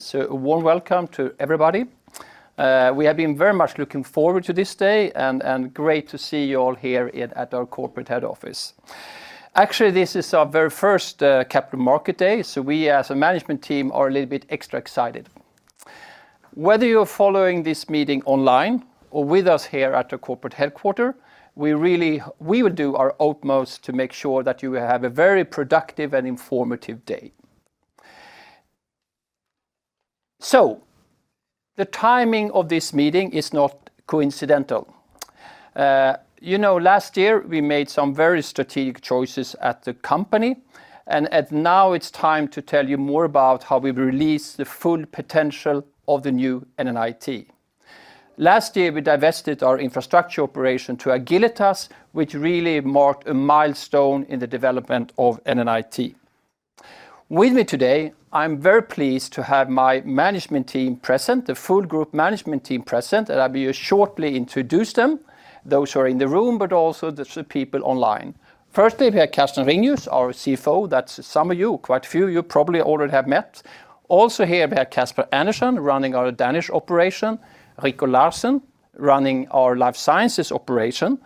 So a warm welcome to everybody. We have been very much looking forward to this day, and great to see you all here at our corporate head office. Actually, this is our very first Capital Market Day, so we, as a management team, are a little bit extra excited. Whether you're following this meeting online or with us here at the corporate headquarters, we really will do our utmost to make sure that you will have a very productive and informative day. So the timing of this meeting is not coincidental. You know, last year we made some very strategic choices at the company, and now it's time to tell you more about how we've released the full potential of the new NNIT. Last year, we divested our infrastructure operation to Agilitas, which really marked a milestone in the development of NNIT. With me today, I'm very pleased to have my management team present, the full Group Management team present, and I will shortly introduce them, those who are in the room, but also the people online. Firstly, we have Carsten Ringius, our CFO. That's some of you, quite a few you probably already have met. Also, here we have Kasper Andersen, running our Danish operation; Ricco Larsen, running our life sciences operation;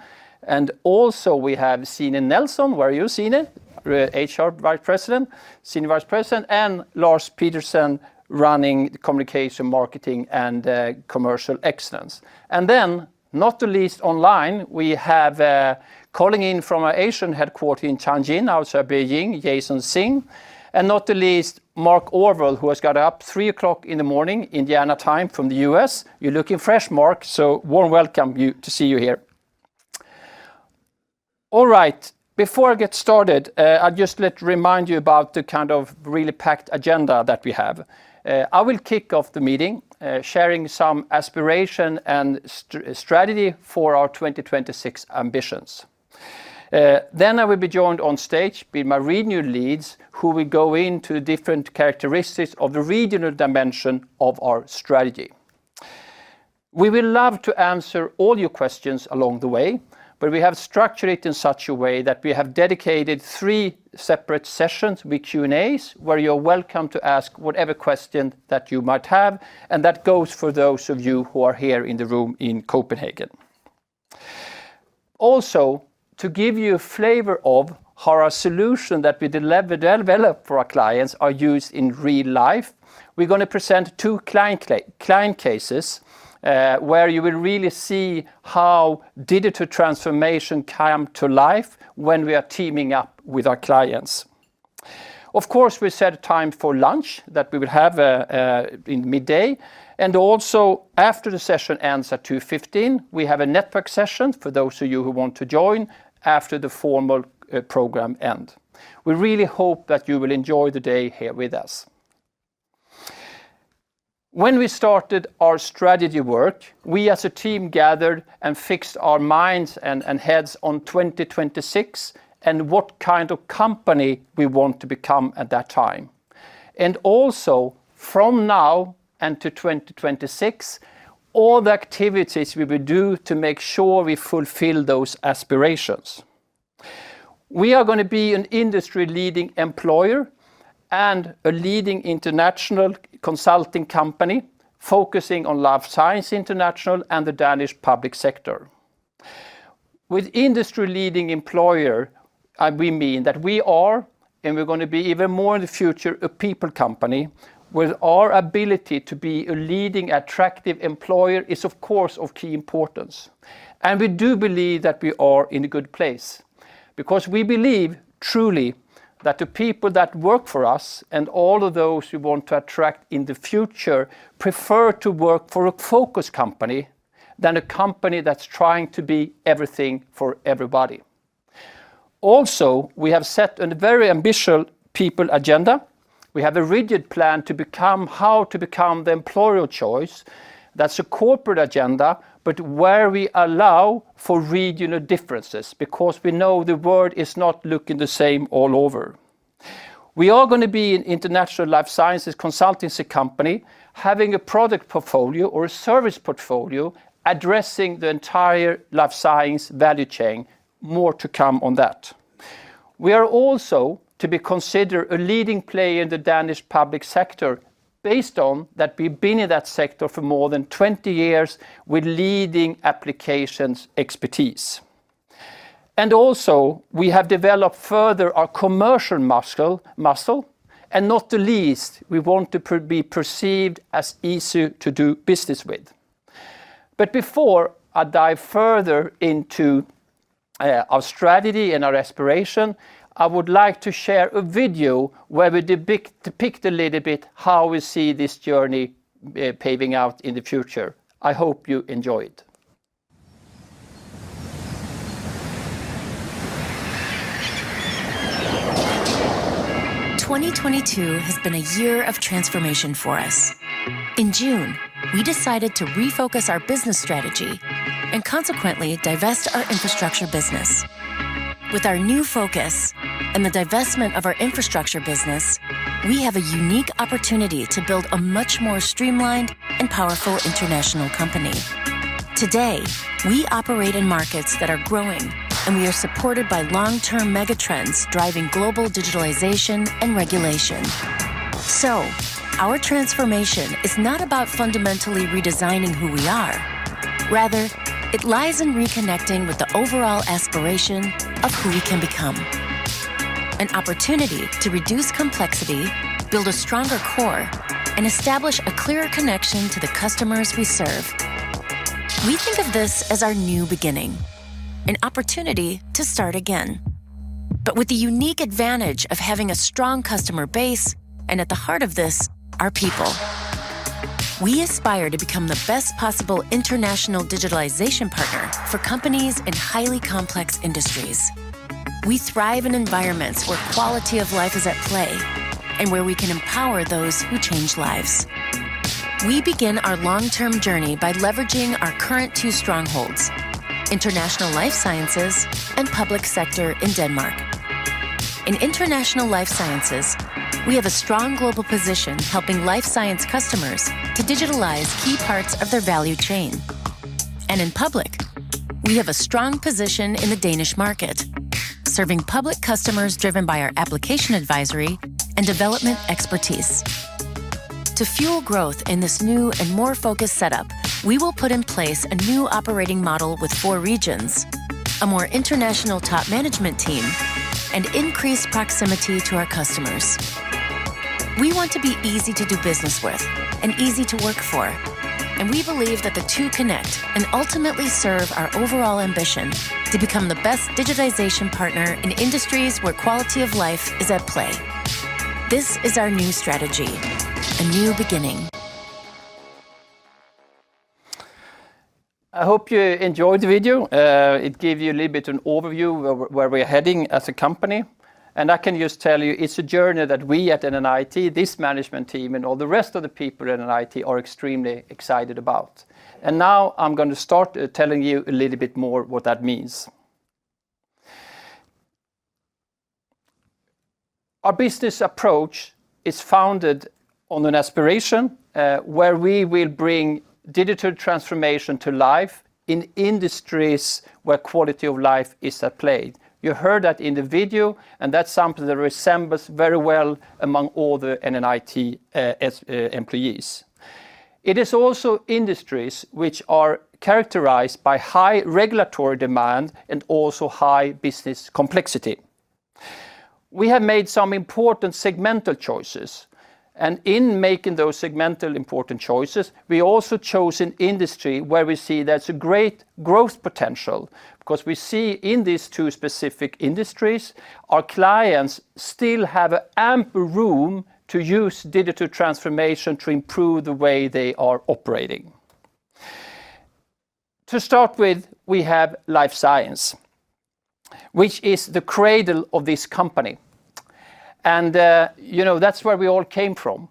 and also we have Signe Nelsson. Where are you, Signe? HR Vice President, Senior Vice President; and Lars Petersen, running the communication, marketing, and commercial excellence. And then, not the least online, we have calling in from our Asian headquarter in Tianjin, our Beijing, Jason Xing, and not the least, Mark Ohrvall, who has got up 3:00 A.M. in the morning, Indiana time, from the U.S. You're looking fresh, Mark, so warm welcome to see you here. All right, before I get started, I'll just like to remind you about the kind of really packed agenda that we have. I will kick off the meeting, sharing some aspiration and strategy for our 2026 ambitions. Then I will be joined on stage by my regional leads, who will go into the different characteristics of the regional dimension of our strategy. We will love to answer all your questions along the way, but we have structured it in such a way that we have dedicated three separate sessions with Q&As, where you're welcome to ask whatever question that you might have, and that goes for those of you who are here in the room in Copenhagen. Also, to give you a flavor of how our solution that we deliver, develop for our clients are used in real life, we're gonna present 2 client cases, where you will really see how digital transformation come to life when we are teaming up with our clients. Of course, we set a time for lunch that we will have in midday, and also after the session ends at 2:15 P.M., we have a network session for those of you who want to join after the formal program end. We really hope that you will enjoy the day here with us. When we started our strategy work, we as a team gathered and fixed our minds and heads on 2026, and what kind of company we want to become at that time. Also, from now and to 2026, all the activities we will do to make sure we fulfill those aspirations. We are gonna be an industry-leading employer and a leading international consulting company focusing on life science, international, and the Danish public sector. With industry-leading employer, we mean that we are, and we're gonna be even more in the future, a people company, with our ability to be a leading, attractive employer is, of course, of key importance. And we do believe that we are in a good place, because we believe, truly, that the people that work for us and all of those we want to attract in the future prefer to work for a focus company than a company that's trying to be everything for everybody. Also, we have set a very ambitious people agenda. We have a rigid plan to become how to become the employer of choice. That's a corporate agenda, but where we allow for regional differences, because we know the world is not looking the same all over. We are gonna be an international life sciences consultancy company, having a product portfolio or a service portfolio addressing the entire life science value chain. More to come on that. We are also to be considered a leading player in the Danish public sector based on that we've been in that sector for more than 20 years with leading applications expertise. Also, we have developed further our commercial muscle, and not the least, we want to be perceived as easy to do business with. But before I dive further into our strategy and our aspiration, I would like to share a video where we depict, depict a little bit how we see this journey paving out in the future. I hope you enjoy it. 2022 has been a year of transformation for us. In June, we decided to refocus our business strategy and consequently divest our infrastructure business. With our new focus and the divestment of our infrastructure business, we have a unique opportunity to build a much more streamlined and powerful international company. Today, we operate in markets that are growing, and we are supported by long-term mega trends driving global digitalization and regulation. So our transformation is not about fundamentally redesigning who we are; rather, it lies in reconnecting with the overall aspiration of who we can become. An opportunity to reduce complexity, build a stronger core, and establish a clearer connection to the customers we serve. We think of this as our new beginning, an opportunity to start again, but with the unique advantage of having a strong customer base, and at the heart of this, our people. We aspire to become the best possible international digitalization partner for companies in highly complex industries. We thrive in environments where quality of life is at play, and where we can empower those who change lives. We begin our long-term journey by leveraging our current two strongholds: International Life Sciences and Public Sector in Denmark. In International Life Sciences, we have a strong global position, helping life science customers to digitalize key parts of their value chain. In Public, we have a strong position in the Danish market, serving public customers driven by our application advisory and development expertise. To fuel growth in this new and more focused setup, we will put in place a new operating model with four regions, a more international top management team, and increased proximity to our customers. We want to be easy to do business with and easy to work for, and we believe that the two connect and ultimately serve our overall ambition to become the best digitization partner in industries where quality of life is at play. This is our new strategy, a new beginning. I hope you enjoyed the video. It gave you a little bit an overview of where we're heading as a company. And I can just tell you, it's a journey that we at NNIT, this management team, and all the rest of the people at NNIT are extremely excited about. And now I'm going to start telling you a little bit more what that means. Our business approach is founded on an aspiration, where we will bring digital transformation to life in industries where quality of life is at play. You heard that in the video, and that's something that resembles very well among all the NNIT employees. It is also industries which are characterized by high regulatory demand and also high business complexity. We have made some important segmental choices, and in making those segmental important choices, we also chose an industry where we see there's a great growth potential. Because we see in these two specific industries, our clients still have ample room to use digital transformation to improve the way they are operating. To start with, we have life science, which is the cradle of this company, and, you know, that's where we all came from.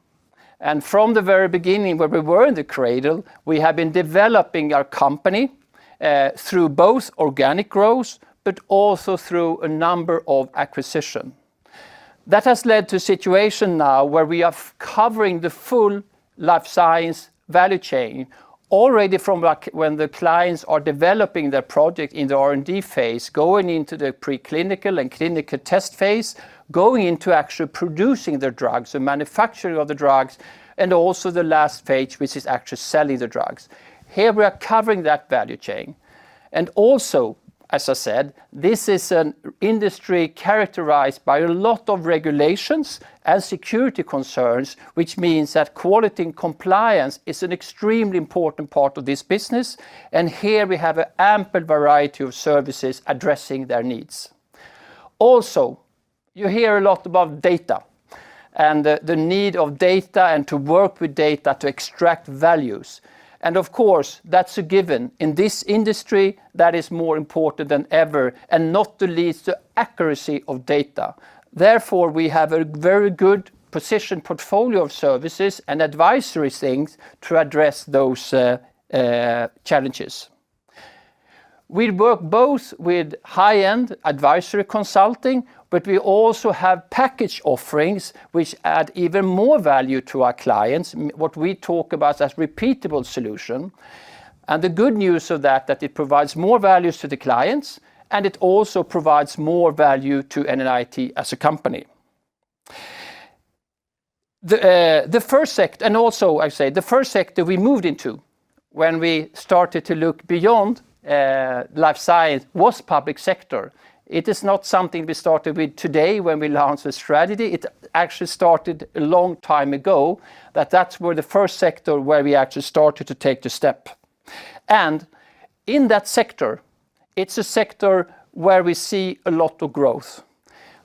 And from the very beginning, when we were in the cradle, we have been developing our company through both organic growth, but also through a number of acquisition. That has led to a situation now where we are covering the full life science value chain already from like when the clients are developing their project in the R&D phase, going into the preclinical and clinical test phase, going into actually producing the drugs and manufacturing of the drugs, and also the last phase, which is actually selling the drugs. Here, we are covering that value chain. Also, as I said, this is an industry characterized by a lot of regulations and security concerns, which means that quality and compliance is an extremely important part of this business, and here we have an ample variety of services addressing their needs. Also, you hear a lot about data and the need of data and to work with data to extract values. Of course, that's a given. In this industry, that is more important than ever, and not the least, the accuracy of data. Therefore, we have a very good position, portfolio of services and advisory things to address those challenges. We work both with high-end advisory consulting, but we also have package offerings which add even more value to our clients, what we talk about as repeatable solution. And the good news of that, that it provides more values to the clients, and it also provides more value to NNIT as a company. The first sector and also, I say, the first sector we moved into when we started to look beyond life science, was public sector. It is not something we started with today when we launched the strategy. It actually started a long time ago, that's where the first sector where we actually started to take the step. And in that sector, it's a sector where we see a lot of growth.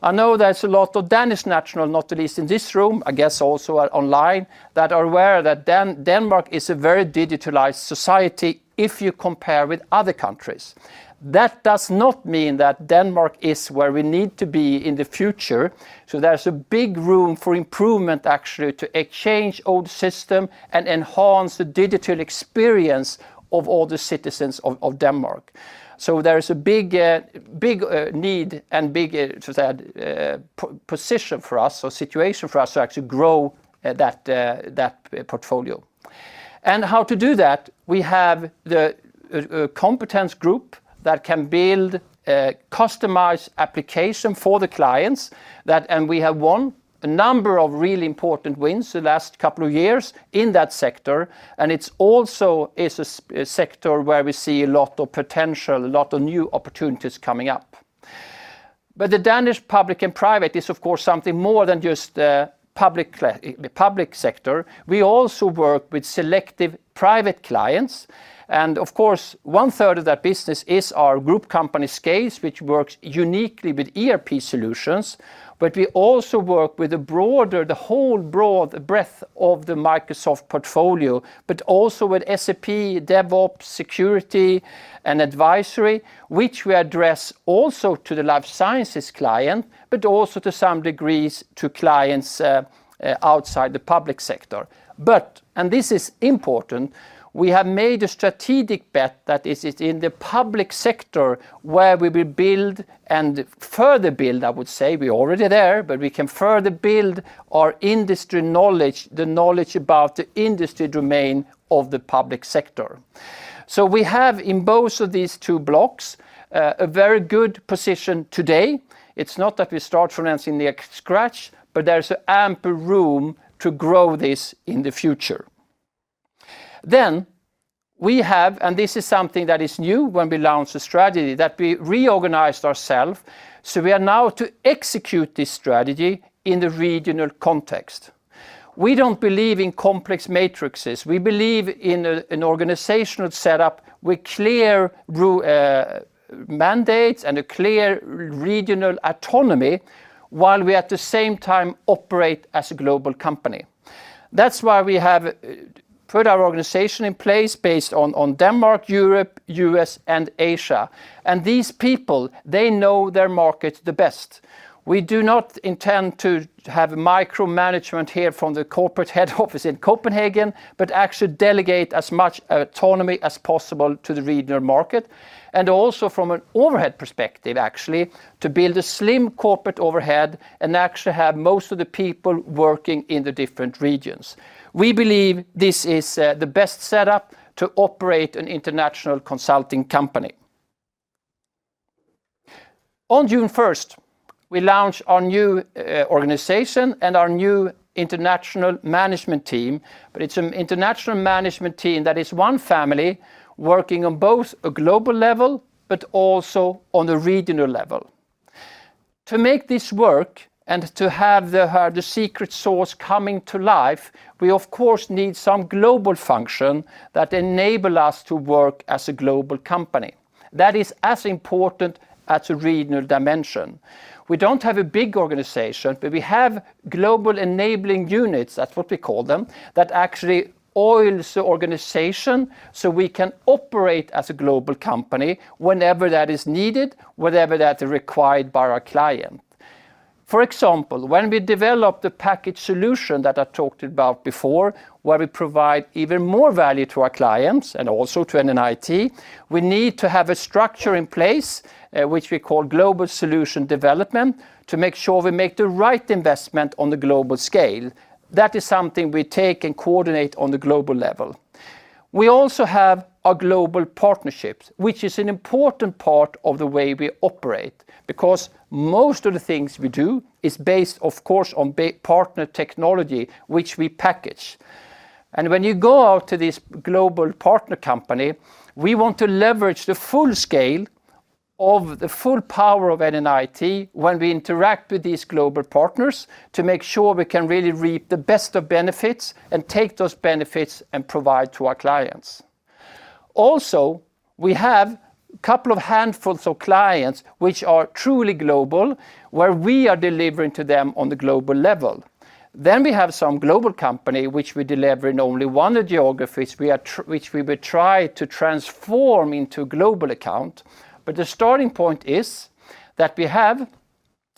I know there's a lot of Danish nationals, not least in this room, I guess, also online, that are aware that Denmark is a very digitalized society if you compare with other countries. That does not mean that Denmark is where we need to be in the future. So there's a big room for improvement, actually, to exchange old system and enhance the digital experience of all the citizens of Denmark. So there is a big need and big position for us or situation for us to actually grow that portfolio. And how to do that? We have a competence group that can build a customized application for the clients that and we have won a number of really important wins the last couple of years in that sector, and it's also a sector where we see a lot of potential, a lot of new opportunities coming up. But the Danish public and private is, of course, something more than just the public sector. We also work with selective private clients, and of course, one-third of that business is our group company, SCALES, which works uniquely with ERP solutions, but we also work with a broader, the whole broad breadth of the Microsoft portfolio, but also with SAP, DevOps, security, and advisory, which we address also to the life sciences client, but also to some degrees, to clients outside the public sector. But, and this is important, we have made a strategic bet that is in the public sector, where we will build and further build, I would say, we are already there, but we can further build our industry knowledge, the knowledge about the industry domain of the public sector. So we have, in both of these two blocks, a very good position today. It's not that we start from absolute scratch, but there is ample room to grow this in the future. Then we have, and this is something that is new when we launched the strategy, that we reorganized ourselves, so we are now to execute this strategy in the regional context. We don't believe in complex matrixes. We believe in an organizational setup with clear mandates and a clear regional autonomy, while we, at the same time, operate as a global company. That's why we have put our organization in place based on Denmark, Europe, U.S., and Asia, and these people, they know their market the best. We do not intend to have micromanagement here from the corporate head office in Copenhagen, but actually delegate as much autonomy as possible to the regional market, and also from an overhead perspective, actually, to build a slim corporate overhead and actually have most of the people working in the different regions. We believe this is the best setup to operate an international consulting company. On June first, we launched our new organization and our new international management team, but it's an international management team that is one family working on both a global level, but also on the regional level. To make this work and to have the secret sauce coming to life, we, of course, need some global function that enable us to work as a global company. That is as important as a regional dimension. We don't have a big organization, but we have global enabling units, that's what we call them, that actually oils the organization, so we can operate as a global company whenever that is needed, whenever that is required by our client. For example, when we develop the package solution that I talked about before, where we provide even more value to our clients and also to NNIT, we need to have a structure in place, which we call Global Solution Development, to make sure we make the right investment on the global scale. That is something we take and coordinate on the global level. We also have our global partnerships, which is an important part of the way we operate, because most of the things we do is based, of course, on partner technology, which we package. And when you go out to this global partner company, we want to leverage the full scale of the full power of NNIT when we interact with these global partners, to make sure we can really reap the best of benefits and take those benefits and provide to our clients. Also, we have a couple of handfuls of clients which are truly global, where we are delivering to them on the global level. Then we have some global company, which we deliver in only one of the geographies, which we will try to transform into a global account, but the starting point is that we have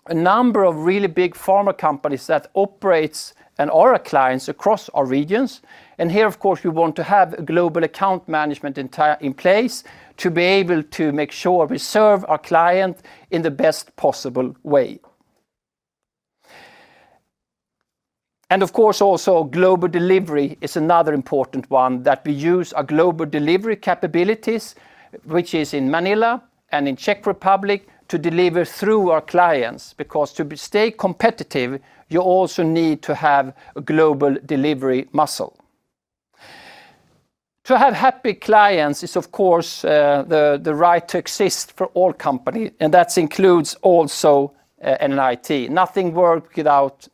a number of really big pharma companies that operates and are our clients across our regions. And here, of course, we want to have a global account management entirely in place to be able to make sure we serve our client in the best possible way. And of course, also, global delivery is another important one, that we use our global delivery capabilities, which is in Manila and in Czech Republic, to deliver through our clients, because to stay competitive, you also need to have a global delivery muscle. To have happy clients is, of course, the right to exist for all company, and that includes also, NNIT. Nothing work without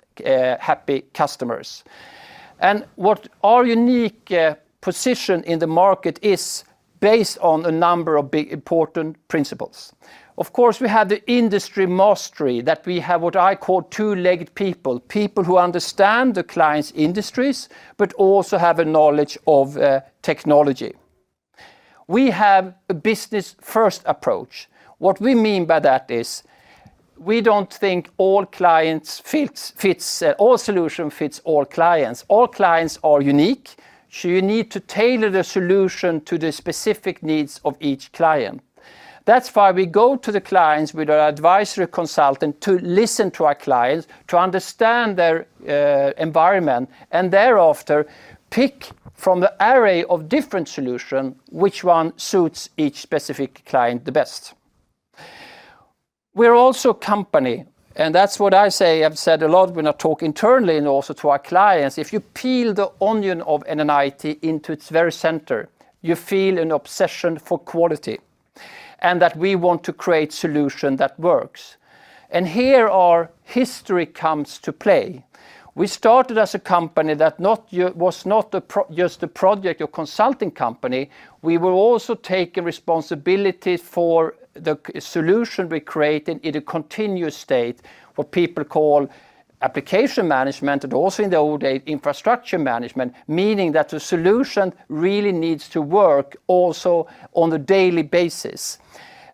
happy customers. And what our unique position in the market is based on a number of big, important principles. Of course, we have the industry mastery, that we have what I call two-legged people, people who understand the client's industries but also have a knowledge of technology. We have a business-first approach. What we mean by that is we don't think all clients fits, fits all solution fits all clients. All clients are unique, so you need to tailor the solution to the specific needs of each client. That's why we go to the clients with our advisory consultant, to listen to our clients, to understand their environment, and thereafter, pick from the array of different solution, which one suits each specific client the best. We're also a company, and that's what I say. I've said a lot when I talk internally and also to our clients. If you peel the onion of NNIT into its very center, you feel an obsession for quality, and that we want to create solution that works. And here, our history comes to play. We started as a company that was not just a project or consulting company. We will also take a responsibility for the solution we created in a continuous state, what people call application management, and also in the old days, infrastructure management, meaning that the solution really needs to work also on a daily basis.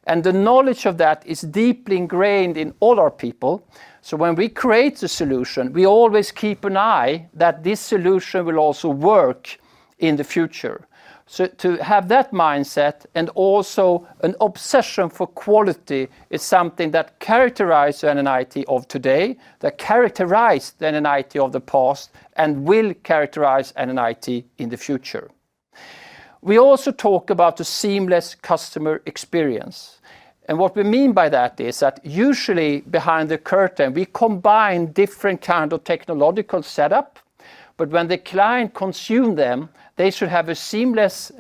And the knowledge of that is deeply ingrained in all our people. So when we create a solution, we always keep an eye that this solution will also work in the future. So to have that mindset and also an obsession for quality is something that characterize NNIT of today, that characterized NNIT of the past, and will characterize NNIT in the future. We also talk about the seamless customer experience, and what we mean by that is that usually behind the curtain, we combine different kind of technological setup. But when the client consume them, they should have a seamless,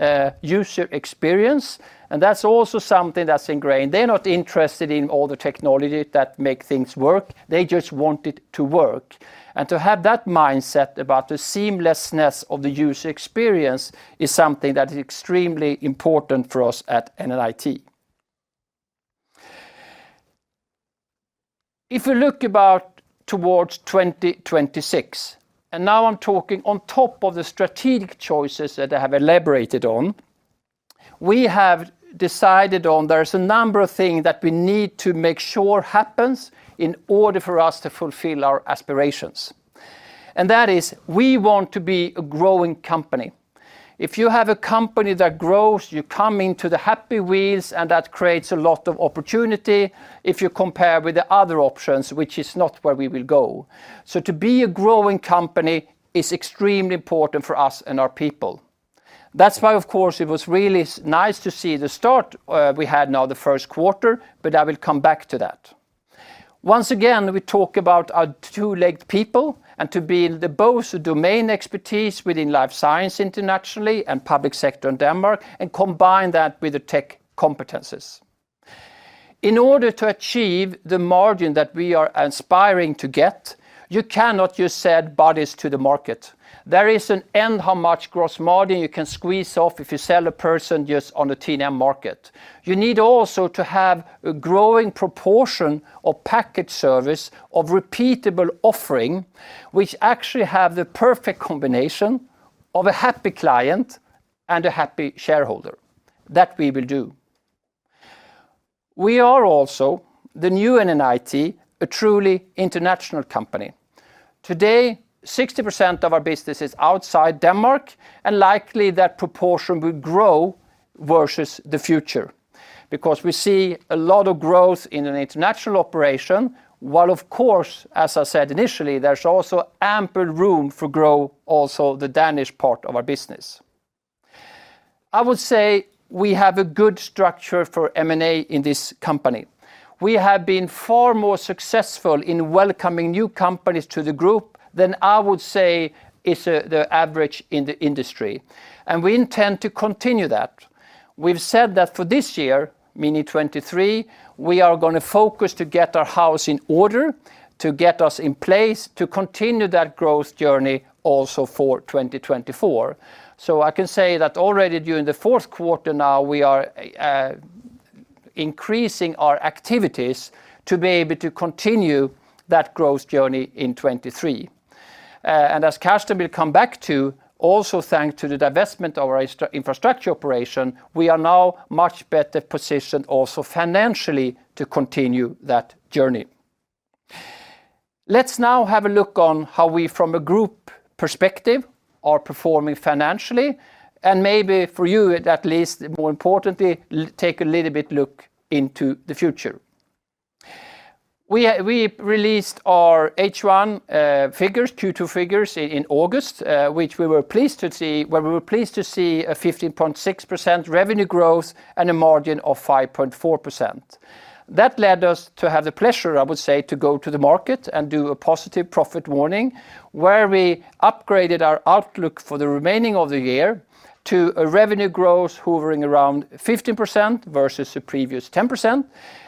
user experience, and that's also something that's ingrained. They're not interested in all the technology that make things work. They just want it to work. And to have that mindset about the seamlessness of the user experience is something that is extremely important for us at NNIT. If you look about towards 2026, and now I'm talking on top of the strategic choices that I have elaborated on, we have decided on there's a number of things that we need to make sure happens in order for us to fulfill our aspirations. And that is, we want to be a growing company. If you have a company that grows, you come into the happy wheels, and that creates a lot of opportunity if you compare with the other options, which is not where we will go. So to be a growing company is extremely important for us and our people. That's why, of course, it was really nice to see the start we had, now the first quarter, but I will come back to that. Once again, we talk about our two-legged people and to be the both domain expertise within life science internationally and public sector in Denmark and combine that with the tech competencies. In order to achieve the margin that we are inspiring to get, you cannot just sell bodies to the market. There is an end how much gross margin you can squeeze off if you sell a person just on the T&M market. You need also to have a growing proportion of package service, of repeatable offering, which actually have the perfect combination of a happy client and a happy shareholder. That we will do. We are also, the new NNIT, a truly international company. Today, 60% of our business is outside Denmark, and likely that proportion will grow versus the future because we see a lot of growth in an international operation, while of course, as I said initially, there's also ample room for grow also the Danish part of our business. I would say we have a good structure for M&A in this company. We have been far more successful in welcoming new companies to the group than I would say is the average in the industry, and we intend to continue that. We've said that for this year, meaning 2023, we are gonna focus to get our house in order, to get us in place to continue that growth journey also for 2024. So I can say that already during the fourth quarter now, we are increasing our activities to be able to continue that growth journey in 2023. And as Carsten will come back to, also thanks to the divestment of our infrastructure operation, we are now much better positioned also financially to continue that journey. Let's now have a look on how we, from a group perspective, are performing financially, and maybe for you, at least more importantly, take a little bit look into the future. We released our H1 figures, Q2 figures in August, which we were pleased to see, where we were pleased to see a 15.6% revenue growth and a margin of 5.4%. That led us to have the pleasure, I would say, to go to the market and do a positive profit warning, where we upgraded our outlook for the remaining of the year to a revenue growth hovering around 15% versus the previous 10%,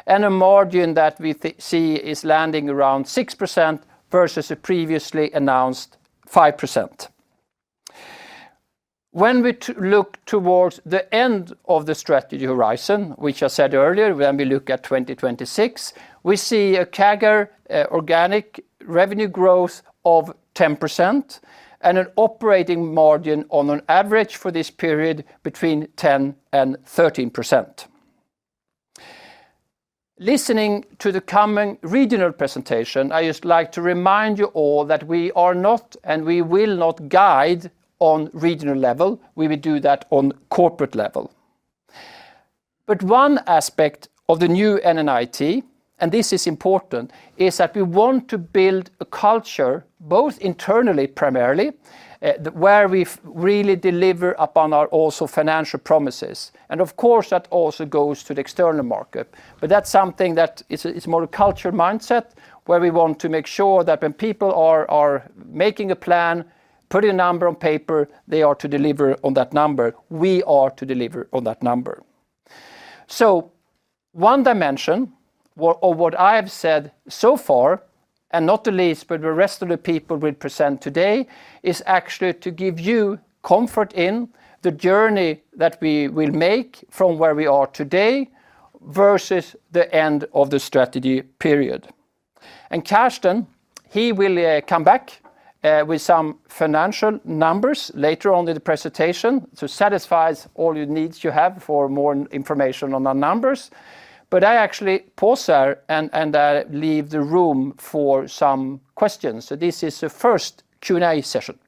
and a margin that we see is landing around 6% versus a previously announced 5%. When we look towards the end of the strategy horizon, which I said earlier, when we look at 2026, we see a CAGR, organic revenue growth of 10% and an operating margin on an average for this period between 10% and 13%. Listening to the coming regional presentation, I just like to remind you all that we are not, and we will not guide on regional level. We will do that on corporate level. But one aspect of the new NNIT, and this is important, is that we want to build a culture, both internally primarily, where we've really deliver upon our also financial promises, and of course, that also goes to the external market. But that's something that is more a culture mindset, where we want to make sure that when people are making a plan, putting a number on paper, they are to deliver on that number. We are to deliver on that number. So one dimension, what I have said so far, and not the least, but the rest of the people will present today, is actually to give you comfort in the journey that we will make from where we are today versus the end of the strategy period. And Carsten, he will come back with some financial numbers later on in the presentation to satisfies all your needs you have for more information on the numbers, but I actually pause there, and leave the room for some questions. So this is the first Q&A session.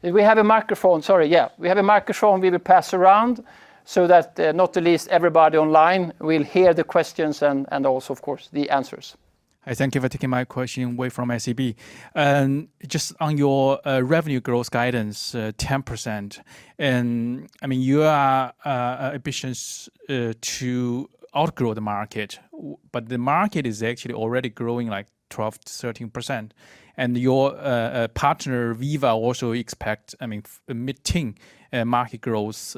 We have a microphone. Sorry. Yeah, we have a microphone we will pass around so that, not least, everybody online will hear the questions and also, of course, the answers. Hi, thank you for taking my question. Wei from SEB. Just on your revenue growth guidance, 10%, I mean, you are ambitious to outgrow the market, but the market is actually already growing, like, 12%-13%, and your partner Veeva also expect, I mean, mid-teen market growth,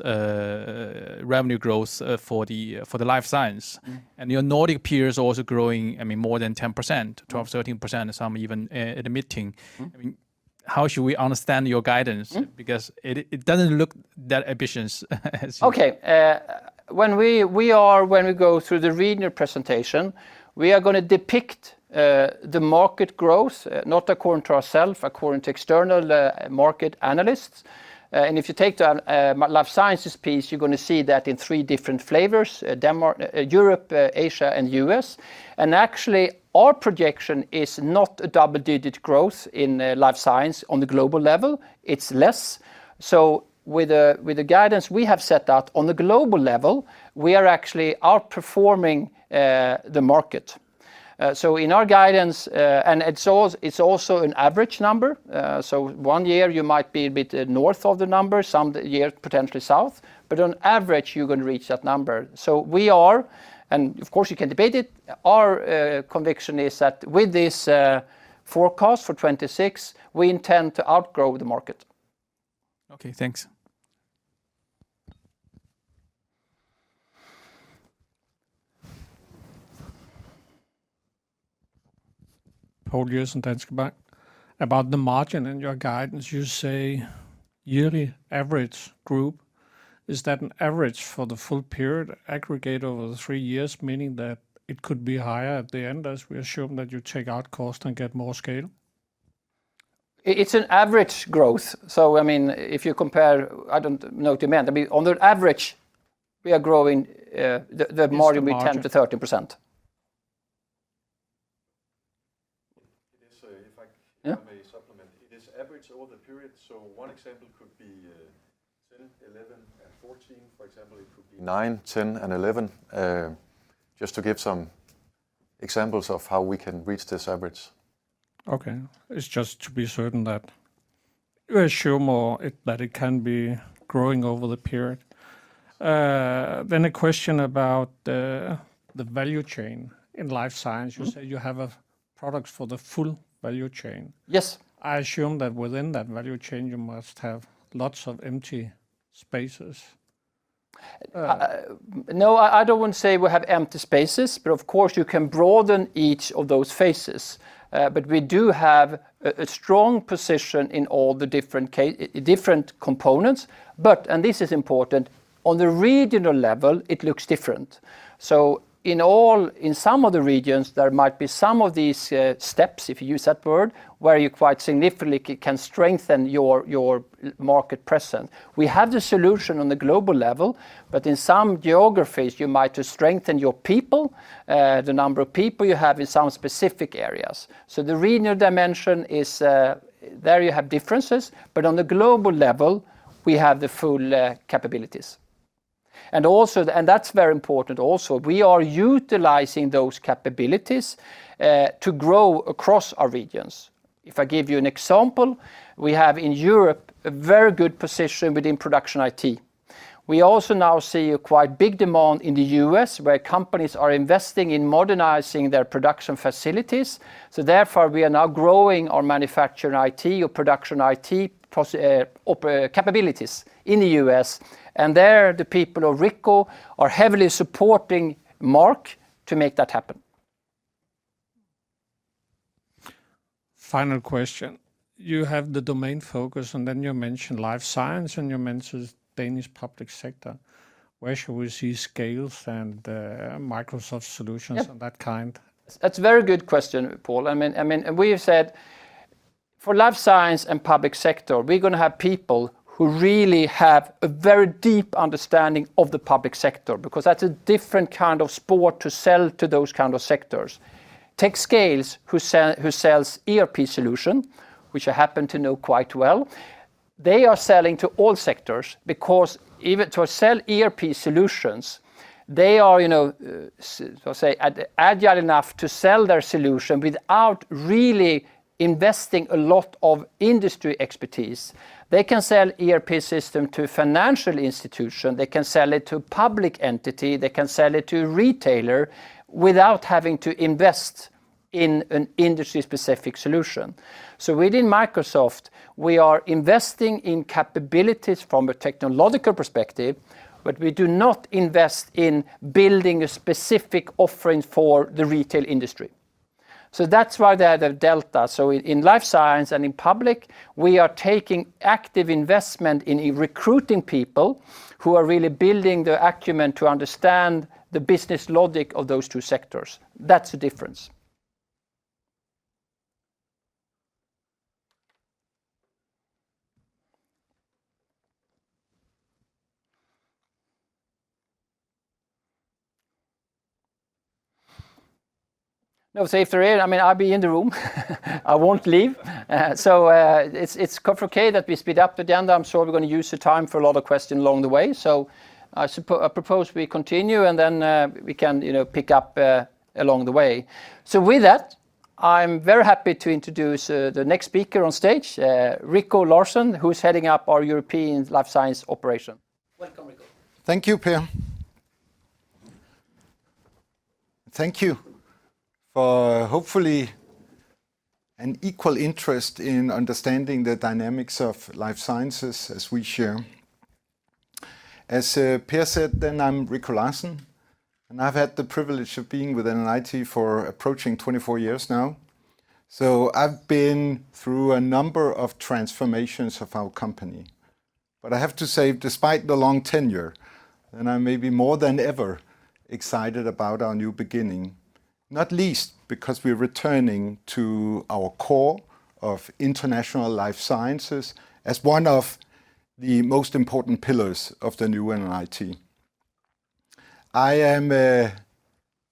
revenue growth, for the life science. Mm. Your Nordic peers are also growing, I mean, more than 10%, 12%, 13%, some even admitting. Mm. I mean, how should we understand your guidance? Mm. Because it doesn't look that ambitious, as- Okay, when we go through the regional presentation, we are gonna depict the market growth, not according to ourselves, according to external market analysts. And if you take the life sciences piece, you're gonna see that in three different flavors: Denmark, Europe, Asia, and U.S. And actually, our projection is not a double-digit growth in life science on the global level, it's less. So with the guidance we have set out on the global level, we are actually outperforming the market. So in our guidance, and it's also an average number. So one year you might be a bit north of the number, some year potentially south, but on average, you're gonna reach that number. So we are, and of course, you can debate it. Our conviction is that with this forecast for 2026, we intend to outgrow the market. Okay, thanks. Poul Jessen, Danske Bank. About the margin in your guidance, you say yearly average group. Is that an average for the full period aggregate over the three years, meaning that it could be higher at the end, as we assume that you take out cost and get more scale? It's an average growth, so I mean, if you compare, I don't know, demand, I mean, on the average, we are growing, the margin- Is the margin-... between 10%-13%. It is, Yeah.... may supplement. It is average over the period, so one example could be 10%, 11%, and 14%. For example, it could be 9%, 10%, and 11%, just to give some examples of how we can reach this average. Okay. It's just to be certain that you assume more, that it can be growing over the period. Then a question about the value chain in life science. Mm-hmm. You say you have a product for the full value chain. Yes. I assume that within that value chain, you must have lots of empty spaces. No, I don't want to say we have empty spaces, but of course, you can broaden each of those phases. But we do have a strong position in all the different ca- different components, but, and this is important, on the regional level, it looks different. So in all... In some of the regions, there might be some of these steps, if you use that word, where you quite significantly can strengthen your market presence. We have the solution on the global level, but in some geographies, you might strengthen your people, the number of people you have in some specific areas. So the regional dimension is, there you have differences, but on the global level, we have the full capabilities. And also, and that's very important also, we are utilizing those capabilities to grow across our regions. If I give you an example, we have, in Europe, a very good position within production IT. We also now see a quite big demand in the U.S., where companies are investing in modernizing their production facilities, so therefore, we are now growing our manufacturing IT or production IT capabilities in the U.S. And there, the people of Ricco are heavily supporting Mark to make that happen. Final question: You have the domain focus, and then you mention life science, and you mention Danish public sector. Where should we see scales and, Microsoft solutions- Yep.... and that kind? That's a very good question, Poul. I mean, we have said, for life science and public sector, we're gonna have people who really have a very deep understanding of the public sector, because that's a different kind of sport to sell to those kind of sectors. Take Scales, who sells ERP solution, which I happen to know quite well. They are selling to all sectors because even to sell ERP solutions, they are, you know, I'll say, agile enough to sell their solution without really investing a lot of industry expertise. They can sell ERP system to a financial institution, they can sell it to public entity, they can sell it to retailer without having to invest in an industry-specific solution. Within Microsoft, we are investing in capabilities from a technological perspective, but we do not invest in building a specific offering for the retail industry. That's why they have delta. In life science and in public, we are taking active investment in recruiting people who are really building the acumen to understand the business logic of those two sectors. That's the difference. No, say if they're in, I mean, I'll be in the room. I won't leave. It's complicated that we speed up the agenda. I'm sure we're gonna use the time for a lot of question along the way. I propose we continue, and then we can, you know, pick up along the way. With that, I'm very happy to introduce the next speaker on stage, Ricco Larsen, who is heading up our European life science operation. Welcome, Ricco. Thank you, Pär. Thank you for hopefully an equal interest in understanding the dynamics of life sciences as we share. As Pär said, then I'm Ricco Larsen, and I've had the privilege of being with NNIT for approaching 24 years now. So I've been through a number of transformations of our company. But I have to say, despite the long tenure, and I may be more than ever excited about our new beginning, not least because we're returning to our core of international life sciences as one of the most important pillars of the new NNIT. I am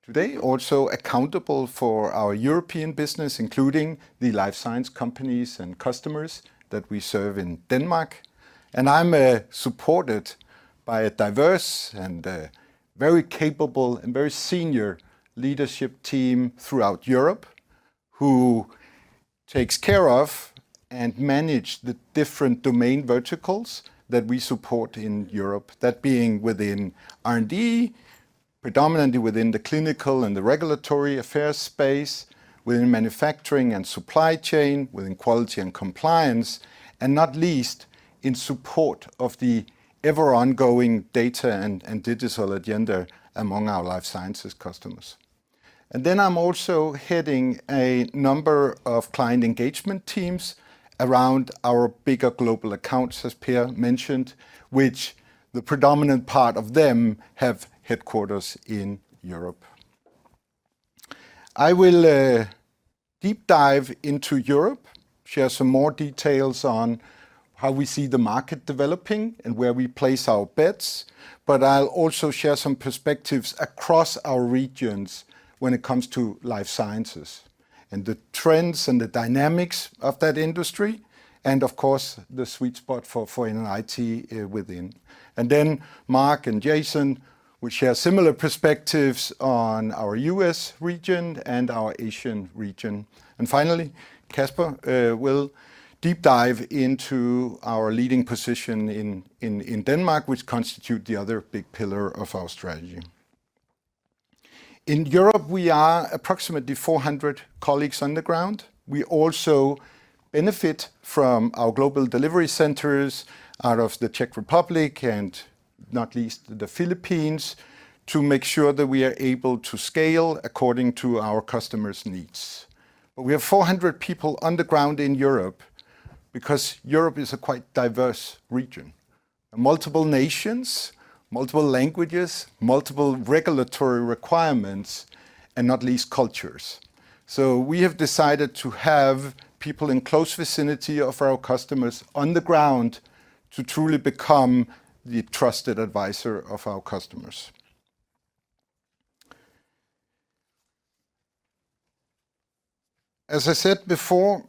today also accountable for our European business, including the life science companies and customers that we serve in Denmark, and I'm supported by a diverse and very capable and very senior leadership team throughout Europe, who takes care of and manage the different domain verticals that we support in Europe. That being within R&D, predominantly within the clinical and the regulatory affairs space, within manufacturing and supply chain, within quality and compliance, and not least, in support of the ever-ongoing data and digital agenda among our life sciences customers. I'm also heading a number of client engagement teams around our bigger global accounts, as Pär mentioned, which the predominant part of them have headquarters in Europe. I will deep dive into Europe, share some more details on how we see the market developing and where we place our bets, but I'll also share some perspectives across our regions when it comes to life sciences, and the trends and the dynamics of that industry, and of course, the sweet spot for, for NNIT, within. And then Mark and Jason will share similar perspectives on our U.S. region and our Asian region. And finally, Kasper will deep dive into our leading position in, in, in Denmark, which constitute the other big pillar of our strategy. In Europe, we are approximately 400 colleagues on the ground. We also benefit from our global delivery centers out of the Czech Republic and, not least, the Philippines, to make sure that we are able to scale according to our customers' needs. We have 400 people on the ground in Europe, because Europe is a quite diverse region. Multiple nations, multiple languages, multiple regulatory requirements, and not least, cultures. So we have decided to have people in close vicinity of our customers on the ground to truly become the trusted advisor of our customers. As I said before,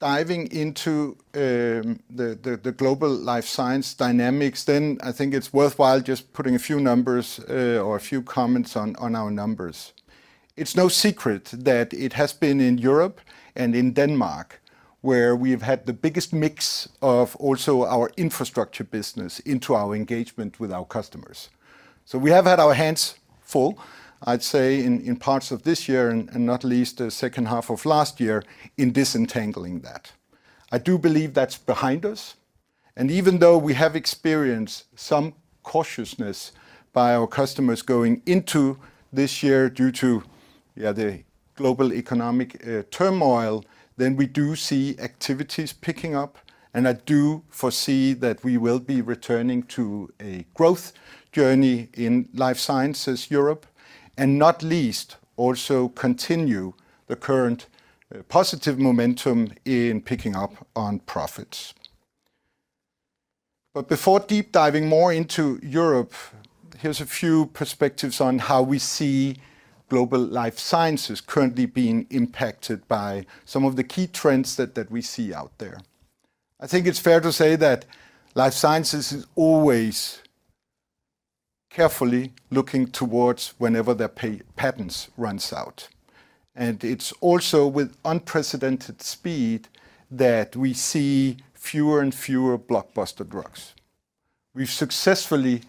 diving into the global life science dynamics, then I think it's worthwhile just putting a few numbers or a few comments on our numbers. It's no secret that it has been in Europe and in Denmark, where we've had the biggest mix of also our infrastructure business into our engagement with our customers. So we have had our hands full, I'd say, in parts of this year and not least, the second half of last year in disentangling that. I do believe that's behind us, and even though we have experienced some cautiousness by our customers going into this year due to, yeah, the global economic turmoil, then we do see activities picking up, and I do foresee that we will be returning to a growth journey in life sciences Europe, and not least, also continue the current positive momentum in picking up on profits. But before deep diving more into Europe, here's a few perspectives on how we see global life sciences currently being impacted by some of the key trends that we see out there. I think it's fair to say that life sciences is always carefully looking towards whenever their patents run out, and it's also with unprecedented speed that we see fewer and fewer blockbuster drugs. We've successfully,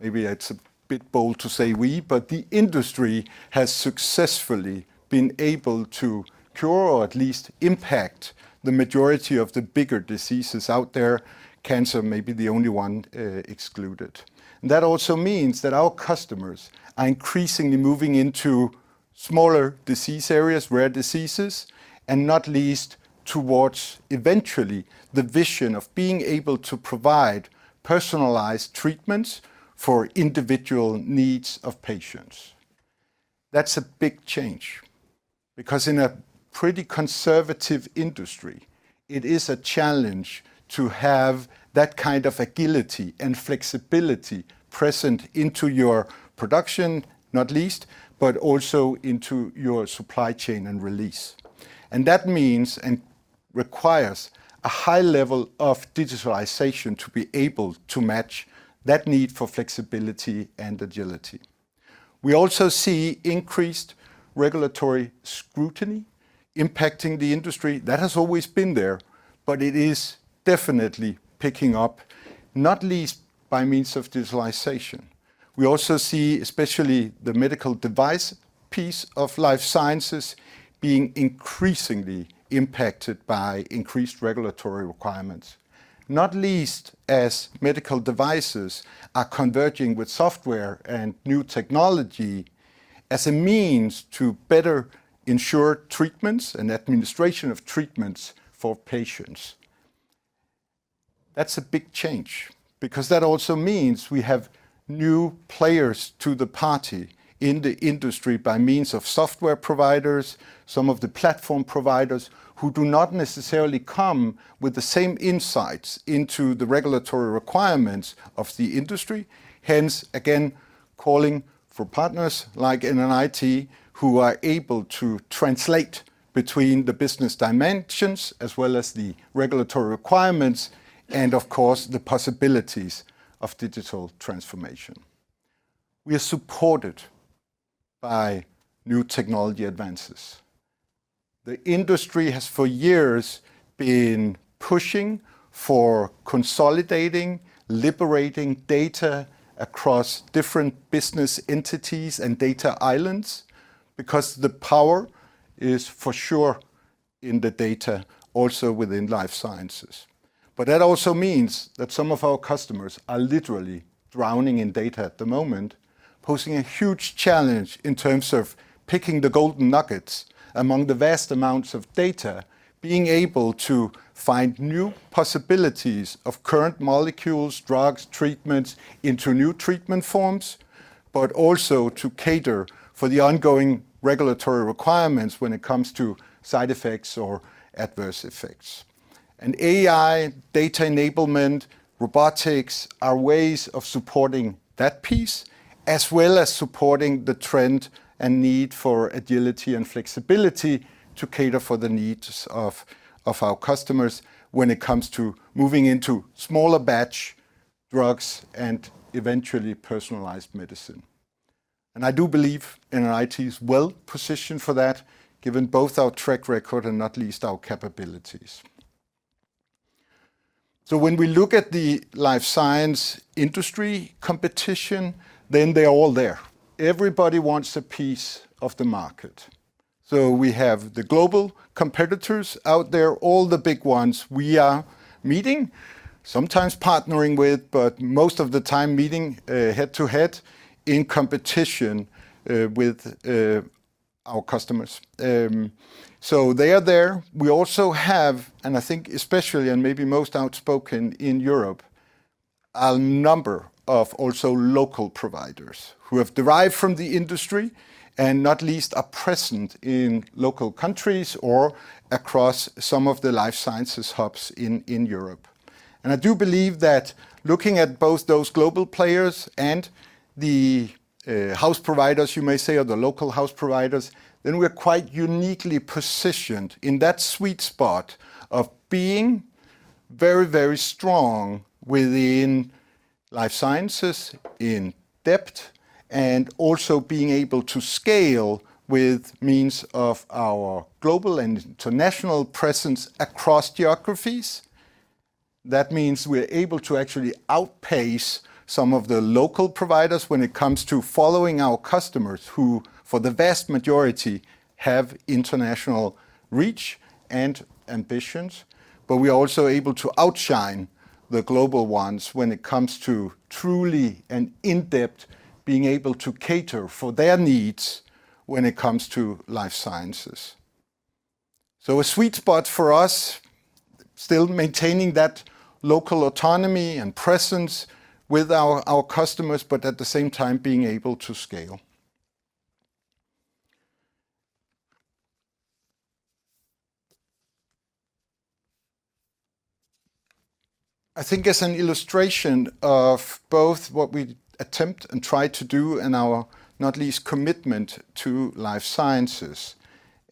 maybe it's a bit bold to say we, but the industry has successfully been able to cure, or at least impact, the majority of the bigger diseases out there. Cancer may be the only one excluded. And that also means that our customers are increasingly moving into smaller disease areas, rare diseases, and not least, towards eventually the vision of being able to provide personalized treatments for individual needs of patients. That's a big change, because in a pretty conservative industry, it is a challenge to have that kind of agility and flexibility present into your production, not least, but also into your supply chain and release. And that means, and requires, a high level of digitalization to be able to match that need for flexibility and agility. We also see increased regulatory scrutiny impacting the industry. That has always been there, but it is definitely picking up, not least by means of digitalization. We also see especially the medical device piece of life sciences being increasingly impacted by increased regulatory requirements, not least as medical devices are converging with software and new technology as a means to better ensure treatments and administration of treatments for patients. That's a big change, because that also means we have new players to the party in the industry by means of software providers, some of the platform providers, who do not necessarily come with the same insights into the regulatory requirements of the industry. Hence, again, calling for partners like NNIT, who are able to translate between the business dimensions as well as the regulatory requirements and, of course, the possibilities of digital transformation. We are supported by new technology advances. The industry has for years been pushing for consolidating, liberating data across different business entities and data islands, because the power is for sure in the data also within life sciences. But that also means that some of our customers are literally drowning in data at the moment, posing a huge challenge in terms of picking the golden nuggets among the vast amounts of data, being able to find new possibilities of current molecules, drugs, treatments into new treatment forms, but also to cater for the ongoing regulatory requirements when it comes to side effects or adverse effects. And AI, data enablement, robotics, are ways of supporting that piece, as well as supporting the trend and need for agility and flexibility to cater for the needs of our customers when it comes to moving into smaller batch drugs and eventually personalized medicine. And I do believe NNIT is well positioned for that, given both our track record and not least, our capabilities. So when we look at the life science industry competition, then they're all there. Everybody wants a piece of the market. So we have the global competitors out there, all the big ones we are meeting, sometimes partnering with, but most of the time meeting head-to-head in competition with our customers. So they are there. We also have, and I think especially and maybe most outspoken in Europe, a number of also local providers who have derived from the industry and not least, are present in local countries or across some of the life sciences hubs in Europe. I do believe that looking at both those global players and the house providers, you may say, or the local house providers, we're quite uniquely positioned in that sweet spot of being very, very strong within life sciences, in depth, and also being able to scale with means of our global and international presence across geographies. That means we're able to actually outpace some of the local providers when it comes to following our customers, who, for the vast majority, have international reach and ambitions, but we are also able to outshine the global ones when it comes to truly and in-depth being able to cater for their needs when it comes to life sciences. A sweet spot for us, still maintaining that local autonomy and presence with our customers, but at the same time being able to scale. I think as an illustration of both what we attempt and try to do in our not least commitment to life sciences,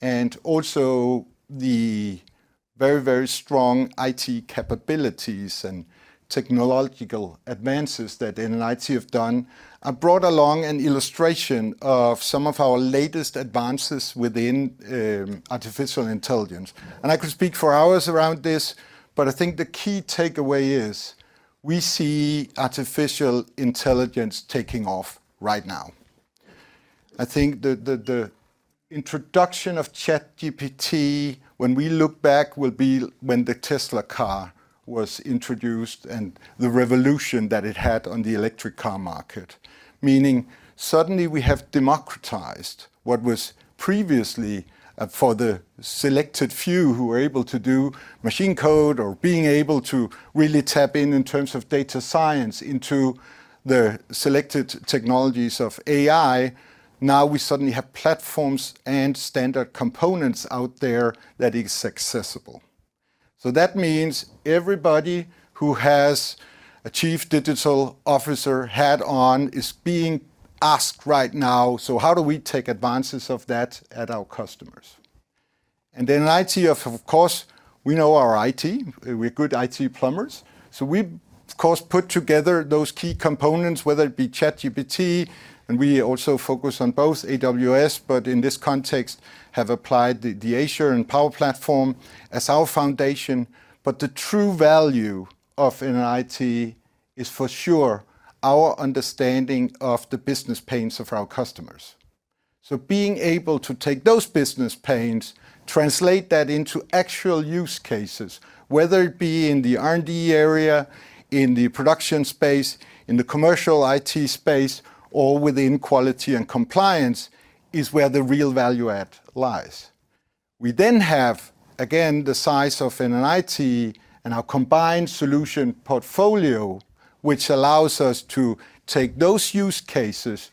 and also the very, very strong IT capabilities and technological advances that NNIT have done, I brought along an illustration of some of our latest advances within artificial intelligence. I could speak for hours around this, but I think the key takeaway is we see artificial intelligence taking off right now. I think the introduction of ChatGPT, when we look back, will be when the Tesla car was introduced and the revolution that it had on the electric car market, meaning suddenly we have democratized what was previously for the selected few who were able to do machine code or being able to really tap in, in terms of data science, into the selected technologies of AI. Now, we suddenly have platforms and standard components out there that is accessible. So that means everybody who has a chief digital officer hat on is being asked right now, "So how do we take advances of that at our customers?" And then NNIT, of course, we know our IT. We're good IT plumbers, so we, of course, put together those key components, whether it be ChatGPT, and we also focus on both AWS, but in this context, have applied the Azure and Power Platform as our foundation. But the true value of NNIT is for sure our understanding of the business pains of our customers. So being able to take those business pains, translate that into actual use cases, whether it be in the R&D area, in the production space, in the commercial IT space, or within quality and compliance, is where the real value add lies. We then have, again, the size of NNIT and our combined solution portfolio, which allows us to take those use cases,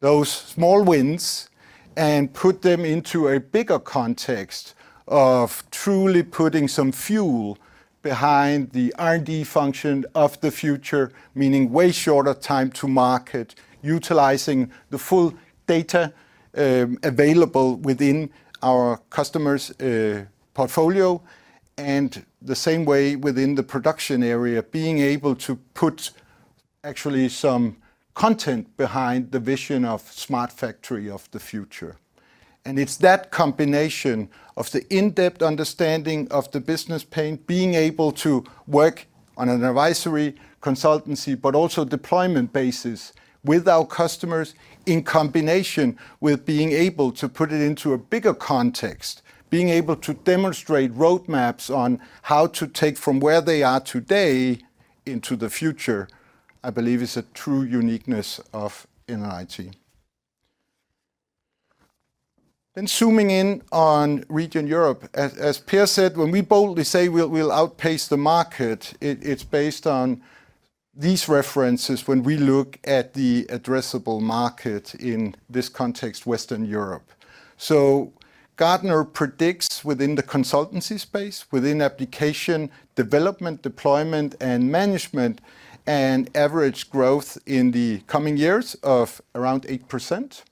those small wins, and put them into a bigger context of truly putting some fuel behind the R&D function of the future, meaning way shorter time to market, utilizing the full data available within our customer's portfolio. And the same way within the production area, being able to put actually some content behind the vision of smart factory of the future. And it's that combination of the in-depth understanding of the business pain, being able to work on an advisory consultancy, but also deployment basis with our customers, in combination with being able to put it into a bigger context, being able to demonstrate roadmaps on how to take from where they are today into the future, I believe is a true uniqueness of NNIT. Then zooming in on Region Europe, as Pär said, when we boldly say we'll outpace the market, it's based on these references when we look at the addressable market, in this context, Western Europe. So Gartner predicts within the consultancy space, within application development, deployment, and management, an average growth in the coming years of around 8%.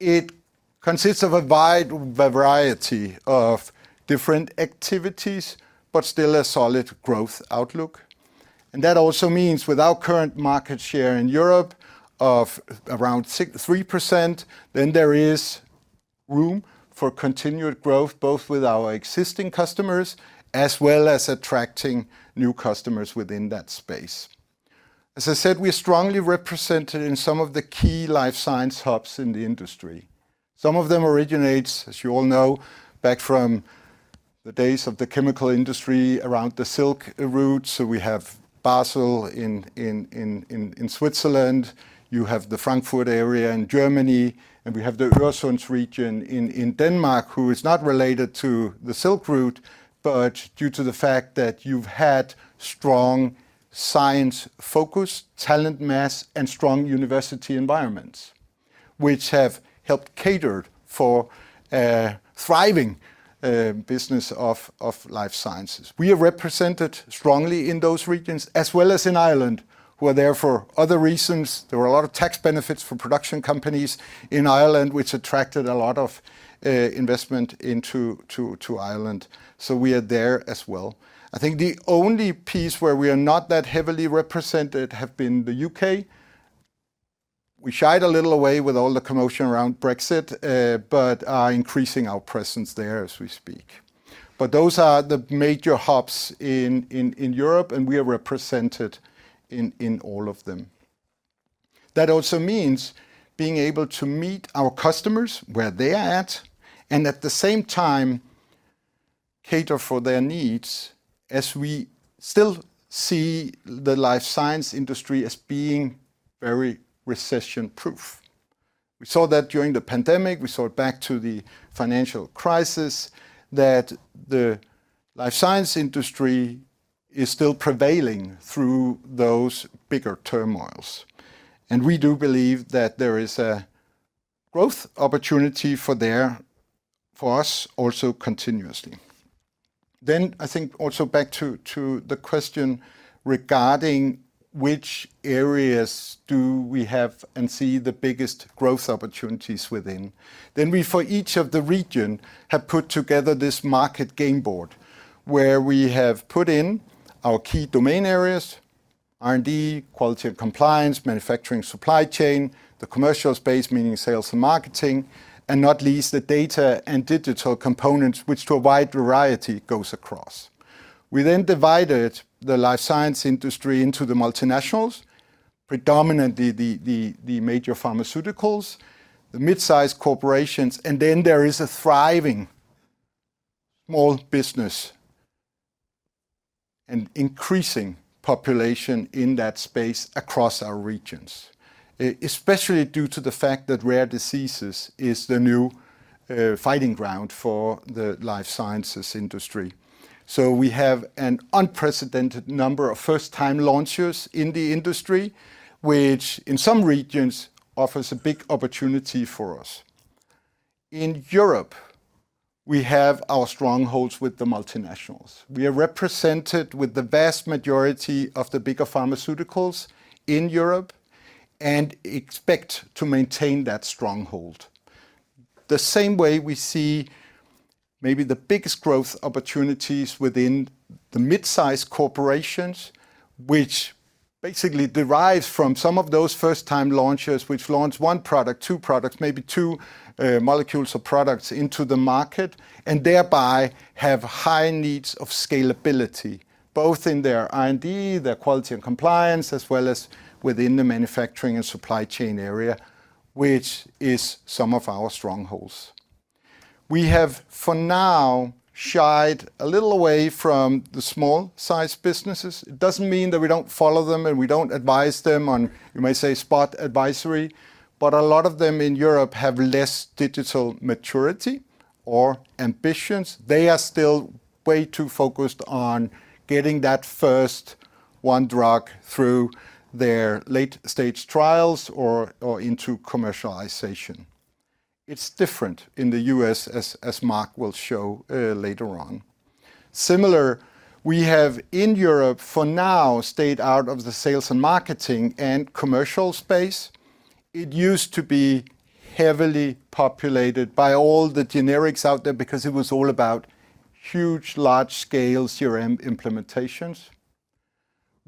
It consists of a wide variety of different activities, but still a solid growth outlook, and that also means with our current market share in Europe of around 3%, then there is room for continued growth, both with our existing customers, as well as attracting new customers within that space. As I said, we're strongly represented in some of the key life science hubs in the industry. Some of them originates, as you all know, back from the days of the chemical industry around the Silk Route. So we have Basel in Switzerland, you have the Frankfurt area in Germany, and we have the Hørsholm region in Denmark, who is not related to the Silk Route, but due to the fact that you've had strong science focus, talent mass, and strong university environments, which have helped cater for a thriving business of life sciences. We are represented strongly in those regions, as well as in Ireland, who are there for other reasons. There were a lot of tax benefits for production companies in Ireland, which attracted a lot of investment into Ireland, so we are there as well. I think the only piece where we are not that heavily represented have been the U.K. We shied a little away with all the commotion around Brexit, but are increasing our presence there as we speak. But those are the major hubs in Europe, and we are represented in all of them. That also means being able to meet our customers where they are at, and at the same time, cater for their needs, as we still see the life science industry as being very recession-proof. We saw that during the pandemic. We saw it back to the financial crisis, that the life science industry is still prevailing through those bigger turmoils, and we do believe that there is a growth opportunity for there, for us also continuously. Then I think also back to the question regarding which areas do we have and see the biggest growth opportunities within, then we, for each of the region, have put together this market game board, where we have put in our key domain areas: R&D, quality and compliance, manufacturing, supply chain, the commercial space, meaning sales and marketing, and not least, the data and digital components, which to a wide variety goes across. We then divided the life science industry into the multinationals, predominantly the major pharmaceuticals, the mid-sized corporations, and then there is a thriving small business and increasing population in that space across our regions. Especially due to the fact that rare diseases is the new fighting ground for the life sciences industry. So we have an unprecedented number of first-time launchers in the industry, which in some regions offers a big opportunity for us. In Europe, we have our strongholds with the multinationals. We are represented with the vast majority of the bigger pharmaceuticals in Europe and expect to maintain that stronghold. The same way we see maybe the biggest growth opportunities within the mid-sized corporations, which basically derives from some of those first-time launchers, which launch one product, two products, maybe two molecules or products into the market, and thereby have high needs of scalability, both in their R&D, their quality and compliance, as well as within the manufacturing and supply chain area, which is some of our strongholds. We have, for now, shied a little away from the small-sized businesses. It doesn't mean that we don't follow them, and we don't advise them on, you may say, spot advisory, but a lot of them in Europe have less digital maturity or ambitions. They are still way too focused on getting that first one drug through their late-stage trials or into commercialization. It's different in the U.S., as Mark will show later on. Similar, we have in Europe, for now, stayed out of the sales and marketing and commercial space. It used to be heavily populated by all the generics out there because it was all about huge, large-scale CRM implementations.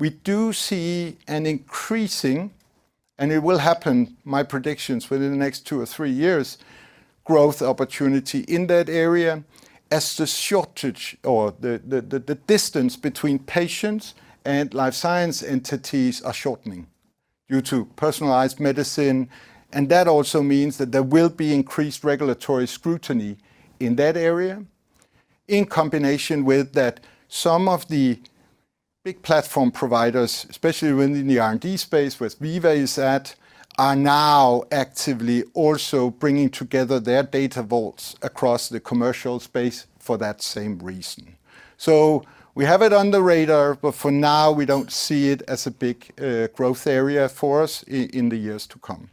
We do see an increasing, and it will happen, my predictions, within the next two or three years, growth opportunity in that area as the shortage or the distance between patients and life science entities are shortening due to personalized medicine, and that also means that there will be increased regulatory scrutiny in that area. In combination with that, some of the big platform providers, especially within the R&D space, where Veeva is at, are now actively also bringing together their data vaults across the commercial space for that same reason. So we have it on the radar, but for now, we don't see it as a big growth area for us in the years to come.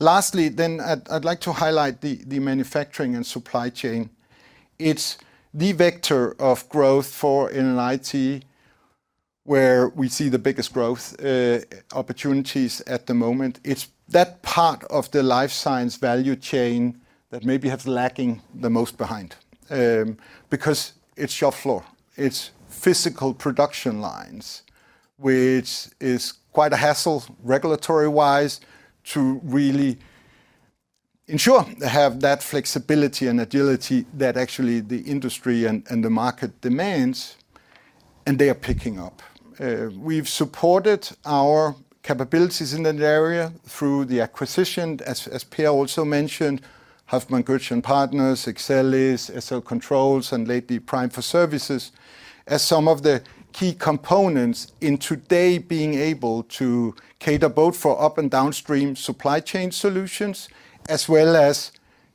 Lastly, then, I'd like to highlight the manufacturing and supply chain. It's the vector of growth for in IT, where we see the biggest growth opportunities at the moment. It's that part of the life science value chain that maybe has lacking the most behind, because it's shop floor. It's physical production lines, which is quite a hassle, regulatory-wise, to really ensure they have that flexibility and agility that actually the industry and the market demands, and they are picking up. We've supported our capabilities in that area through the acquisition, as Pär also mentioned, Halfmann Goetsch Partners, Excellis, SL Controls, and lately Prime4Services, as some of the key components in today being able to cater both for up- and downstream supply chain solutions, as well as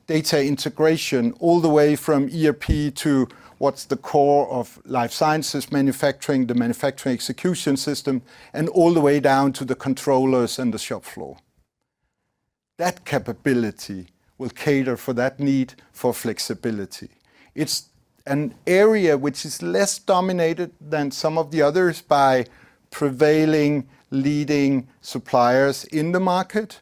data integration all the way from ERP to what's the core of life sciences manufacturing, the manufacturing execution system, and all the way down to the controllers and the shop floor. That capability will cater for that need for flexibility. It's an area which is less dominated than some of the others by prevailing, leading suppliers in the market,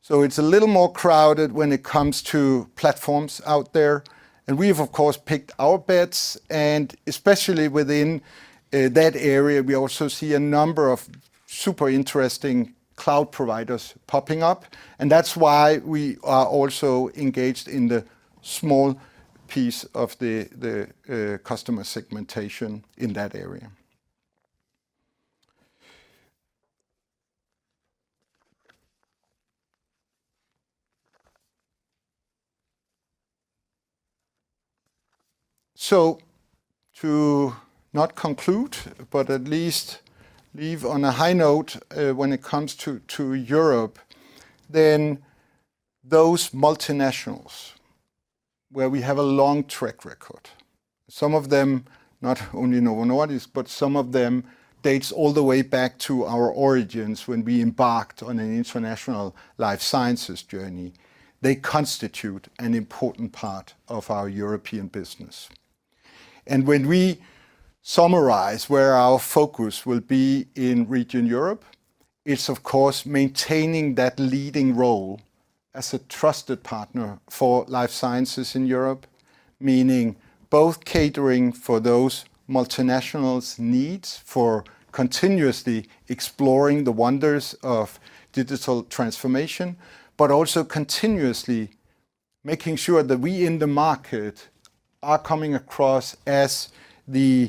so it's a little more crowded when it comes to platforms out there, and we've, of course, picked our bets, and especially within that area, we also see a number of super interesting cloud providers popping up, and that's why we are also engaged in the small piece of the customer segmentation in that area. So to not conclude, but at least leave on a high note, when it comes to Europe, those multinationals where we have a long track record, some of them not only Novo Nordisk, but some of them dates all the way back to our origins when we embarked on an international life sciences journey. They constitute an important part of our European business. When we summarize where our focus will be in Region Europe, it's of course maintaining that leading role as a trusted partner for life sciences in Europe, meaning both catering for those multinationals' needs for continuously exploring the wonders of digital transformation, but also continuously making sure that we in the market are coming across as the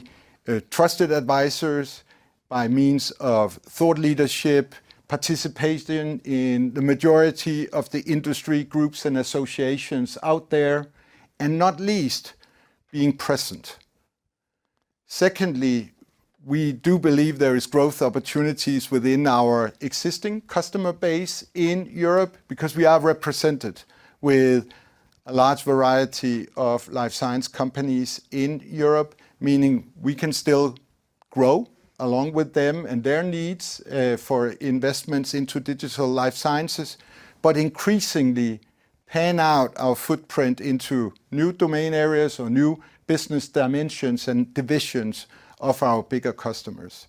trusted advisors by means of thought leadership, participation in the majority of the industry groups and associations out there, and not least, being present. Secondly, we do believe there is growth opportunities within our existing customer base in Europe, because we are represented with a large variety of life science companies in Europe, meaning we can still grow along with them and their needs for investments into digital life sciences, but increasingly pan out our footprint into new domain areas or new business dimensions and divisions of our bigger customers.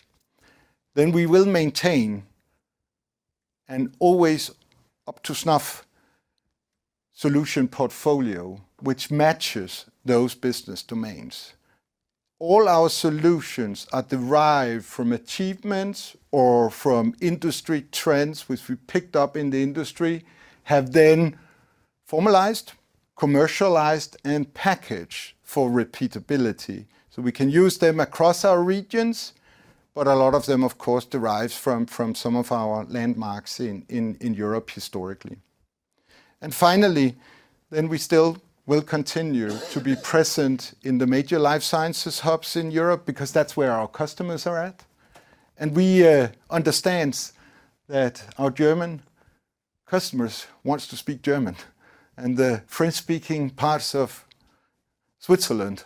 Then we will maintain an always up-to-snuff solution portfolio which matches those business domains. All our solutions are derived from achievements or from industry trends which we picked up in the industry, have then formalized, commercialized, and packaged for repeatability, so we can use them across our regions, but a lot of them, of course, derives from some of our landmarks in Europe historically. And finally, then we still will continue to be present in the major life sciences hubs in Europe, because that's where our customers are at. And we understands that our German customers wants to speak German, and the French-speaking parts of Switzerland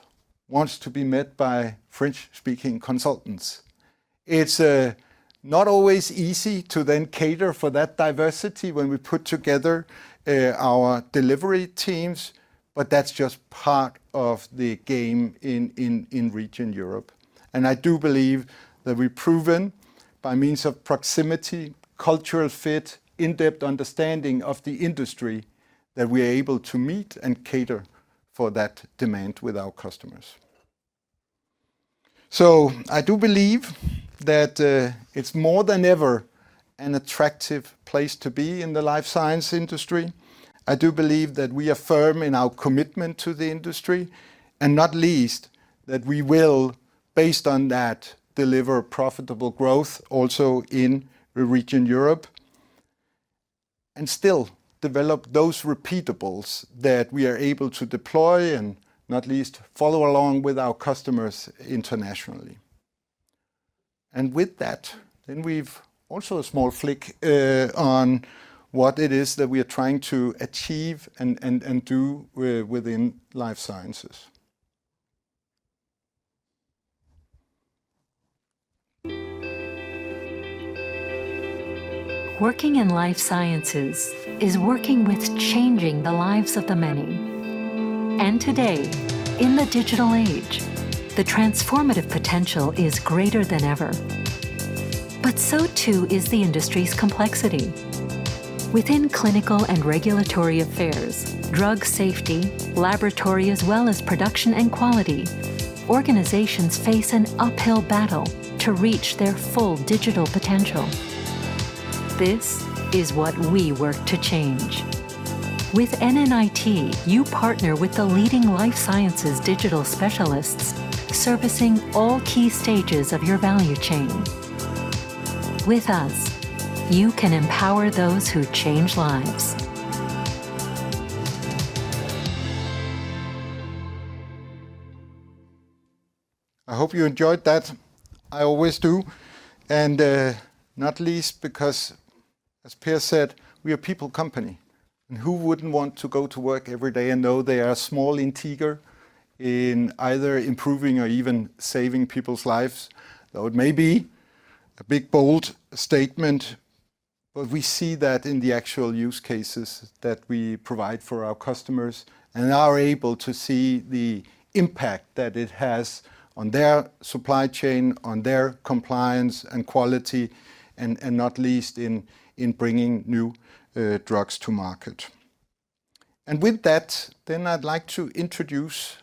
wants to be met by French-speaking consultants. It's not always easy to then cater for that diversity when we put together our delivery teams, but that's just part of the game in Region Europe. I do believe that we've proven by means of proximity, cultural fit, in-depth understanding of the industry, that we are able to meet and cater for that demand with our customers. So I do believe that it's more than ever an attractive place to be in the life science industry. I do believe that we are firm in our commitment to the industry, and not least, that we will, based on that, deliver profitable growth also in the Region Europe, and still develop those repeatables that we are able to deploy and not least, follow along with our customers internationally. And with that, then we've also a small flick on what it is that we are trying to achieve and do within life sciences. Working in life sciences is working with changing the lives of the many. Today, in the digital age, the transformative potential is greater than ever. So, too, is the industry's complexity. Within clinical and regulatory affairs, drug safety, laboratory, as well as production and quality, organizations face an uphill battle to reach their full digital potential. This is what we work to change. With NNIT, you partner with the leading life sciences digital specialists, servicing all key stages of your value chain. With us, you can empower those who change lives. I hope you enjoyed that. I always do, not least because, as Pär said, we are a people company, and who wouldn't want to go to work every day and know they are a small integral in either improving or even saving people's lives? Though it may be a big, bold statement, we see that in the actual use cases that we provide for our customers and are able to see the impact that it has on their supply chain, on their compliance and quality, and, not least, in bringing new drugs to market. With that, I'd like to introduce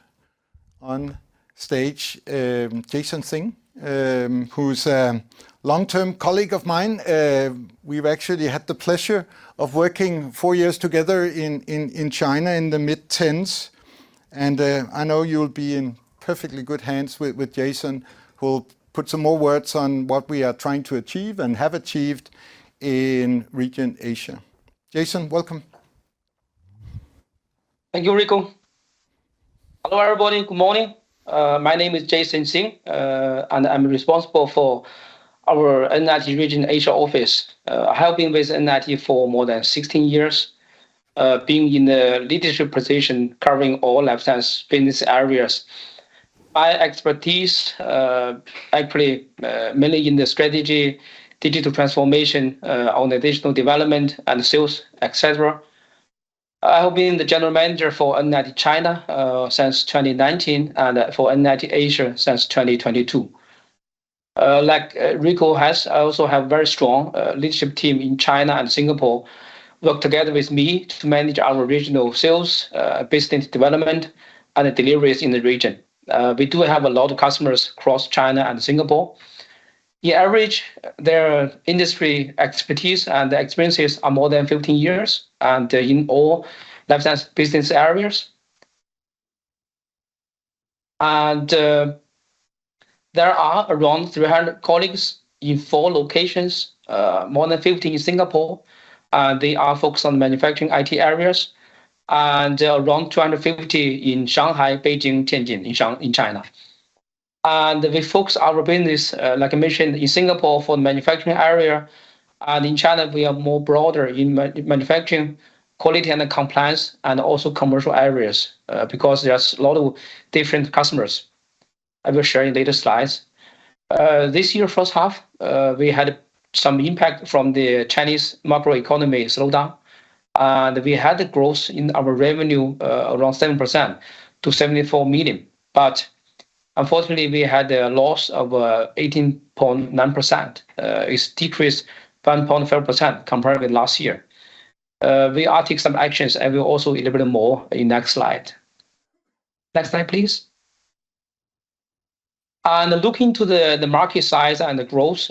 on stage Jason Xing, who's a long-term colleague of mine. We've actually had the pleasure of working four years together in China in the mid-tens, and I know you'll be in perfectly good hands with Jason, who will put some more words on what we are trying to achieve and have achieved Region Asia. jason, welcome. Thank you, Ricco. Hello, everybody. Good morning, my name is Jason Xing, and I'm responsible for our Region Asia office. I have been with NNIT for more than 16 years, being in a leadership position, covering all life science business areas. My expertise, actually, mainly in the strategy, digital transformation, on the digital development and sales, et cetera. I have been the general manager for NNIT China, since 2019 and for NNIT Asia since 2022. Like, Ricco has, I also have very strong, leadership team in China and Singapore, work together with me to manage our regional sales, business development, and deliveries in the region. We do have a lot of customers across China and Singapore. The average, their industry expertise and experiences are more than 15 years, and in all life science business areas. There are around 300 colleagues in four locations, more than 50 in Singapore, and they are focused on manufacturing IT areas, and around 250 in Shanghai, Beijing, Tianjin, in China. We focus our business, like I mentioned, in Singapore, for manufacturing area, and in China, we are more broader in manufacturing, quality and compliance, and also commercial areas, because there are a lot of different customers. I will share in later slides. This year, first half, we had some impact from the Chinese macro economy slowdown, and we had a growth in our revenue, around 7% to 74 million. But unfortunately, we had a loss of 18.9%, it's decreased 1.5% compared with last year. We are take some actions, I will also elaborate more in next slide. Next slide, please. Looking to the market size and the growth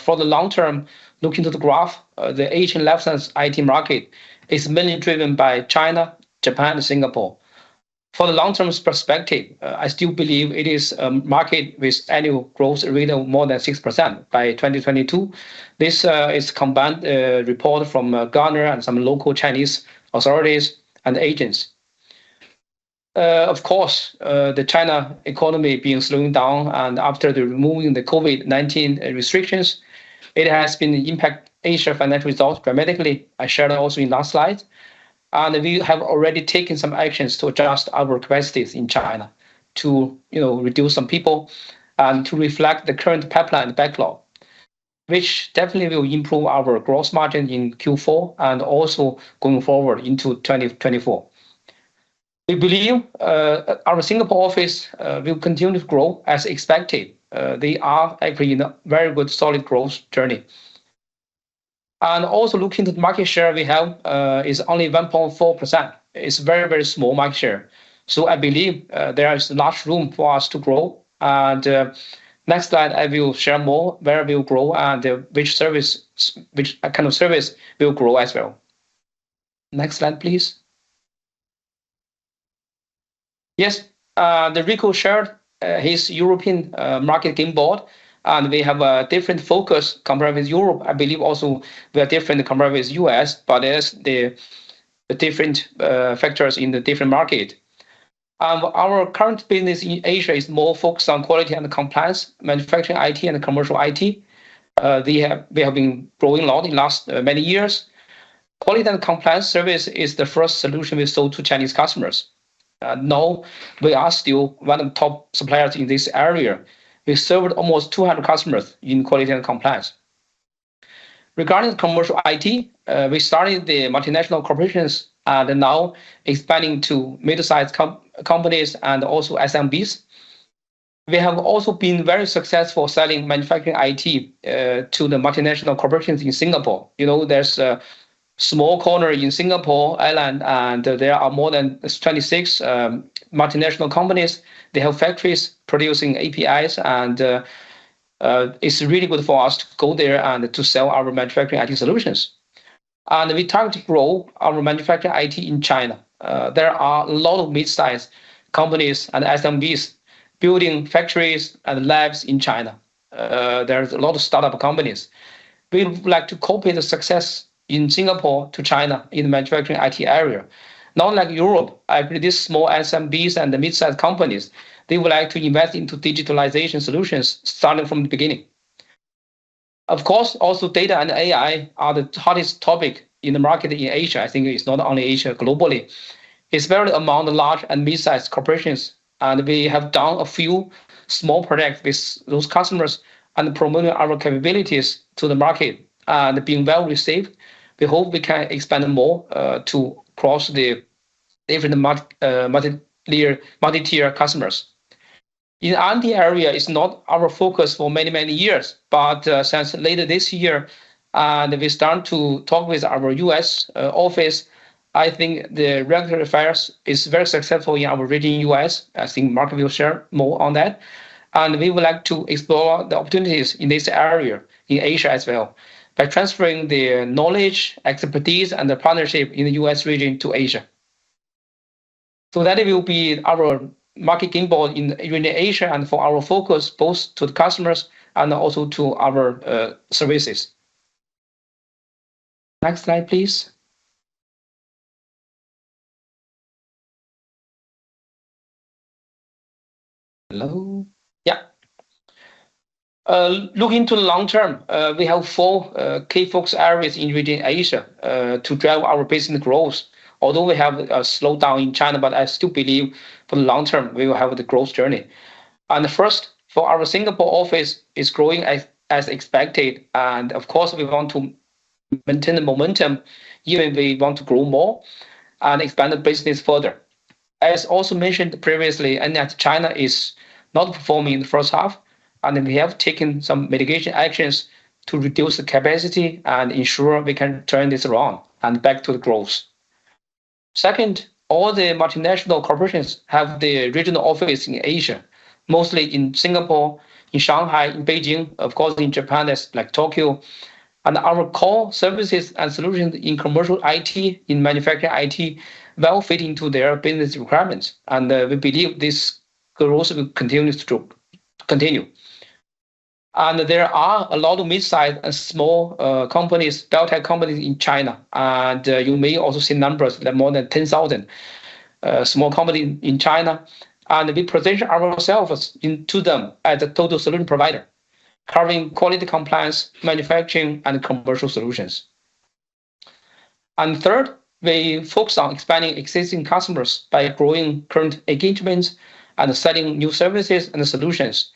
for the long term, looking to the graph, the Asian life science IT market is mainly driven by China, Japan, and Singapore. For the long-term perspective, I still believe it is a market with annual growth rate of more than 6% by 2022. This is combined report from Gartner and some local Chinese authorities and agents. Of course, the China economy being slowing down, and after the removing the COVID-19 restrictions, it has been impact Asia financial results dramatically. I shared that also in last slide. We have already taken some actions to adjust our capacities in China to, you know, reduce some people and to reflect the current pipeline backlog, which definitely will improve our gross margin in Q4 and also going forward into 2024. We believe, you know, our Singapore office will continue to grow as expected. They are actually in a very good solid growth journey. Also, looking at the market share we have, you know, is only 1.4%. It's very, very small market share. I believe there is large room for us to grow, and next slide, I will share more where we'll grow and which service, which kind of service will grow as well. Next slide, please. Yes, Ricco shared his European market game board, and we have a different focus compared with Europe. I believe also we are different compared with U.S., but there's the different factors in the different market. Our current business in Asia is more focused on quality and compliance, manufacturing, IT, and commercial IT. They have been growing a lot in last many years. Quality and compliance service is the first solution we sold to Chinese customers. Now we are still one of the top suppliers in this area. We served almost 200 customers in quality and compliance. Regarding commercial IT, we started the multinational corporations, and now expanding to mid-sized companies and also SMBs. We have also been very successful selling manufacturing IT to the multinational corporations in Singapore. You know, there's a small corner in Singapore Island, and there are more than 26 multinational companies. They have factories producing APIs, and it's really good for us to go there and to sell our manufacturing IT solutions. We target to grow our manufacturing IT in China. There are a lot of mid-sized companies and SMBs building factories and labs in China. There is a lot of startup companies. We would like to copy the success in Singapore to China in the manufacturing IT area. Not like Europe, I believe these small SMBs and the mid-sized companies, they would like to invest into digitalization solutions starting from the beginning. Of course, also, data and AI are the hottest topic in the market in Asia. I think it's not only Asia, globally. It's very among the large and mid-sized corporations, and we have done a few small products with those customers and promoting our capabilities to the market, and being well received. We hope we can expand more, to cross even the multi-layer, multi-tier customers. In the R&D area is not our focus for many, many years, but, since later this year, and we start to talk with our U.S. office, I think the regulatory affairs is very successful in our Region U.S. I think Mark will share more on that, and we would like to explore the opportunities in this area in Asia as well, by transferring the knowledge, expertise, and the partnership in the U.S. region to Asia. So that will be our market game board in Asia and for our focus, both to the customers and also to our services. Next slide, please. Hello? Yeah. Looking to the long term, we have 4 key focus areas Region Asia to drive our business growth. Although we have a slowdown in China, but I still believe for the long term, we will have the growth journey. First, for our Singapore office, is growing as expected, and of course, we want to maintain the momentum, even we want to grow more and expand the business further. As also mentioned previously, NNIT China is not performing in the first half, and we have taken some mitigation actions to reduce the capacity and ensure we can turn this around and back to the growth. Second, all the multinational corporations have their regional office in Asia, mostly in Singapore, in Shanghai, in Beijing, of course, in Japan, as like Tokyo. Our core services and solutions in commercial IT, in manufacturing IT, well fit into their business requirements, and we believe this growth will continue to grow—continue. There are a lot of mid-size and small companies, delta companies in China, and you may also see numbers that more than 10,000 small companies in China. We present ourselves to them as a total solution provider, covering quality, compliance, manufacturing, and commercial solutions. Third, we focus on expanding existing customers by growing current engagements and selling new services and solutions.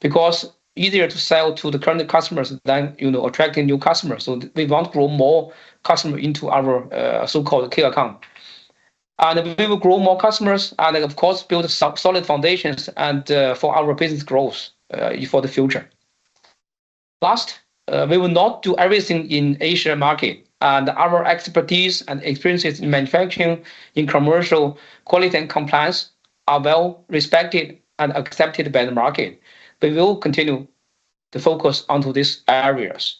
Because it is easier to sell to the current customers than, you know, attracting new customers, so we want to grow more customers into our so-called key accounts. We will grow more customers and, of course, build some solid foundations for our business growth for the future. Last, we will not do everything in the Asia market, and our expertise and experience in manufacturing, in commercial quality and compliance are well respected and accepted by the market. We will continue to focus on these areas.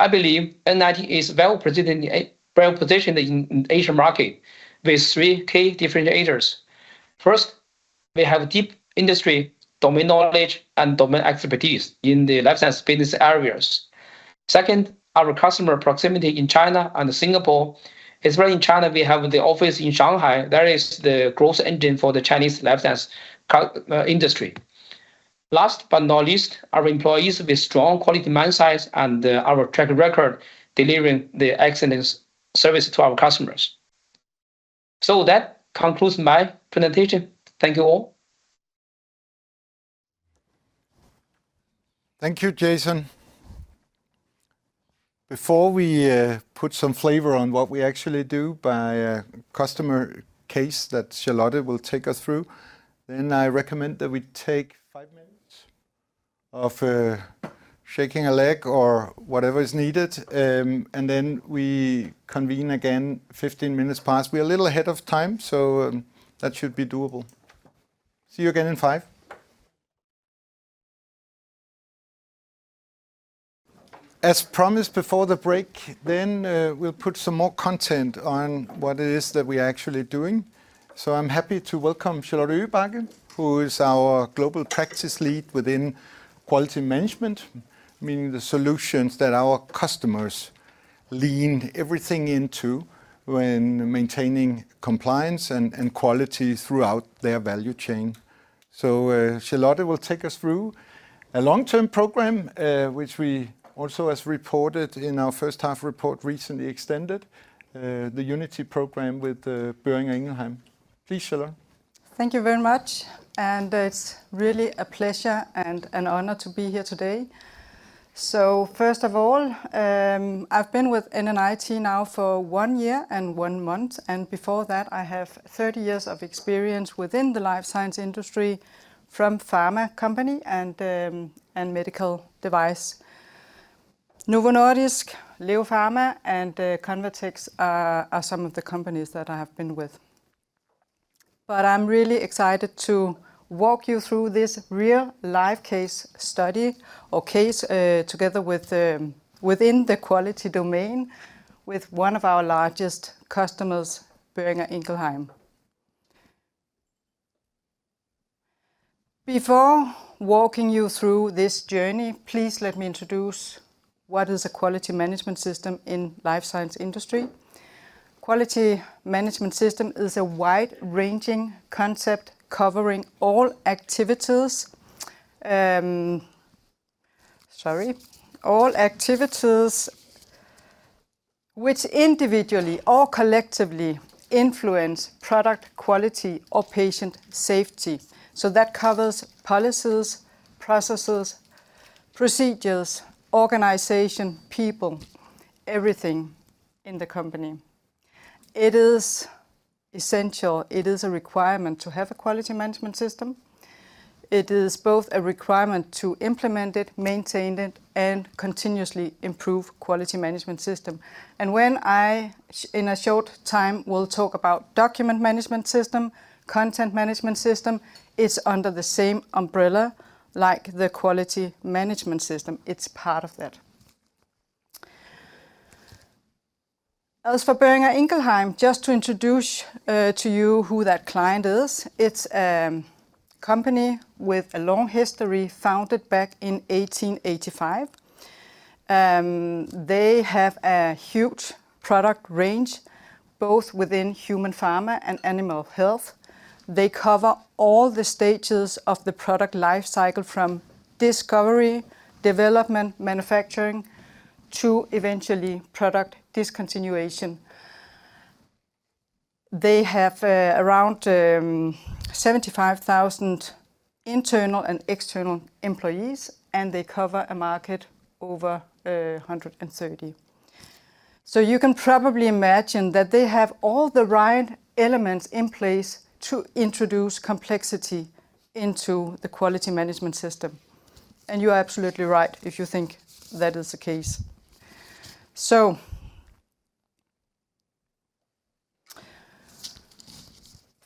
I believe NNIT is well positioned, well positioned in Asian market with three key differentiators. First, we have deep industry domain knowledge and domain expertise in the life science business areas. Second, our customer proximity in China and Singapore. Especially in China, we have the office in Shanghai. That is the growth engine for the Chinese life science industry. Last but not least, our employees with strong quality mindsets and our track record delivering the excellent service to our customers. That concludes my presentation. Thank you, all. Thank you, Jason. Before we put some flavor on what we actually do by a customer case that Charlotte will take us through, then I recommend that we take 5 minutes of shaking a leg or whatever is needed. And then we convene again 15 minutes past. We're a little ahead of time, so that should be doable. See you again in 5. As promised before the break, then we'll put some more content on what it is that we are actually doing. So I'm happy to welcome Charlotte Øbakke, who is our global practice lead within quality management, meaning the solutions that our customers lean everything into when maintaining compliance and, and quality throughout their value chain. Charlotte will take us through a long-term program, which we also has reported in our first half report, recently extended the Unity program with Boehringer Ingelheim. Please, Charlotte. Thank you very much, and it's really a pleasure and an honor to be here today. So first of all, I've been with NNIT now for 1 year and 1 month, and before that, I have 30 years of experience within the life science industry, from pharma company and medical device. Novo Nordisk, LEO Pharma, and Chiesi are some of the companies that I have been with. But I'm really excited to walk you through this real-life case study or case together with within the quality domain, with one of our largest customers, Boehringer Ingelheim. Before walking you through this journey, please let me introduce what is a quality management system in life science industry. Quality management system is a wide-ranging concept covering all activities which individually or collectively influence product quality or patient safety. So that covers policies, processes, procedures, organization, people, everything in the company. It is essential, it is a requirement to have a quality management system. It is both a requirement to implement it, maintain it, and continuously improve quality management system. And when I, in a short time, will talk about document management system, content management system, it's under the same umbrella, like the quality management system. It's part of that. As for Boehringer Ingelheim, just to introduce, to you who that client is, it's company with a long history, founded back in 1885. They have a huge product range, both within human pharma and animal health. They cover all the stages of the product life cycle from discovery, development, manufacturing, to eventually product discontinuation. They have, around, 75,000 internal and external employees, and they cover a market over 130. So you can probably imagine that they have all the right elements in place to introduce complexity into the quality management system, and you are absolutely right if you think that is the case. So,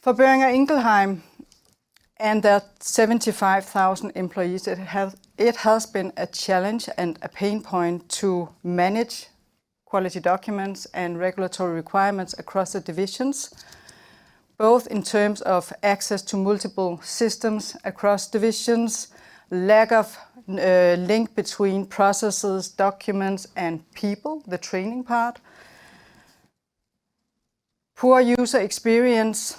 for Boehringer Ingelheim and their 75,000 employees, it has been a challenge and a pain point to manage quality documents and regulatory requirements across the divisions, both in terms of access to multiple systems across divisions, lack of, link between processes, documents, and people, the training part. Poor user experience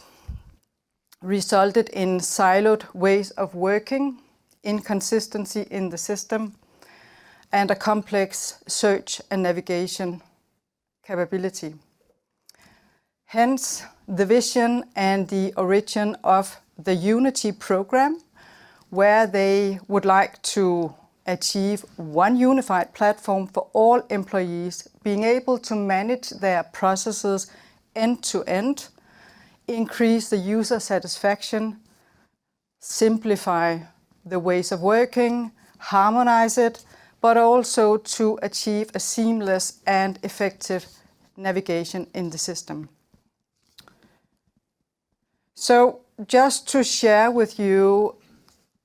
resulted in siloed ways of working, inconsistency in the system, and a complex search and navigation capability. Hence, the vision and the origin of the Unity program, where they would like to achieve one unified platform for all employees, being able to manage their processes end-to-end, increase the user satisfaction, simplify the ways of working, harmonize it, but also to achieve a seamless and effective navigation in the system. So just to share with you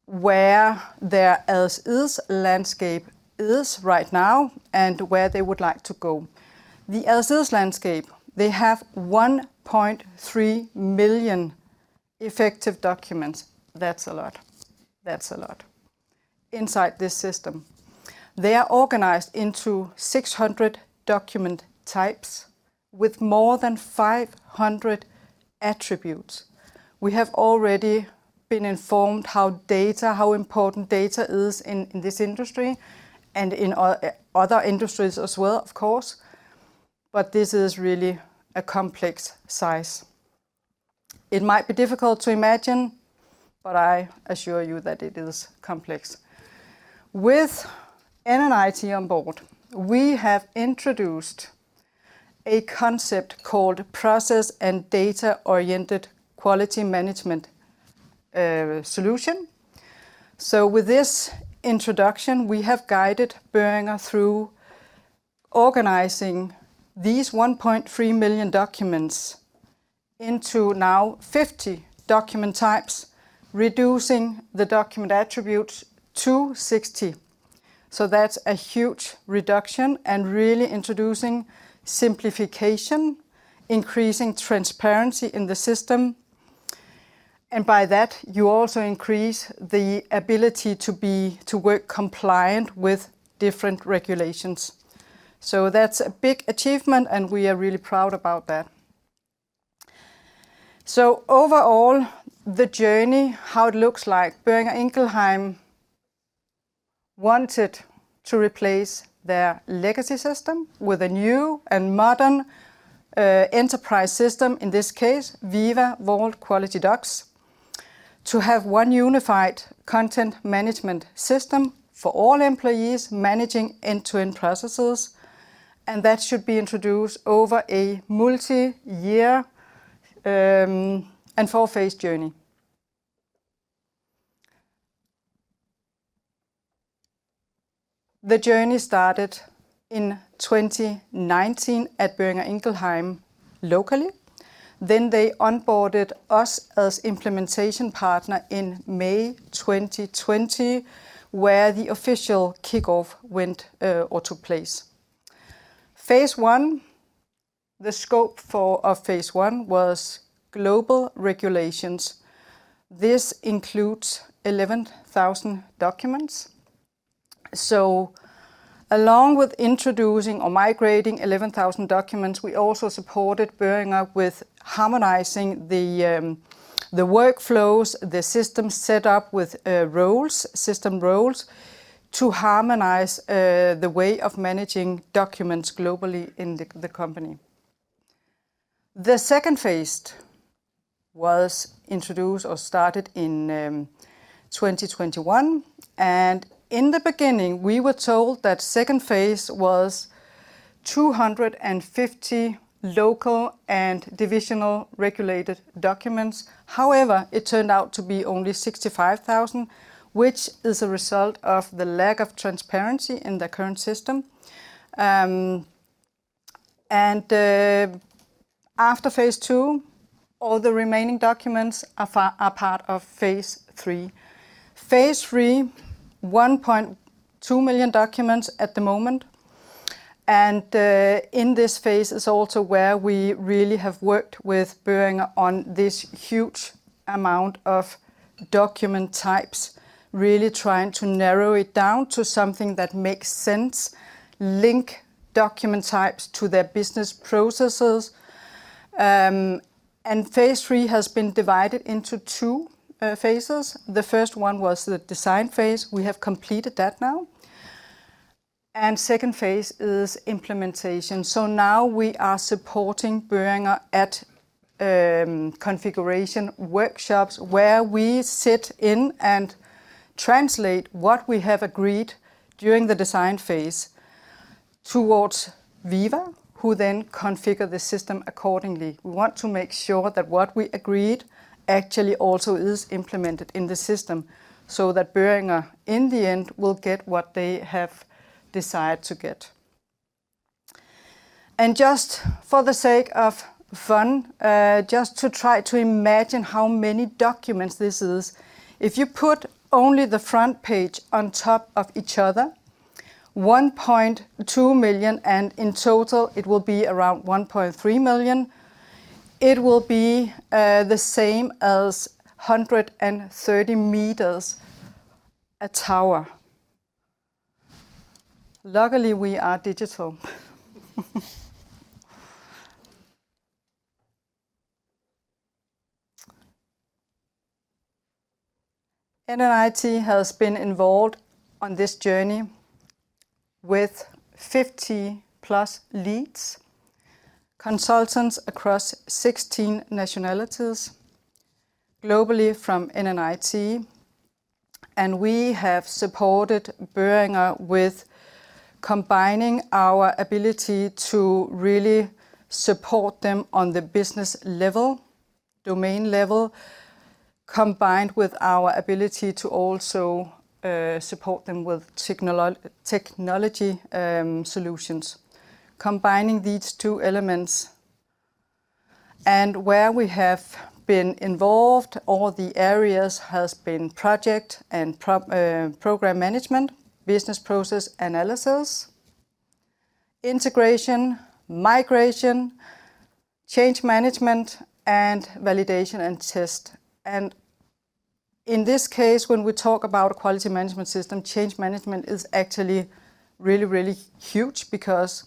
where their as-is landscape is right now and where they would like to go. The as-is landscape, they have 1.3 million effective documents. That's a lot. That's a lot inside this system. They are organized into 600 document types with more than 500 attributes. We have already been informed how important data is in this industry and in other industries as well, of course, but this is really a complex size. It might be difficult to imagine, but I assure you that it is complex. With NNIT on board, we have introduced a concept called Process and Data-Oriented Quality Management Solution. So with this introduction, we have guided Boehringer through organizing these 1.3 million documents into now 50 document types, reducing the document attributes to 60. So that's a huge reduction and really introducing simplification, increasing transparency in the system, and by that, you also increase the ability to work compliant with different regulations. So that's a big achievement, and we are really proud about that. So overall, the journey, how it looks like. Boehringer Ingelheim wanted to replace their legacy system with a new and modern, enterprise system, in this case, Veeva Vault QualityDocs, to have one unified content management system for all employees managing end-to-end processes, and that should be introduced over a multi-year, and four-phase journey. The journey started in 2019 at Boehringer Ingelheim locally. They onboarded us as implementation partner in May 2020, where the official kickoff went, or took place. Phase one, the scope for phase one was global regulations. This includes 11,000 documents. Along with introducing or migrating 11,000 documents, we also supported Boehringer with harmonizing the workflows, the system set up with roles, system roles, to harmonize the way of managing documents globally in the company. The second phase was introduced or started in 2021, and in the beginning, we were told that second phase was 250 local and divisional regulated documents. However, it turned out to be only 65,000, which is a result of the lack of transparency in the current system. After phase 2, all the remaining documents are part of phase 3. Phase 3, 1.2 million documents at the moment, and in this phase is also where we really have worked with Boehringer on this huge amount of document types, really trying to narrow it down to something that makes sense, link document types to their business processes. Phase 3 has been divided into 2 phases. The first one was the design phase. We have completed that now. Second phase is implementation. So now we are supporting Boehringer at configuration workshops, where we sit in and translate what we have agreed during the design phase towards Veeva, who then configure the system accordingly. We want to make sure that what we agreed actually also is implemented in the system, so that Boehringer, in the end, will get what they have decided to get. And just for the sake of fun, just to try to imagine how many documents this is, if you put only the front page on top of each other, 1.2 million, and in total it will be around 1.3 million, it will be the same as 130 meters a tower. Luckily, we are digital. NNIT has been involved on this journey with 50+ leads, consultants across 16 nationalities, globally from NNIT, and we have supported Boehringer with combining our ability to really support them on the business level, domain level, combined with our ability to also support them with technology solutions, combining these two elements. Where we have been involved, all the areas has been project and program management, business process analysis, integration, migration, change management, and validation and test. In this case, when we talk about quality management system, change management is actually really, really huge because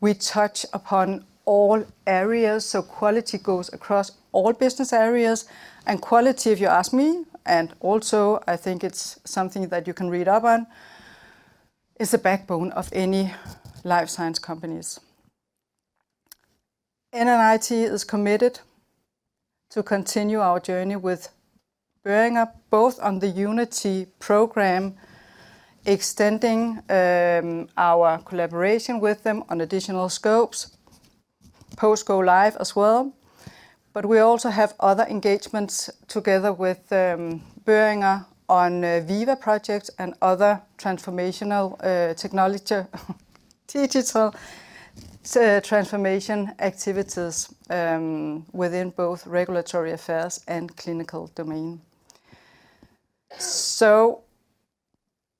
we touch upon all areas, so quality goes across all business areas. Quality, if you ask me, and also I think it's something that you can read up on, is the backbone of any life science companies. NNIT is committed to continue our journey with Boehringer, both on the Unity program, extending our collaboration with them on additional scopes, post go-live as well. We also have other engagements together with Boehringer on Veeva projects and other transformational technology, digital transformation activities within both regulatory affairs and clinical domain.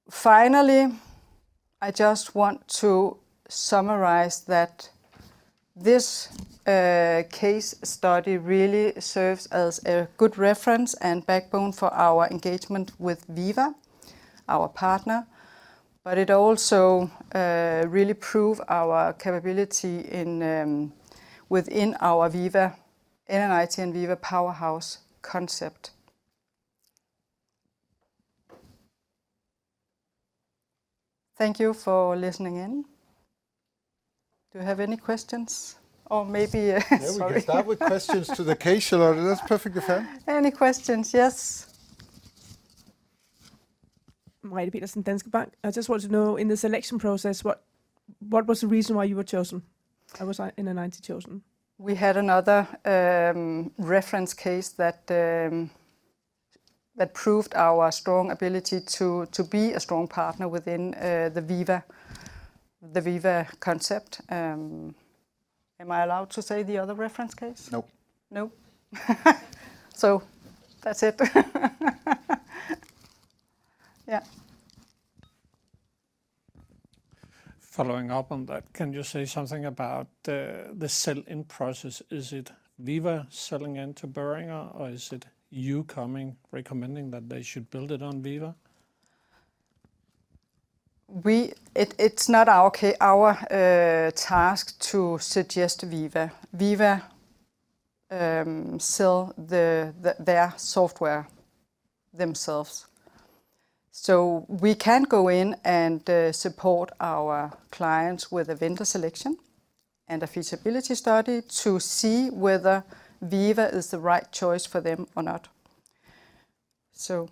Finally, I just want to summarize that this case study really serves as a good reference and backbone for our engagement with Veeva, our partner, but it also really proves our capability within our Veeva, NNIT and Veeva powerhouse concept. Thank you for listening in. Do you have any questions? Or maybe, sorry. Yeah, we can start with questions to the case study. That's perfectly fine. Any questions? Yes. Marie Pedersen, Danske Bank. I just want to know, in the selection process, what was the reason why you were chosen, was NNIT chosen? We had another reference case that proved our strong ability to be a strong partner within the Veeva concept. Am I allowed to say the other reference case? Nope. Nope? So that's it. Yeah. Following up on that, can you say something about the sell-in process? Is it Veeva selling into Boehringer, or is it you coming, recommending that they should build it on Veeva? It's not our task to suggest Veeva. Veeva sell their software themselves. So we can go in and support our clients with a vendor selection and a feasibility study to see whether Veeva is the right choice for them or not. So-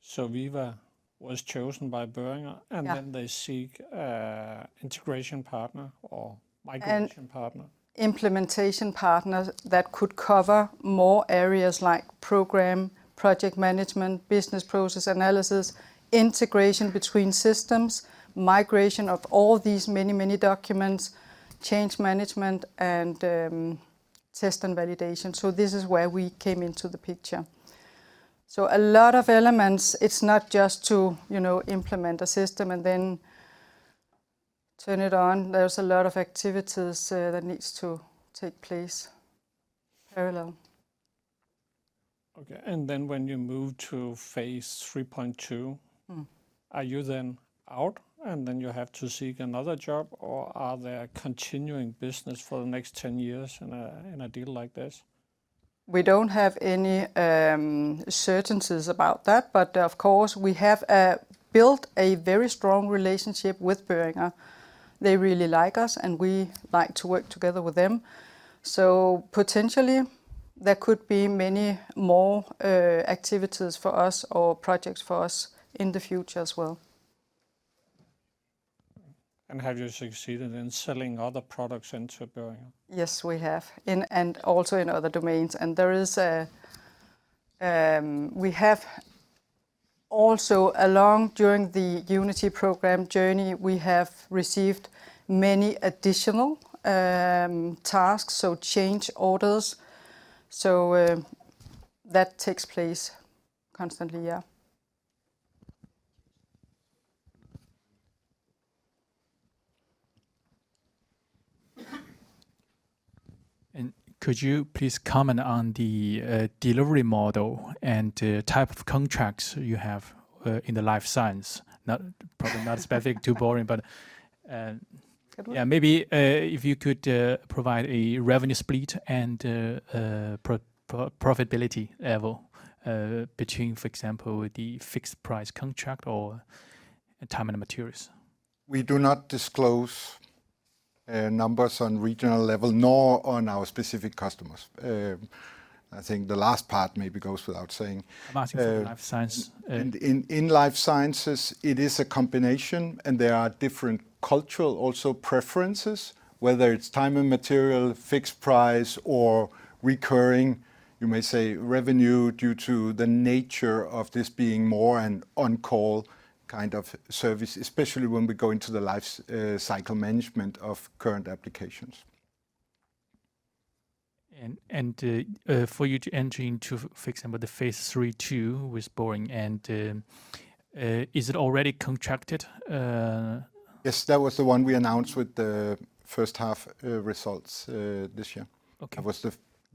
So Veeva was chosen by Boehringer- Yeah.... and then they seek an integration partner or migration partner. An implementation partner that could cover more areas like program, project management, business process analysis, integration between systems, migration of all these many, many documents, change management, and test and validation. So this is where we came into the picture. So a lot of elements, it's not just to, you know, implement a system and then turn it on. There's a lot of activities that needs to take place parallel. Okay, and then when you move to phase 3, 2- Mm. Are you then out, and then you have to seek another job? Or are there continuing business for the next 10 years in a deal like this? We don't have any certainties about that, but of course we have built a very strong relationship with Boehringer. They really like us, and we like to work together with them. So potentially, there could be many more activities for us or projects for us in the future as well. Have you succeeded in selling other products into Boehringer? Yes, we have in and also in other domains. And there is a. We have also, along during the Unity program journey, we have received many additional tasks, so change orders. So, that takes place constantly, yeah. Could you please comment on the delivery model and type of contracts you have in the life science? Not probably not specific, too boring, but- Good one. Yeah, maybe if you could provide a revenue split and a profitability level between, for example, the fixed price contract or time and materials. We do not disclose numbers on regional level, nor on our specific customers. I think the last part maybe goes without saying. I'm asking for the life science, and- In life sciences, it is a combination, and there are different cultural also preferences, whether it's time and material, fixed price, or recurring, you may say, revenue, due to the nature of this being more an on-call kind of service, especially when we go into the life cycle management of current applications. For you to enter into, for example, the phase 3.2 with Boehringer, and is it already contracted? Yes, that was the one we announced with the first half results this year. Okay. That was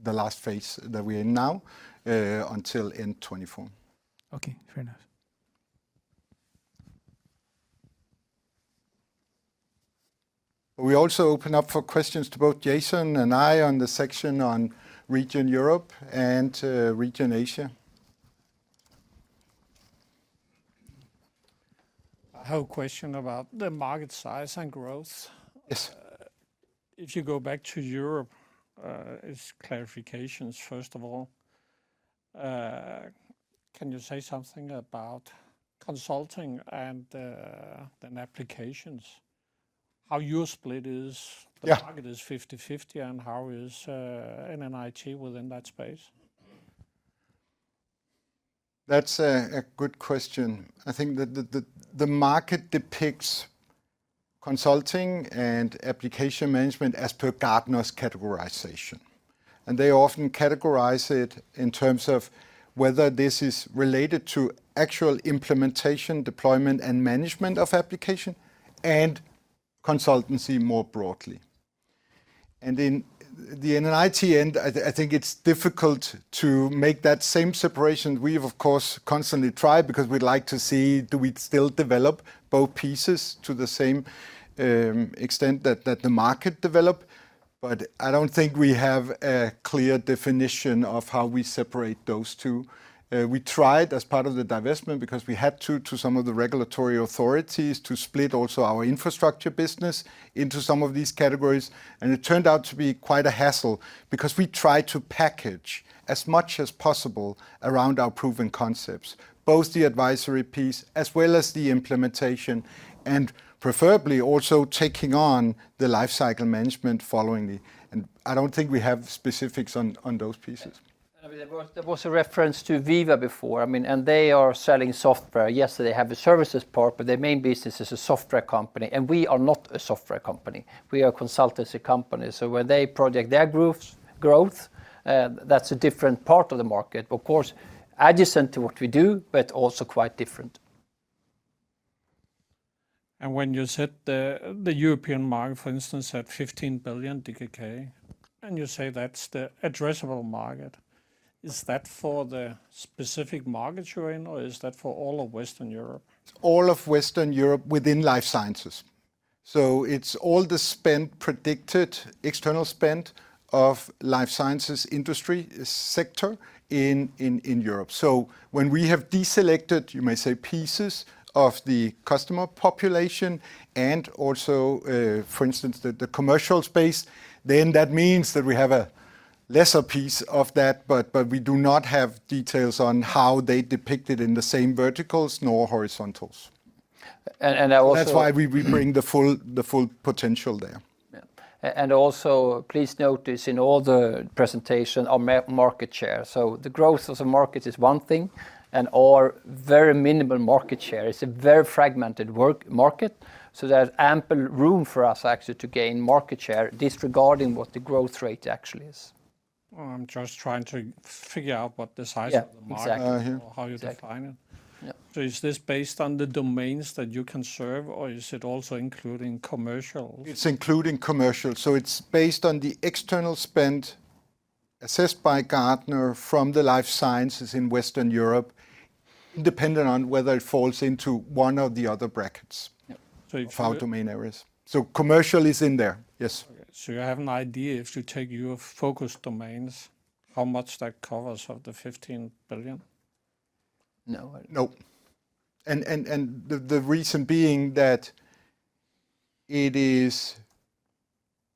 the last phase that we're in now, until end 2024. Okay, fair enough. We also open up for questions to both Jason and I on the section on Region Europe and Region Asia. I have a question about the market size and growth. Yes. If you go back to Europe, it's clarifications, first of all. Can you say something about consulting and, then applications, how your split is? Yeah. The market is 50/50, and how is NNIT within that space? That's a good question. I think that the market depicts consulting and application management as per Gartner's categorization, and they often categorize it in terms of whether this is related to actual implementation, deployment, and management of application and consultancy more broadly. And in the NNIT end, I think it's difficult to make that same separation. We've, of course, constantly tried because we'd like to see, do we still develop both pieces to the same extent that that the market develop? But I don't think we have a clear definition of how we separate those two. We tried as part of the divestment because we had to, to some of the regulatory authorities, to split also our infrastructure business into some of these categories, and it turned out to be quite a hassle because we tried to package as much as possible around our proven concepts, both the advisory piece as well as the implementation, and preferably also taking on the lifecycle management following the... I don't think we have specifics on those pieces. There was a reference to Veeva before, I mean, and they are selling software. Yes, they have a services part, but their main business is a software company, and we are not a software company, we are a consultancy company. So when they project their growth, that's a different part of the market. Of course, adjacent to what we do, but also quite different. When you set the European market, for instance, at 15 billion DKK, and you say that's the addressable market, is that for the specific markets you're in or is that for all of Western Europe? It's all of Western Europe within life sciences. So it's all the spend predicted, external spend of life sciences industry sector in Europe. So when we have deselected, you may say, pieces of the customer population and also, for instance, the commercial space, then that means that we have a lesser piece of that, but we do not have details on how they depict it in the same verticals nor horizontals. And also- That's why we bring the full potential there. Yeah. And also, please note this in all the presentation of market share. So the growth of the market is one thing, and our very minimal market share, it's a very fragmented world market, so there's ample room for us actually to gain market share, disregarding what the growth rate actually is. I'm just trying to figure out what the size of the market- Yeah, exactly. Yeah. Or how you define it. Yeah. Is this based on the domains that you can serve, or is it also including commercial? It's including commercial. So it's based on the external spend assessed by Gartner from the life sciences in Western Europe, dependent on whether it falls into one of the other brackets- Yeah, so you- Of our domain areas. So commercial is in there, yes. Okay. So you have an idea, if you take your focus domains, how much that covers of the $15 billion? No, I- Nope. And the reason being that it is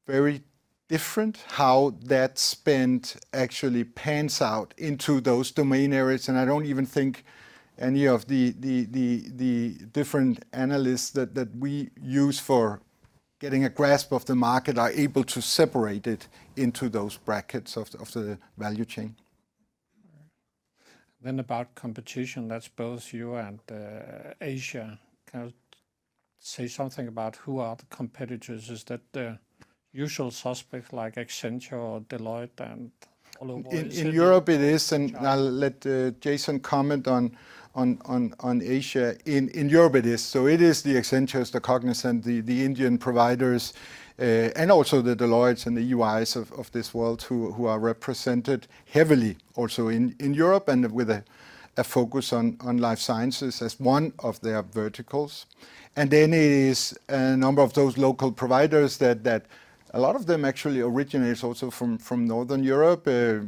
very different how that spend actually pans out into those domain areas, and I don't even think any of the different analysts that we use for getting a grasp of the market are able to separate it into those brackets of the value chain. Then about competition, that's both you and Asia. Can you say something about who are the competitors? Is that the usual suspects like Accenture or Deloitte and Deloitte- In Europe it is, and I'll let Jason comment on Asia. In Europe it is. So it is the Accentures, the Cognizant, the Indian providers, and also the Deloittes and the EYs of this world who are represented heavily also in Europe, and with a focus on life sciences as one of their verticals. And then it is a number of those local providers that a lot of them actually originates also from Northern Europe, the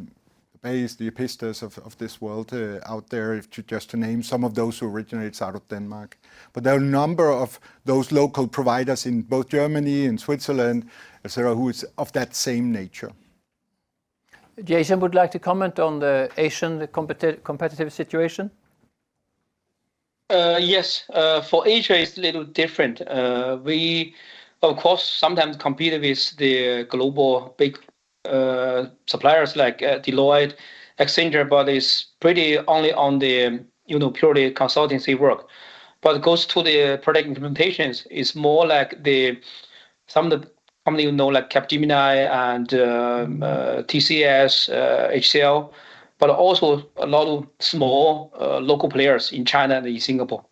base, the Epistas of this world out there, just to name some of those who originates out of Denmark. But there are a number of those local providers in both Germany and Switzerland, et cetera, who is of that same nature. Jason, would like to comment on the Asian competitive situation? Yes. For Asia it's a little different. We of course sometimes compete with the global big suppliers like Deloitte, Accenture. It's pretty only on the, you know, purely consultancy work. When it goes to the product implementations, it's more like some of the company you know, like Capgemini and TCS, HCL, but also a lot of small local players in China and Singapore.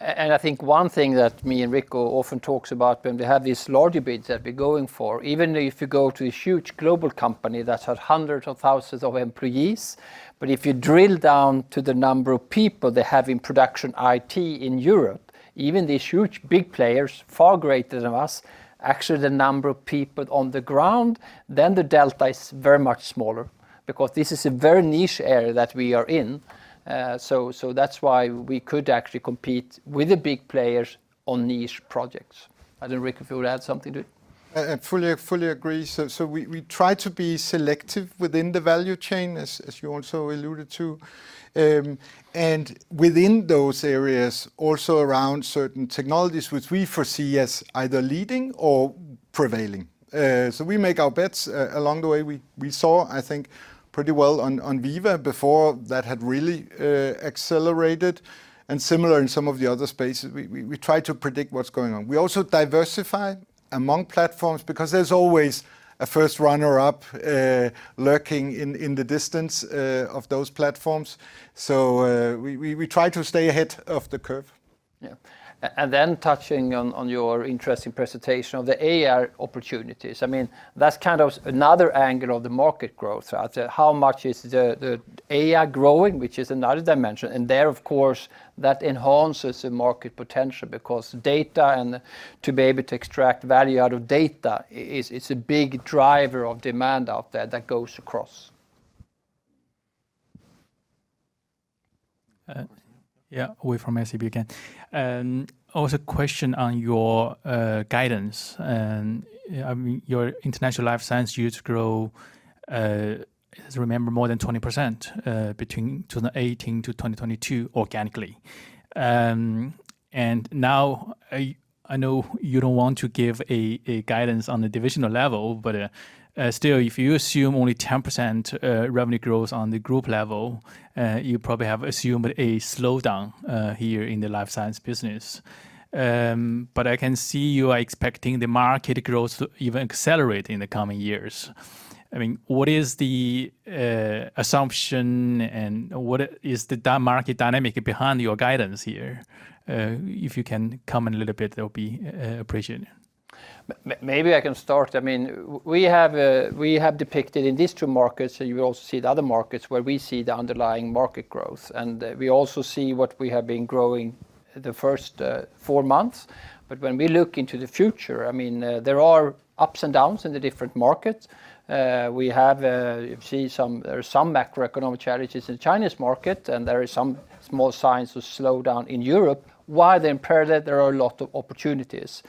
I think one thing that me and Ricco often talks about when we have these large bids that we're going for, even if you go to a huge global company that has hundreds of thousands of employees, but if you drill down to the number of people they have in production IT in Europe, even these huge big players, far greater than us, actually the number of people on the ground, then the delta is very much smaller because this is a very niche area that we are in. So, so that's why we could actually compete with the big players on niche projects. I don't know, Ricco, if you would add something to it. I fully agree. So we try to be selective within the value chain, as you also alluded to. And within those areas, also around certain technologies, which we foresee as either leading or prevailing. So we make our bets. Along the way, we saw, I think, pretty well on Veeva before, that had really accelerated, and similar in some of the other spaces, we try to predict what's going on. We also diversify among platforms because there's always a first runner-up lurking in the distance of those platforms. So we try to stay ahead of the curve. Yeah. And then touching on your interesting presentation of the AI opportunities, I mean, that's kind of another angle of the market growth out there. How much is the AI growing, which is another dimension, and, of course, that enhances the market potential because data and to be able to extract value out of data is—it's a big driver of demand out there that goes across. Yeah, Wei from SEB again. Also question on your guidance, and I mean, your international life science used to grow, as I remember, more than 20%, between 2018 to 2022, organically. And now, I know you don't want to give a guidance on the divisional level, but still, if you assume only 10% revenue growth on the group level, you probably have assumed a slowdown here in the life science business. But I can see you are expecting the market growth to even accelerate in the coming years. I mean, what is the assumption and what is the market dynamic behind your guidance here? If you can comment a little bit, that would be appreciated. Maybe I can start. I mean, we have depicted in these two markets, and you also see the other markets where we see the underlying market growth, and we also see what we have been growing the first four months. But when we look into the future, I mean, there are ups and downs in the different markets. We have see some, there are some macroeconomic challenges in Chinese market, and there is some small signs of slowdown in Europe. While they impair that, there are a lot of opportunities.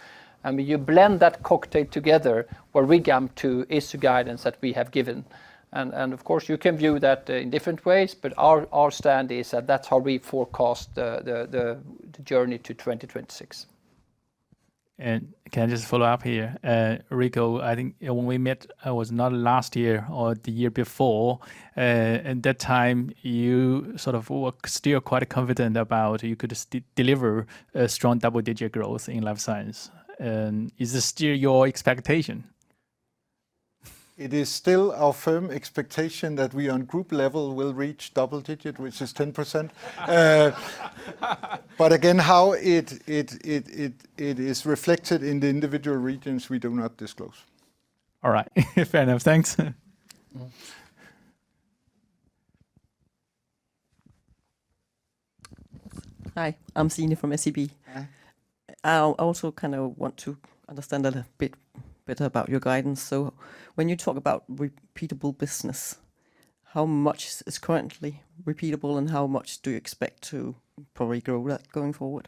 I mean, you blend that cocktail together, where we come to is the guidance that we have given. Of course, you can view that in different ways, but our stand is that that's how we forecast the journey to 2026. And can I just follow up here? Ricco, I think when we met, it was not last year or the year before, at that time, you sort of were still quite confident about you could still deliver a strong double-digit growth in life science. Is this still your expectation? It is still our firm expectation that we, on group level, will reach double digit, which is 10%. But again, how it is reflected in the individual regions, we do not disclose. All right, fair enough. Thanks. Hi, I'm Seni from SEB. Hi. I also kind of want to understand a little bit better about your guidance. So when you talk about repeatable business, how much is currently repeatable, and how much do you expect to probably grow that going forward?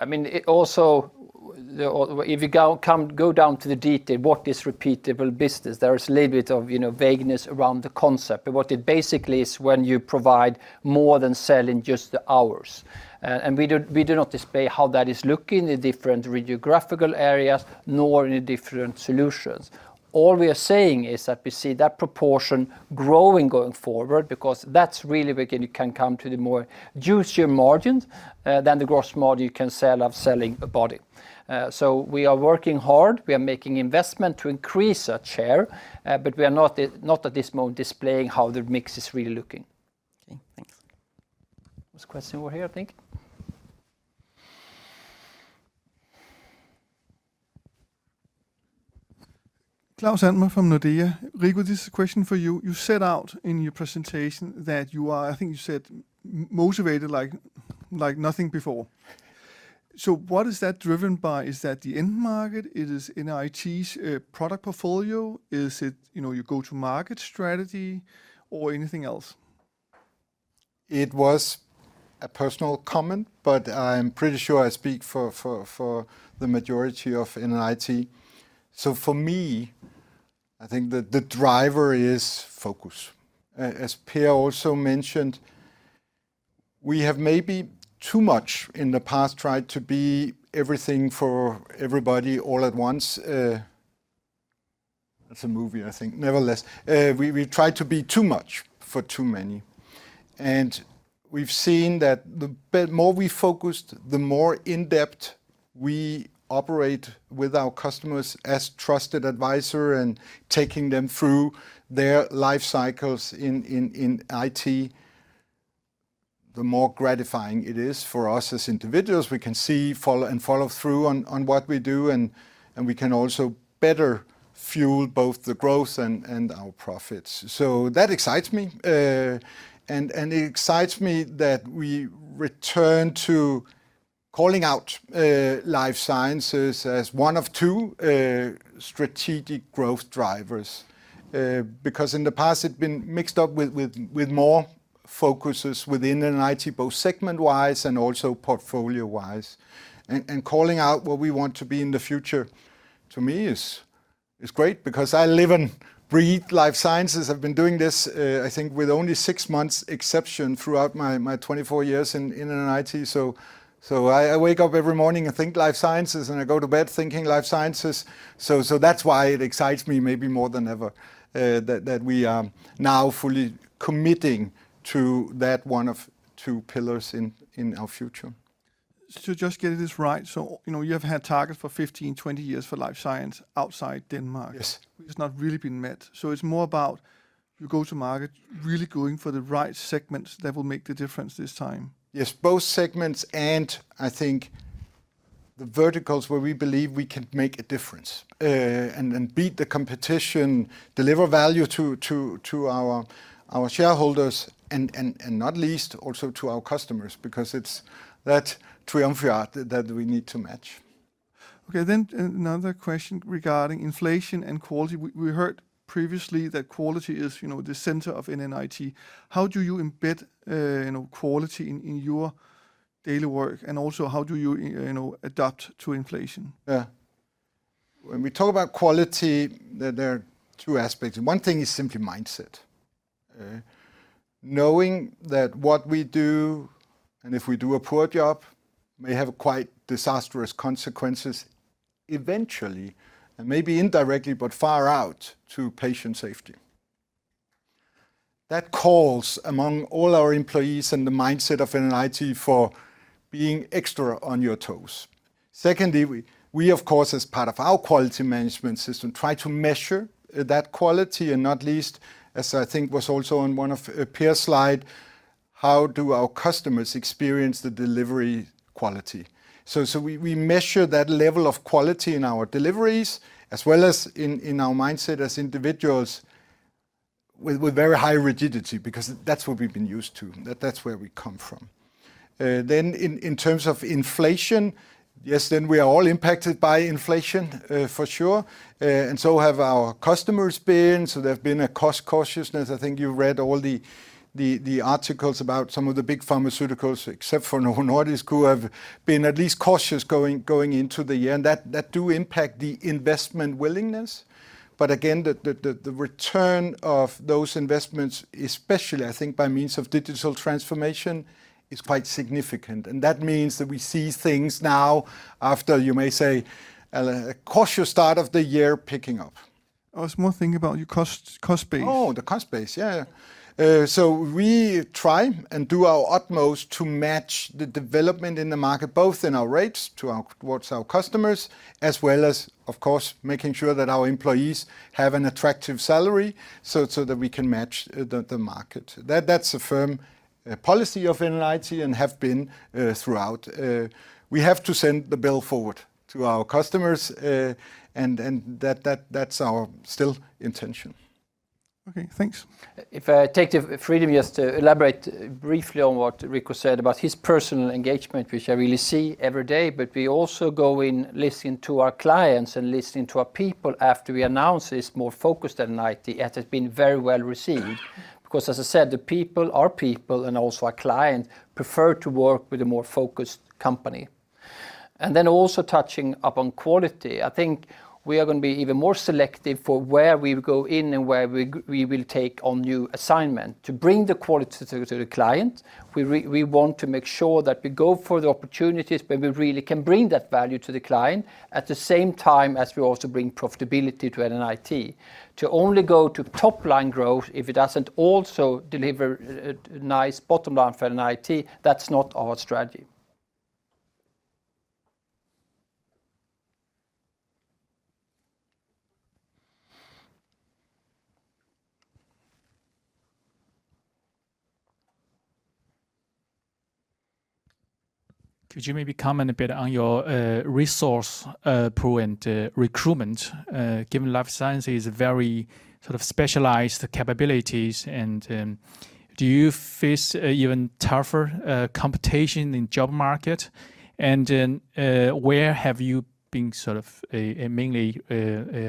I mean, it also, if you go down to the detail, what is repeatable business? There is a little bit of, you know, vagueness around the concept, but what it basically is when you provide more than selling just the hours. And we do not display how that is looking in different geographical areas, nor in the different solutions. All we are saying is that we see that proportion growing going forward, because that's really we can come to the more juicier margins than the gross margin you can sell of selling a body. So we are working hard. We are making investment to increase our share, but we are not at this moment displaying how the mix is really looking. Okay, thanks. There's a question over here, I think. Claus Almer from Nordea. Ricco, this is a question for you. You set out in your presentation that you are, I think you said, "Motivated like, like nothing before." So what is that driven by? Is that the end market? Is it NNIT's product portfolio? Is it, you know, you go-to-market strategy or anything else? It was a personal comment, but I'm pretty sure I speak for the majority of NNIT. So for me, I think the driver is focus. As Pär also mentioned, we have maybe too much in the past tried to be everything for everybody all at once. That's a movie, I think. Nevertheless, we try to be too much for too many, and we've seen that the bit more we focused, the more in-depth we operate with our customers as trusted advisor and taking them through their life cycles in IT, the more gratifying it is for us as individuals. We can see, follow, and follow through on what we do, and we can also better fuel both the growth and our profits. So that excites me. And it excites me that we return to calling out life sciences as one of 2 strategic growth drivers because in the past, it's been mixed up with more focuses within NNIT, both segment-wise and also portfolio-wise. Calling out what we want to be in the future, to me, is great because I live and breathe life sciences. I've been doing this, I think, with only 6 months exception throughout my 24 years in NNIT. I wake up every morning and think life sciences, and I go to bed thinking life sciences. That's why it excites me maybe more than ever that we are now fully committing to that one of 2 pillars in our future. So just getting this right, so, you know, you have had targets for 15, 20 years for life science outside Denmark- Yes.... which has not really been met. So it's more about you go to market, really going for the right segments that will make the difference this time? Yes, both segments and I think the verticals where we believe we can make a difference, and then beat the competition, deliver value to our shareholders, and not least, also to our customers, because it's that triumvirate that we need to match. Okay, then another question regarding inflation and quality. We heard previously that quality is, you know, the center of NNIT. How do you embed, you know, quality in your daily work? And also, how do you, you know, adapt to inflation? Yeah. When we talk about quality, there, there are two aspects, and one thing is simply mindset. Knowing that what we do, and if we do a poor job, may have quite disastrous consequences eventually, and maybe indirectly, but far out to patient safety. That calls among all our employees and the mindset of NNIT for being extra on your toes. Secondly, we, of course, as part of our quality management system, try to measure that quality, and not least, as I think was also on one of Pär's slide, how do our customers experience the delivery quality? So we measure that level of quality in our deliveries, as well as in our mindset as individuals with very high rigidity, because that's what we've been used to, that's where we come from. Then in terms of inflation, yes, then we are all impacted by inflation, for sure, and so have our customers been, so there have been a cost cautiousness. I think you read all the articles about some of the big pharmaceuticals, except for Novo Nordisk, who have been at least cautious going into the year, and that do impact the investment willingness. But again, the return of those investments, especially, I think, by means of digital transformation, is quite significant. And that means that we see things now after, you may say, a cautious start of the year picking up. Oh, a small thing about your cost, cost base. Oh, the cost base. Yeah, yeah. So we try and do our utmost to match the development in the market, both in our rates to our, towards our customers, as well as, of course, making sure that our employees have an attractive salary, so, so that we can match the, the market. That, that's a firm policy of NNIT and have been throughout. We have to send the bill forward to our customers, and that, that's our still intention. Okay, thanks. If I take the freedom just to elaborate briefly on what Ricco said about his personal engagement, which I really see every day, but we also go in listening to our clients and listening to our people after we announce this more focused NNIT, it has been very well received. Because as I said, the people, our people and also our clients, prefer to work with a more focused company. And then also touching upon quality, I think we are going to be even more selective for where we go in and where we will take on new assignment. To bring the quality to the client, we want to make sure that we go for the opportunities where we really can bring that value to the client, at the same time as we also bring profitability to NNIT. To only go to top-line growth if it doesn't also deliver a nice bottom line for NNIT, that's not our strategy. Could you maybe comment a bit on your resource pool and recruitment? Given life science is very sort of specialized capabilities, and do you face a even tougher competition in job market? And then, where have you been sort of mainly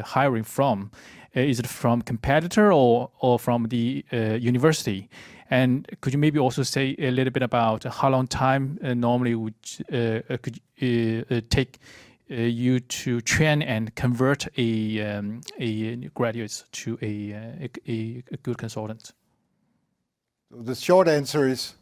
hiring from? Is it from competitor or from the university? And could you maybe also say a little bit about how long time normally would could take you to train and convert a graduates to a good consultant? The short answer is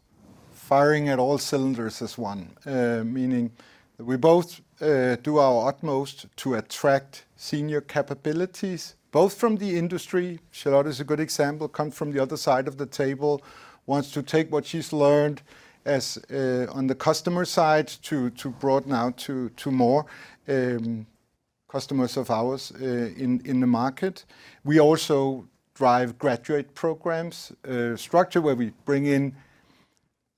firing at all cylinders as one. Meaning we both do our utmost to attract senior capabilities, both from the industry. Charlotte is a good example, come from the other side of the table, wants to take what she's learned as on the customer side to broaden out to more customers of ours in the market. We also drive graduate programs structure, where we bring in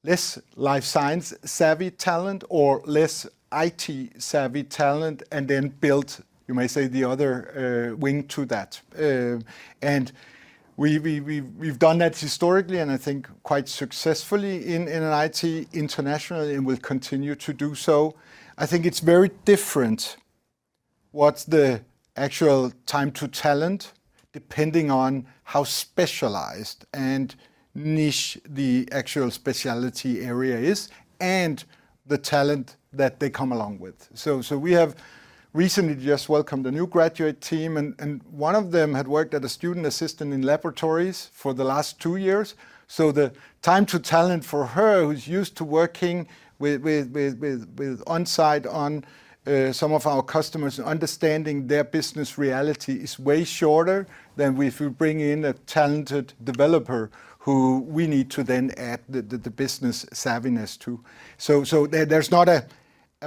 less life science savvy talent or less IT savvy talent, and then build, you may say, the other wing to that. And we've done that historically, and I think quite successfully in NNIT internationally and will continue to do so. I think it's very different what's the actual time to talent, depending on how specialized and niche the actual speciality area is, and the talent that they come along with. So we have recently just welcomed a new graduate team, and one of them had worked as a student assistant in laboratories for the last two years. So the time to talent for her, who's used to working with on-site on some of our customers and understanding their business reality, is way shorter than if we bring in a talented developer who we need to then add the business savviness to. So there, there's not a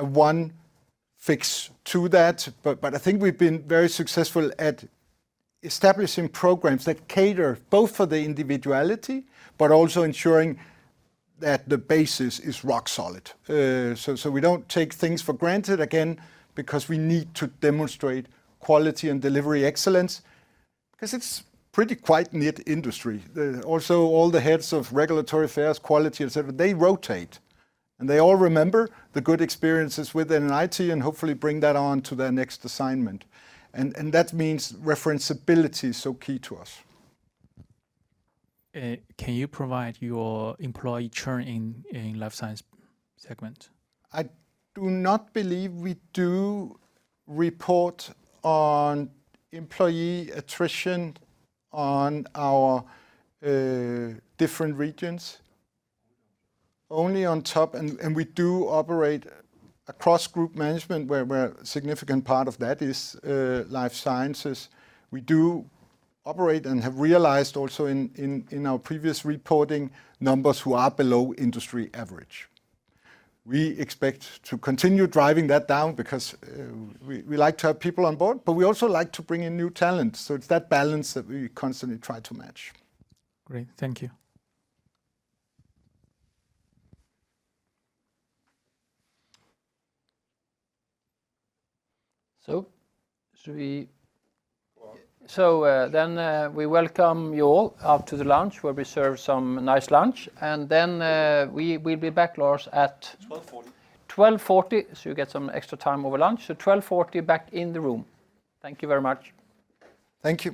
one fix to that, but I think we've been very successful at establishing programs that cater both for the individuality, but also ensuring that the basis is rock solid. So, we don't take things for granted, again, because we need to demonstrate quality and delivery excellence, 'cause it's a pretty tight-knit industry. Also, all the heads of regulatory affairs, quality, et cetera, they rotate, and they all remember the good experiences with NNIT and hopefully bring that on to their next assignment. And that means referenceability is so key to us. Can you provide your employee churn in life science segment? I do not believe we do report on employee attrition on our different regions. Only on top, and we do operate across Group Management, where a significant part of that is life sciences. We do operate and have realized also in our previous reporting numbers, who are below industry average. We expect to continue driving that down because we like to have people on board, but we also like to bring in new talent, so it's that balance that we constantly try to match. Great, thank you. So should we- Well... So, then, we welcome you all out to the lunch, where we serve some nice lunch, and then, we will be back, Lars, at- 12:40 P.M. 12:40 P.M., so you get some extra time over lunch. So 12:40 P.M., back in the room. Thank you very much. Thank you.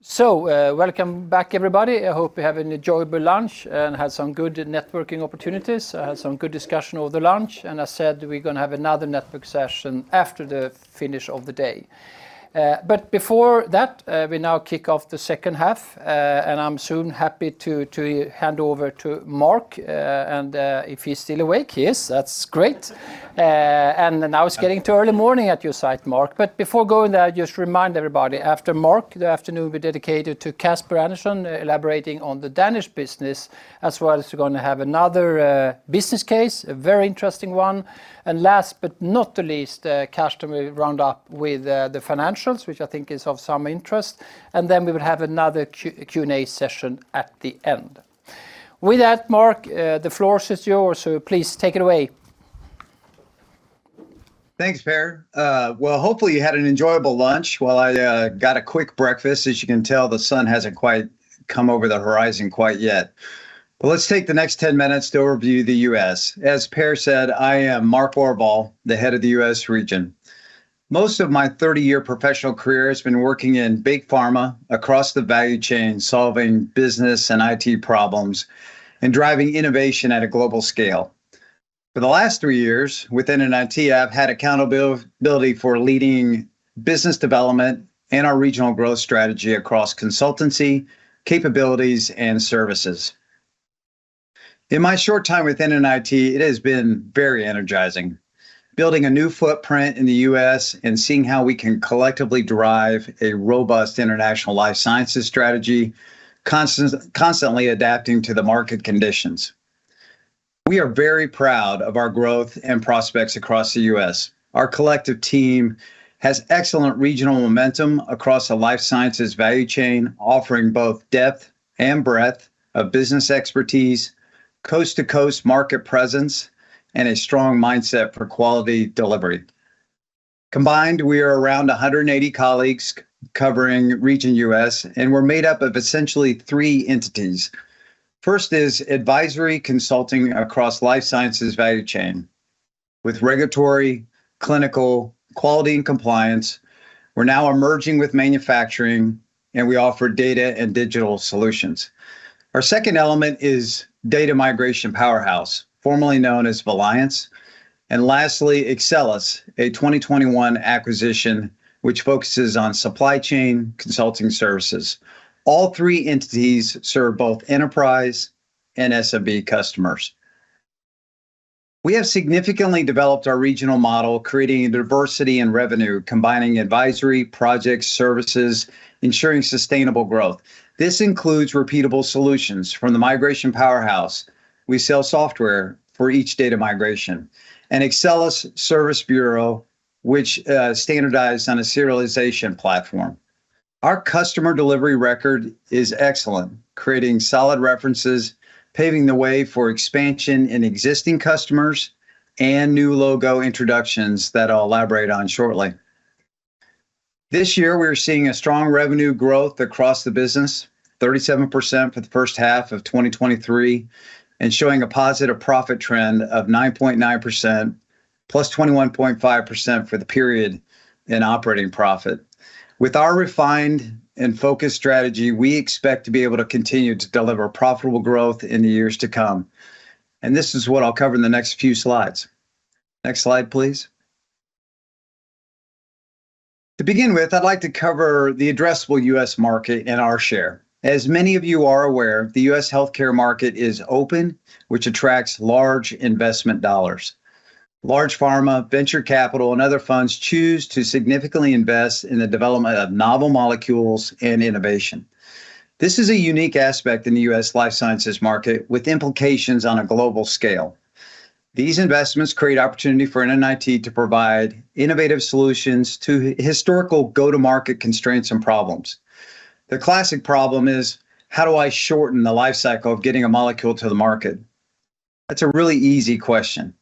So, welcome back, everybody. I hope you have an enjoyable lunch and had some good networking opportunities, some good discussion over the lunch. And I said we're gonna have another network session after the finish of the day, but before that, we now kick off the second half, and I'm soon happy to hand over to Mark, and if he's still awake. He is? That's great. And now it's getting to early morning at your site, Mark. But before going there, I just remind everybody, after Mark, the afternoon will be dedicated to Kasper Andersen, elaborating on the Danish business, as well as we're going to have another business case, a very interesting one. And last but not the least, Kasper will round up with the financials, which I think is of some interest, and then we will have another Q&A session at the end. With that, Mark, the floor is yours, so please take it away. Thanks, Pär. Well, hopefully you had an enjoyable lunch, while I got a quick breakfast. As you can tell, the sun hasn't quite come over the horizon quite yet. But let's take the next 10 minutes to overview the U.S. As Pär said, I am Mark Ohrvall, the head of the U.S. region. Most of my 30-year professional career has been working in big pharma across the value chain, solving business and IT problems, and driving innovation at a global scale. For the last three years, within NNIT, I've had accountability for leading business development and our regional growth strategy across consultancy, capabilities, and services. In my short time with NNIT, it has been very energizing. Building a new footprint in the U.S. and seeing how we can collectively derive a robust international life sciences strategy, constantly adapting to the market conditions. We are very proud of our growth and prospects across the U.S. Our collective team has excellent regional momentum across the life sciences value chain, offering both depth and breadth of business expertise, coast-to-coast market presence, and a strong mindset for quality delivery. Combined, we are around 180 colleagues covering Region U.S., and we're made up of essentially three entities. First is advisory consulting across life sciences value chain. With regulatory, clinical, quality, and compliance, we're now emerging with manufacturing, and we offer data and digital solutions. Our second element is data migration powerhouse, formerly known as Valiance, and lastly, Excellis, a 2021 acquisition, which focuses on supply chain consulting services. All three entities serve both enterprise and SMB customers. We have significantly developed our regional model, creating diversity in revenue, combining advisory, projects, services, ensuring sustainable growth. This includes repeatable solutions. From the Migration Powerhouse, we sell software for each data migration, and Excellis Health Solutions, which standardized on a serialization platform. Our customer delivery record is excellent, creating solid references, paving the way for expansion in existing customers and new logo introductions that I'll elaborate on shortly. This year, we're seeing a strong revenue growth across the business, 37% for the first half of 2023, and showing a positive profit trend of 9.9%, +21.5% for the period in operating profit. With our refined and focused strategy, we expect to be able to continue to deliver profitable growth in the years to come. And this is what I'll cover in the next few slides. Next slide, please. To begin with, I'd like to cover the addressable U.S. market and our share. As many of you are aware, the U.S. healthcare market is open, which attracts large investment dollars. Large pharma, venture capital, and other funds choose to significantly invest in the development of novel molecules and innovation. This is a unique aspect in the U.S. life sciences market, with implications on a global scale. These investments create opportunity for NNIT to provide innovative solutions to historical go-to-market constraints and problems. The classic problem is: how do I shorten the life cycle of getting a molecule to the market? That's a really easy question,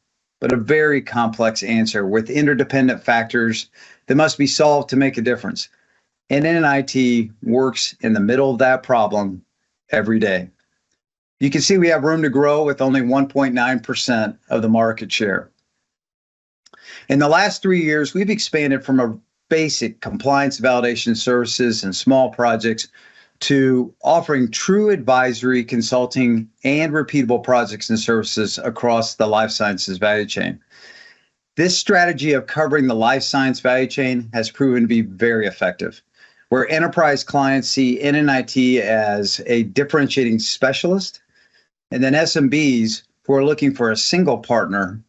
but a very complex answer, with interdependent factors that must be solved to make a difference. And NNIT works in the middle of that problem every day. You can see we have room to grow with only 1.9% of the market share. In the last three years, we've expanded from a basic compliance validation services and small projects to offering true advisory, consulting, and repeatable projects and services across the life sciences value chain. This strategy of covering the life science value chain has proven to be very effective, where enterprise clients see NNIT as a differentiating specialist, and then SMBs, who are looking for a single partner,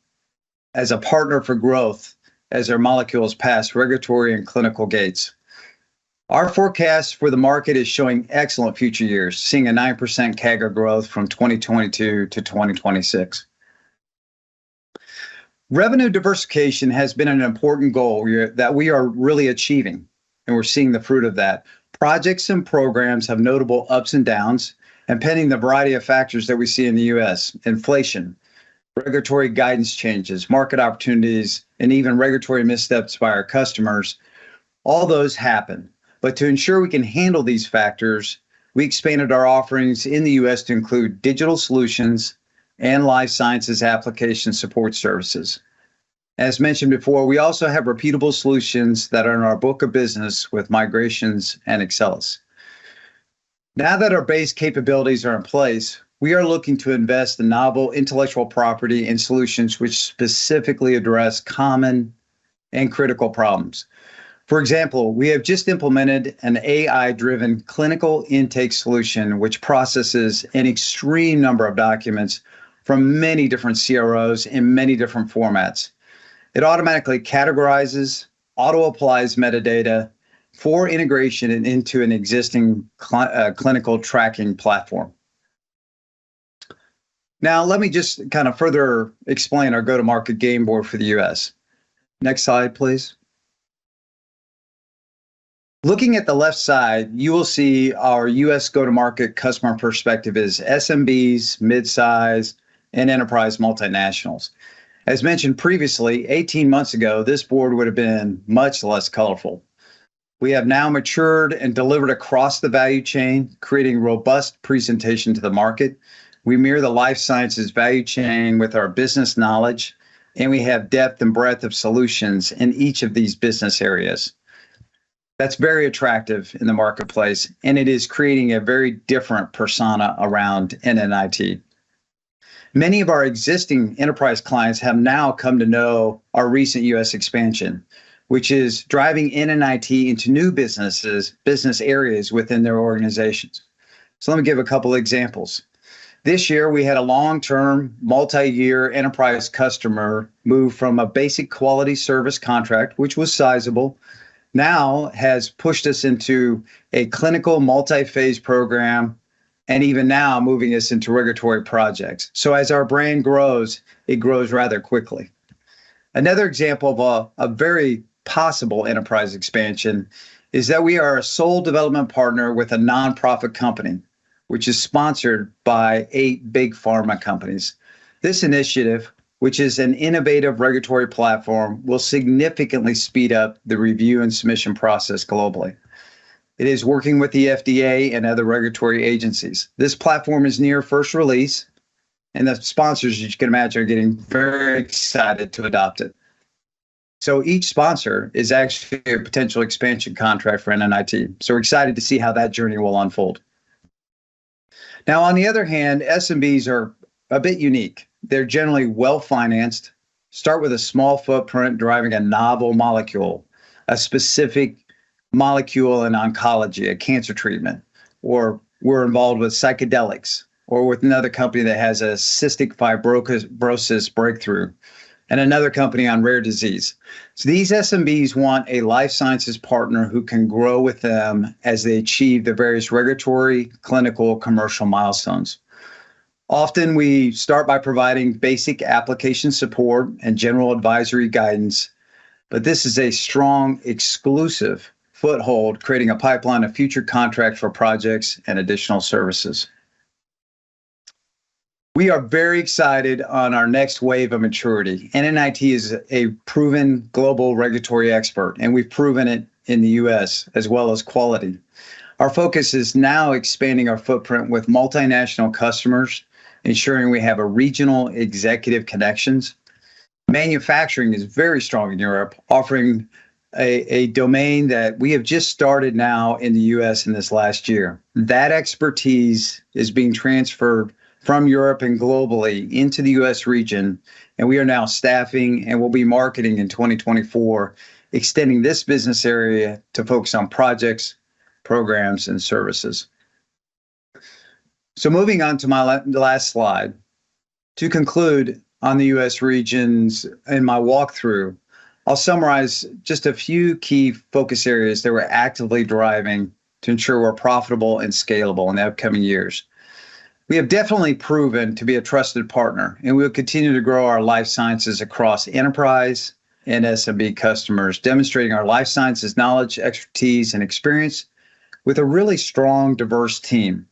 as a partner for growth as their molecules pass regulatory and clinical gates. Our forecast for the market is showing excellent future years, seeing a 9% CAGR growth from 2022 to 2026. Revenue diversification has been an important goal we are really achieving, and we're seeing the fruit of that. Projects and programs have notable ups and downs, depending on the variety of factors that we see in the U.S.: inflation, regulatory guidance changes, market opportunities, and even regulatory missteps by our customers. All those happen, but to ensure we can handle these factors, we expanded our offerings in the U.S. to include digital solutions and life sciences application support services. As mentioned before, we also have repeatable solutions that are in our book of business with migrations and Excellis. Now that our base capabilities are in place, we are looking to invest in novel intellectual property and solutions which specifically address common and critical problems. For example, we have just implemented an AI-driven clinical intake solution, which processes an extreme number of documents from many different CROs in many different formats. It automatically categorizes, auto-applies metadata for integration and into an existing clinical tracking platform. Now, let me just kind of further explain our go-to-market game board for the U.S. Next slide, please. Looking at the left side, you will see our U.S. go-to-market customer perspective is SMBs, mid-size, and enterprise multinationals. As mentioned previously, 18 months ago, this board would have been much less colorful. We have now matured and delivered across the value chain, creating robust presentation to the market. We mirror the life sciences value chain with our business knowledge, and we have depth and breadth of solutions in each of these business areas. That's very attractive in the marketplace, and it is creating a very different persona around NNIT. Many of our existing enterprise clients have now come to know our recent U.S. expansion, which is driving NNIT into new businesses, business areas within their organizations. So let me give a couple examples. This year, we had a long-term, multi-year enterprise customer move from a basic quality service contract, which was sizable, now has pushed us into a clinical multi-phase program and even now moving us into regulatory projects. So as our brand grows, it grows rather quickly. Another example of a very possible enterprise expansion is that we are a sole development partner with a nonprofit company, which is sponsored by eight big pharma companies. This initiative, which is an innovative regulatory platform, will significantly speed up the review and submission process globally. It is working with the FDA and other regulatory agencies. This platform is near first release, and the sponsors, as you can imagine, are getting very excited to adopt it. So each sponsor is actually a potential expansion contract for NNIT, so we're excited to see how that journey will unfold. Now, on the other hand, SMBs are a bit unique. They're generally well-financed, start with a small footprint driving a novel molecule, a specific molecule in oncology, a cancer treatment, or we're involved with psychedelics, or with another company that has a cystic fibrosis, fibrosis breakthrough, and another company on rare disease. So these SMBs want a life sciences partner who can grow with them as they achieve their various regulatory, clinical, commercial milestones. Often, we start by providing basic application support and general advisory guidance, but this is a strong, exclusive foothold, creating a pipeline of future contracts for projects and additional services. We are very excited on our next wave of maturity. NNIT is a proven global regulatory expert, and we've proven it in the U.S. as well as quality. Our focus is now expanding our footprint with multinational customers, ensuring we have a regional executive connections. Manufacturing is very strong in Europe, offering a domain that we have just started now in the U.S. in this last year. That expertise is being transferred from Europe and globally into the U.S. region, and we are now staffing and will be marketing in 2024, extending this business area to focus on projects, programs, and services. So moving on to my last slide. To conclude on the U.S. regions in my walkthrough, I'll summarize just a few key focus areas that we're actively driving to ensure we're profitable and scalable in the upcoming years. We have definitely proven to be a trusted partner, and we'll continue to grow our life sciences across enterprise and SMB customers, demonstrating our life sciences knowledge, expertise, and experience with a really strong, diverse team.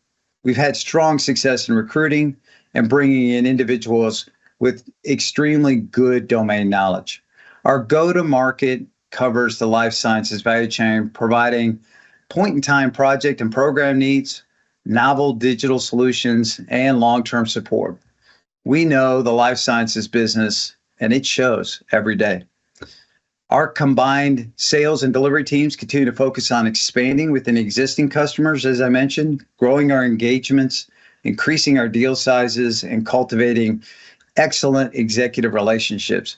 We've had strong success in recruiting and bringing in individuals with extremely good domain knowledge. Our go-to-market covers the life sciences value chain, providing point-in-time project and program needs, novel digital solutions, and long-term support. We know the life sciences business, and it shows every day. Our combined sales and delivery teams continue to focus on expanding within existing customers, as I mentioned, growing our engagements, increasing our deal sizes, and cultivating excellent executive relationships,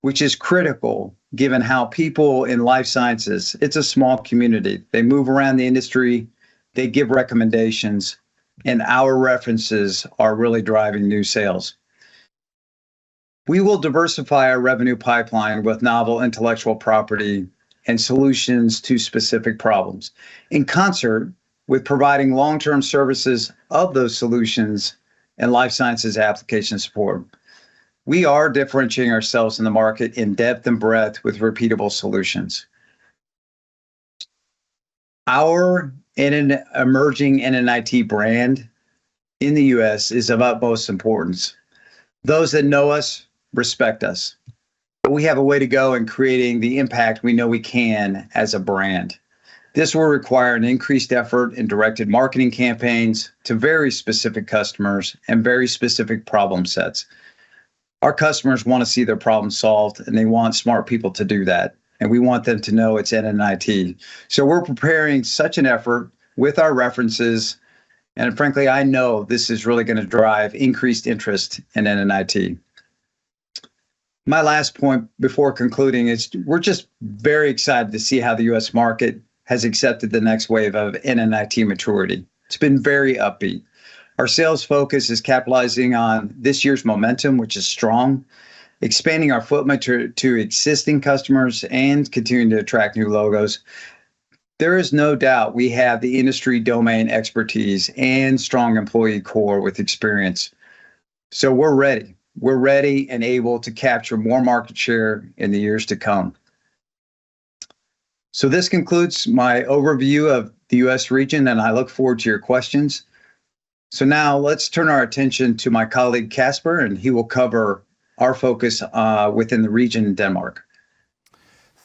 which is critical given how people in life sciences, it's a small community. They move around the industry, they give recommendations, and our references are really driving new sales. We will diversify our revenue pipeline with novel intellectual property and solutions to specific problems. In concert with providing long-term services of those solutions and life sciences application support, we are differentiating ourselves in the market in depth and breadth with repeatable solutions. Our emerging NNIT brand in the U.S. is of utmost importance. Those that know us respect us, but we have a way to go in creating the impact we know we can as a brand. This will require an increased effort in directed marketing campaigns to very specific customers and very specific problem sets. Our customers want to see their problem solved, and they want smart people to do that, and we want them to know it's NNIT. So we're preparing such an effort with our references, and frankly, I know this is really going to drive increased interest in NNIT. My last point before concluding is we're just very excited to see how the U.S. market has accepted the next wave of NNIT maturity. It's been very upbeat. Our sales focus is capitalizing on this year's momentum, which is strong, expanding our footprint to existing customers, and continuing to attract new logos. There is no doubt we have the industry domain expertise and strong employee core with experience, so we're ready. We're ready and able to capture more market share in the years to come. So this concludes my overview of the U.S. region, and I look forward to your questions. So now let's turn our attention to my colleague, Kasper, and he will cover our focus within the region in Denmark.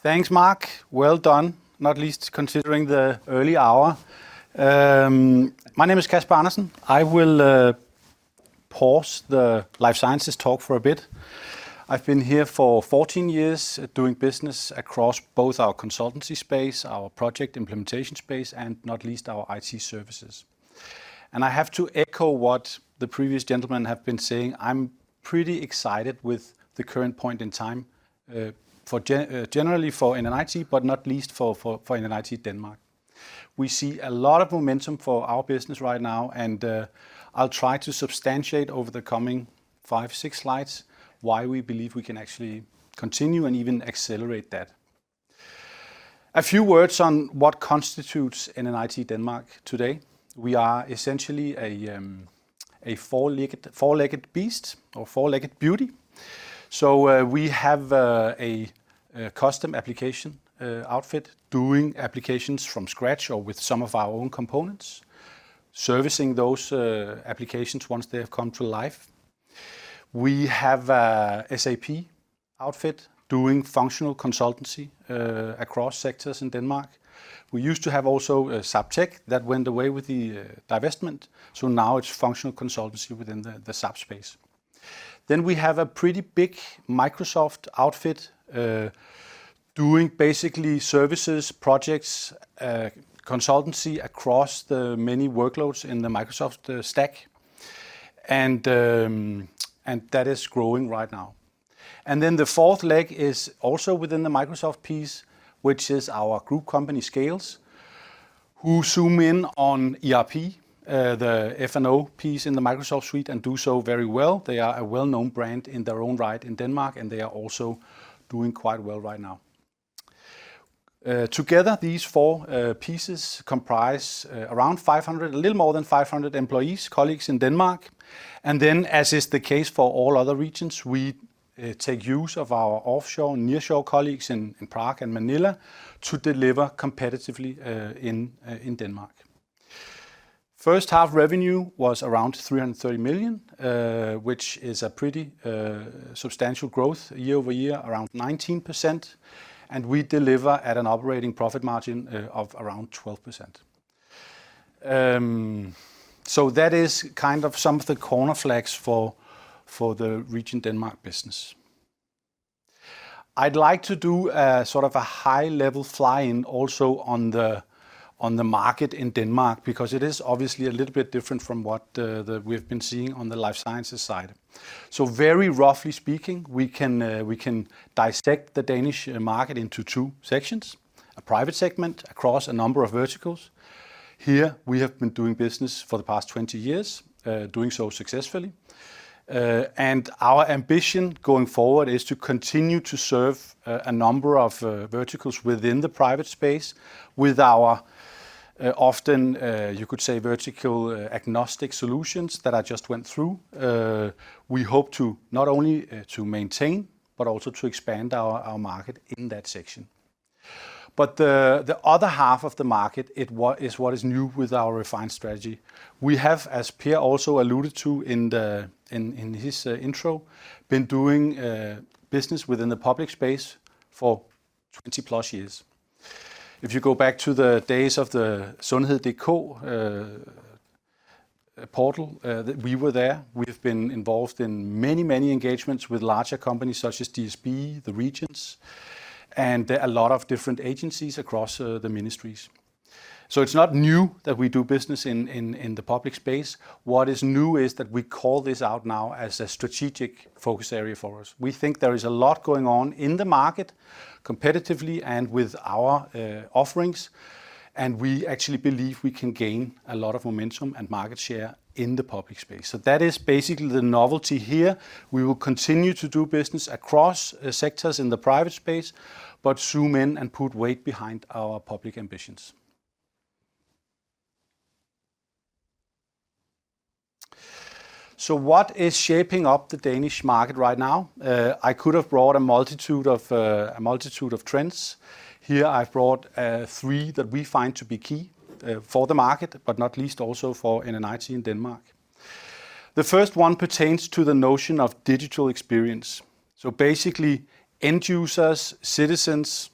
Thanks, Mark. Well done. Not least considering the early hour. My name is Kasper Andersen. I will pause the life sciences talk for a bit. I've been here for 14 years, doing business across both our consultancy space, our project implementation space, and not least, our IT services. I have to echo what the previous gentlemen have been saying. I'm pretty excited with the current point in time, generally for NNIT, but not least for NNIT Denmark. We see a lot of momentum for our business right now, and I'll try to substantiate over the coming five, six slides why we believe we can actually continue and even accelerate that. A few words on what constitutes NNIT Denmark today. We are essentially a four-legged, four-legged beast or four-legged beauty. So, we have a custom application outfit, doing applications from scratch or with some of our own components, servicing those applications once they have come to life. We have a SAP outfit doing functional consultancy across sectors in Denmark. We used to have also a SAP tech that went away with the divestment, so now it's functional consultancy within the SAP space. Then we have a pretty big Microsoft outfit doing basically services, projects, consultancy across the many workloads in the Microsoft stack. And that is growing right now. And then the fourth leg is also within the Microsoft piece, which is our group company SCALES, who zoom in on ERP, the F&O piece in the Microsoft Suite, and do so very well. They are a well-known brand in their own right in Denmark, and they are also doing quite well right now. Together, these four pieces comprise around 500, a little more than 500 employees, colleagues in Denmark. And then, as is the case for all other regions, we take use of our offshore and nearshore colleagues in Prague and Manila to deliver competitively in Denmark. First half revenue was around 330 million, which is a pretty substantial growth year over year, around 19%, and we deliver at an operating profit margin of around 12%. So that is kind of some of the corner flags for the Region Denmark business. I'd like to do a sort of a high-level fly-in also on the market in Denmark, because it is obviously a little bit different from what we've been seeing on the life sciences side. So very roughly speaking, we can dissect the Danish market into two sections, a private segment across a number of verticals. Here, we have been doing business for the past 20 years, doing so successfully. And our ambition going forward is to continue to serve a number of verticals within the private space with our often, you could say, vertical agnostic solutions that I just went through. We hope to not only to maintain, but also to expand our market in that section. But the other half of the market, it what, is what is new with our refined strategy. We have, as Pär also alluded to in his intro, been doing business within the public space for 20+ years. If you go back to the days of the Sundhed.dk portal, we were there. We've been involved in many, many engagements with larger companies such as DSB, the regions, and a lot of different agencies across the ministries. So it's not new that we do business in the public space. What is new is that we call this out now as a strategic focus area for us. We think there is a lot going on in the market, competitively and with our offerings, and we actually believe we can gain a lot of momentum and market share in the public space. So that is basically the novelty here. We will continue to do business across sectors in the private space, but zoom in and put weight behind our public ambitions. So what is shaping up the Danish market right now? I could have brought a multitude of trends. Here, I've brought three that we find to be key for the market, but not least also for NNIT in Denmark. The first one pertains to the notion of digital experience. So basically, end users, citizens,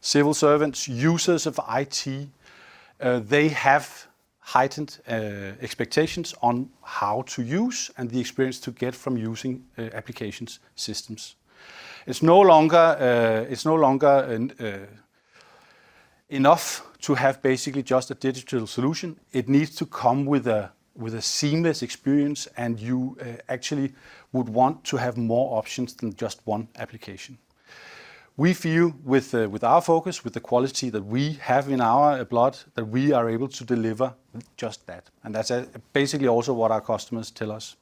civil servants, users of IT, they have heightened expectations on how to use and the experience to get from using applications systems. It's no longer enough to have basically just a digital solution. It needs to come with a seamless experience, and you actually would want to have more options than just one application. We feel with, with our focus, with the quality that we have in our blood, that we are able to deliver just that, and that's, basically also what our customers tell us.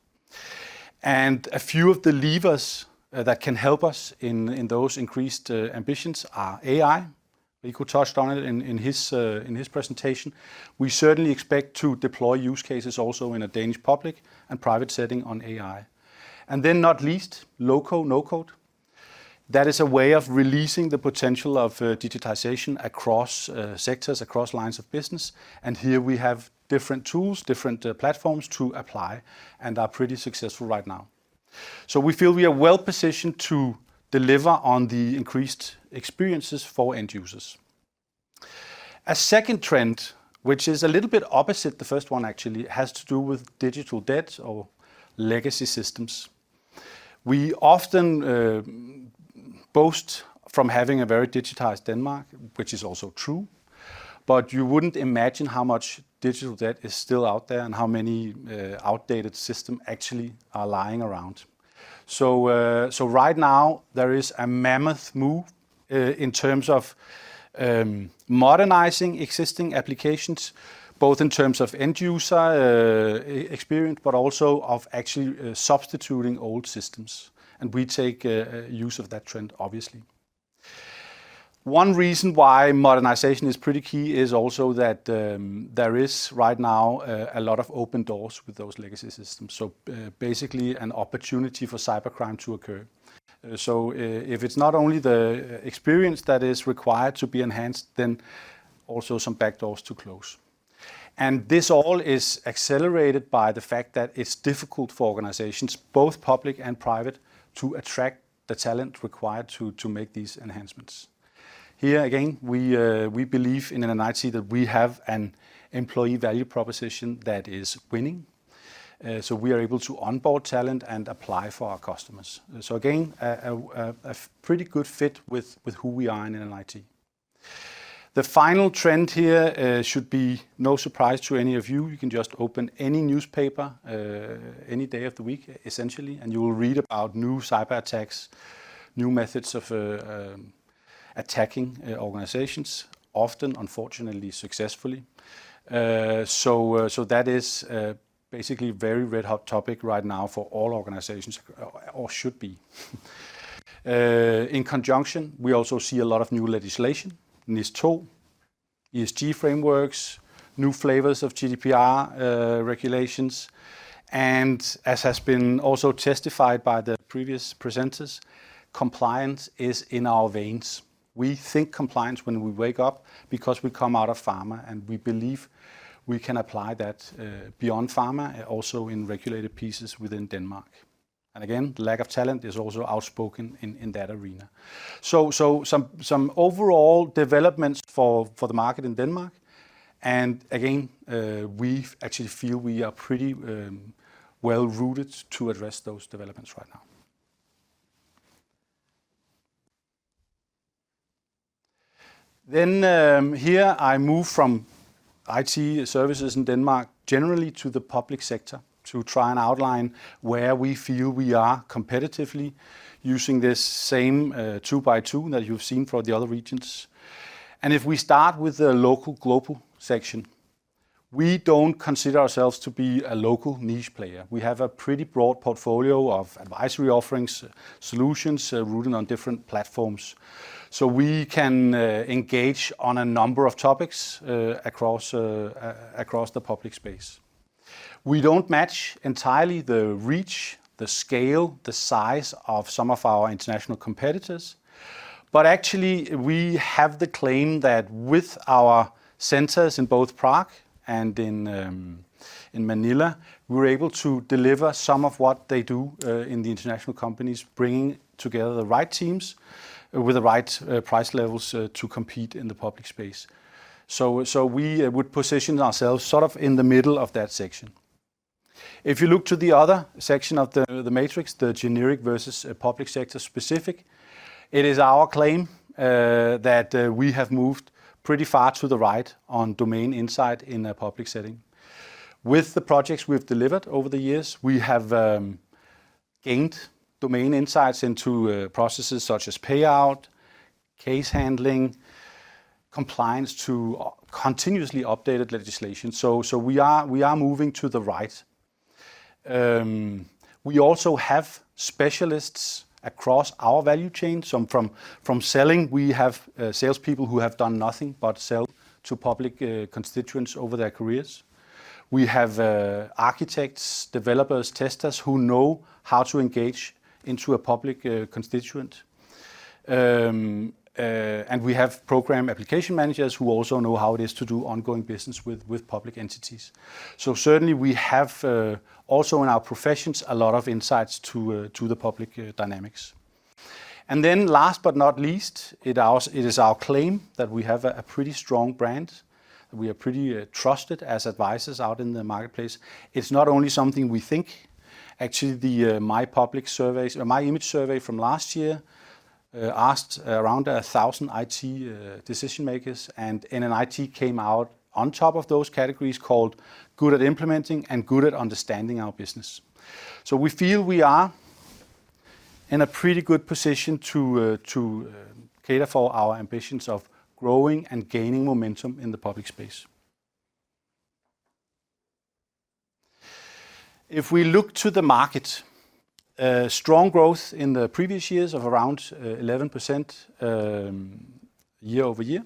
And a few of the levers that can help us in, in those increased ambitions are AI. Ricco touched on it in, in his, in his presentation. We certainly expect to deploy use cases also in a Danish public and private setting on AI. And then not least, low-code, no-code. That is a way of releasing the potential of, digitization across, sectors, across lines of business. And here we have different tools, different, platforms to apply and are pretty successful right now. So we feel we are well positioned to deliver on the increased experiences for end users. A second trend, which is a little bit opposite the first one actually, has to do with digital debt or legacy systems. We often boast from having a very digitized Denmark, which is also true, but you wouldn't imagine how much digital debt is still out there and how many outdated system actually are lying around. So, so right now, there is a mammoth move in terms of modernizing existing applications, both in terms of end user experience, but also of actually substituting old systems, and we take use of that trend, obviously. One reason why modernization is pretty key is also that, there is right now a lot of open doors with those legacy systems, so basically an opportunity for cybercrime to occur. So if it's not only the experience that is required to be enhanced, then also some back doors to close. This all is accelerated by the fact that it's difficult for organizations, both public and private, to attract the talent required to make these enhancements. Here, again, we believe in NNIT that we have an employee value proposition that is winning. So we are able to onboard talent and apply for our customers. So again, a pretty good fit with who we are in NNIT. The final trend here should be no surprise to any of you. You can just open any newspaper any day of the week, essentially, and you will read about new cyber attacks, new methods of attacking organizations, often, unfortunately, successfully. So that is basically a very red-hot topic right now for all organizations, or should be. In conjunction, we also see a lot of new legislation, NIS2, ESG frameworks, new flavors of GDPR, regulations, and as has been also testified by the previous presenters, compliance is in our veins. We think compliance when we wake up because we come out of pharma, and we believe we can apply that beyond pharma, also in regulated pieces within Denmark. And again, lack of talent is also outspoken in that arena. So some overall developments for the market in Denmark, and again, we actually feel we are pretty well-rooted to address those developments right now. Then, here I move from IT services in Denmark generally to the public sector to try and outline where we feel we are competitively using this same two-by-two that you've seen for the other regions. And if we start with the local/global section, we don't consider ourselves to be a local niche player. We have a pretty broad portfolio of advisory offerings, solutions, rooting on different platforms. So we can engage on a number of topics across the public space. We don't match entirely the reach, the scale, the size of some of our international competitors, but actually, we have the claim that with our centers in both Prague and in Manila, we're able to deliver some of what they do in the international companies, bringing together the right teams with the right price levels to compete in the public space. So we would position ourselves sort of in the middle of that section. If you look to the other section of the matrix, the generic versus public sector specific, it is our claim that we have moved pretty far to the right on domain insight in a public setting. With the projects we've delivered over the years, we have gained domain insights into processes such as payout, case handling, compliance to continuously updated legislation. So we are moving to the right. We also have specialists across our value chain. Some from selling, we have salespeople who have done nothing but sell to public constituents over their careers. We have architects, developers, testers who know how to engage into a public constituent. And we have program application managers who also know how it is to do ongoing business with public entities. So certainly, we have also in our professions, a lot of insights to the public dynamics. And then last but not least, it is our claim that we have a pretty strong brand. We are pretty trusted as advisors out in the marketplace. It's not only something we think. Actually, MyPublic surveys or MyImage survey from last year asked around 1,000 IT decision makers, and NNIT came out on top of those categories, called "Good at implementing" and "Good at understanding our business." So we feel we are in a pretty good position to cater for our ambitions of growing and gaining momentum in the public space. If we look to the market, a strong growth in the previous years of around 11% year-over-year.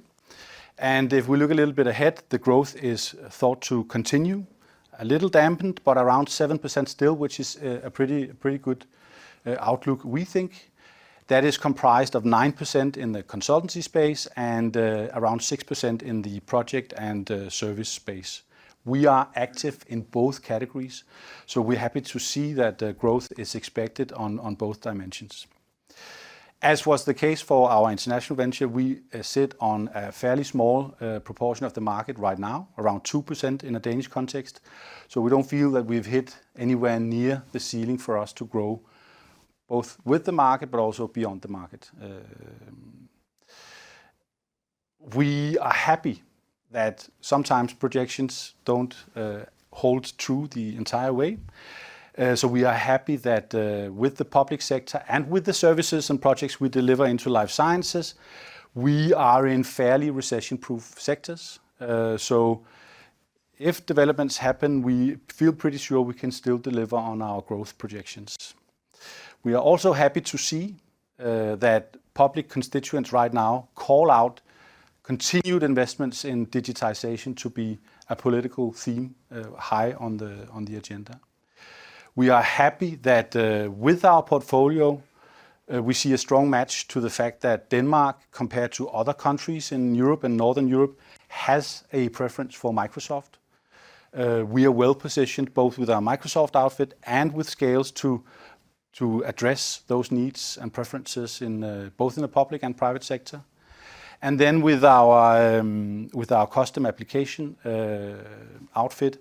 If we look a little bit ahead, the growth is thought to continue, a little dampened, but around 7% still, which is a pretty good outlook, we think. That is comprised of 9% in the consultancy space and around 6% in the project and service space. We are active in both categories, so we're happy to see that growth is expected on both dimensions. As was the case for our international venture, we sit on a fairly small proportion of the market right now, around 2% in a Danish context. So we don't feel that we've hit anywhere near the ceiling for us to grow, both with the market but also beyond the market. We are happy that sometimes projections don't hold true the entire way. So we are happy that with the public sector and with the services and projects we deliver into life sciences, we are in fairly recession-proof sectors. So if developments happen, we feel pretty sure we can still deliver on our growth projections. We are also happy to see that public constituents right now call out continued investments in digitization to be a political theme, high on the agenda. We are happy that with our portfolio we see a strong match to the fact that Denmark, compared to other countries in Europe and Northern Europe, has a preference for Microsoft. We are well positioned both with our Microsoft outfit and with SCALES to address those needs and preferences in both the public and private sector. And then with our custom application outfit,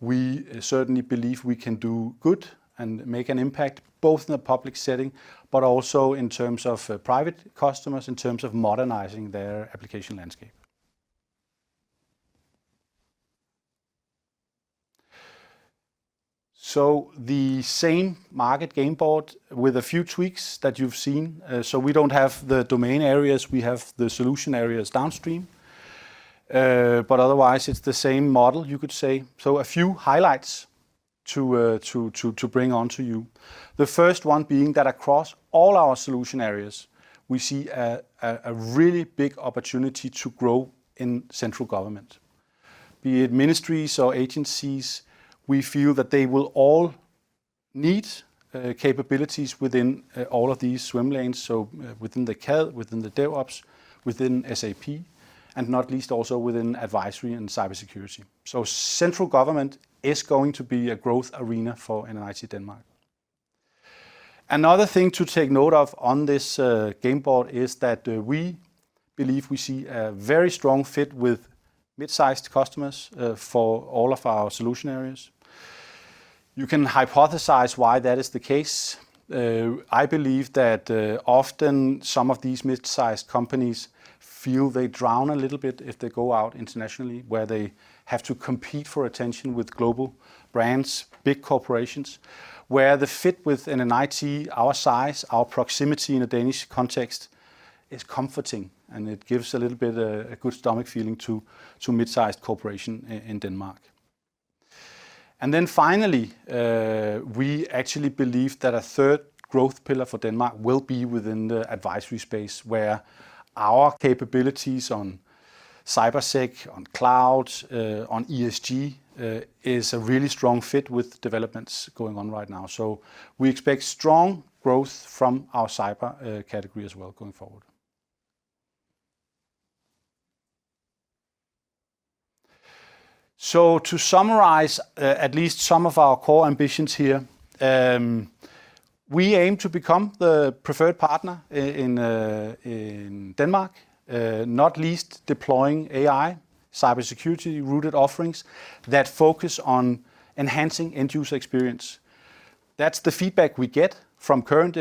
we certainly believe we can do good and make an impact, both in the public setting but also in terms of private customers, in terms of modernizing their application landscape. So the same market game board with a few tweaks that you've seen. So we don't have the domain areas, we have the solution areas downstream. But otherwise, it's the same model, you could say. A few highlights to bring on to you. The first one being that across all our solution areas, we see a really big opportunity to grow in central government. Be it ministries or agencies, we feel that they will all need capabilities within all of these swim lanes, so within the CAL, within the DevOps, within SAP, and not least, also within advisory and cybersecurity. So central government is going to be a growth arena for NNIT Denmark. Another thing to take note of on this game board is that we believe we see a very strong fit with mid-sized customers for all of our solution areas. You can hypothesize why that is the case. I believe that, often some of these mid-sized companies feel they drown a little bit if they go out internationally, where they have to compete for attention with global brands, big corporations, where the fit with NNIT, our size, our proximity in a Danish context, is comforting, and it gives a little bit, a good stomach feeling to mid-sized corporations in Denmark. And then finally, we actually believe that a third growth pillar for Denmark will be within the advisory space, where our capabilities on cybersec, on cloud, on ESG, is a really strong fit with developments going on right now. So we expect strong growth from our cyber category as well going forward. So to summarize, at least some of our core ambitions here, we aim to become the preferred partner in Denmark, not least deploying AI, cybersecurity-rooted offerings that focus on enhancing end-user experience. That's the feedback we get from current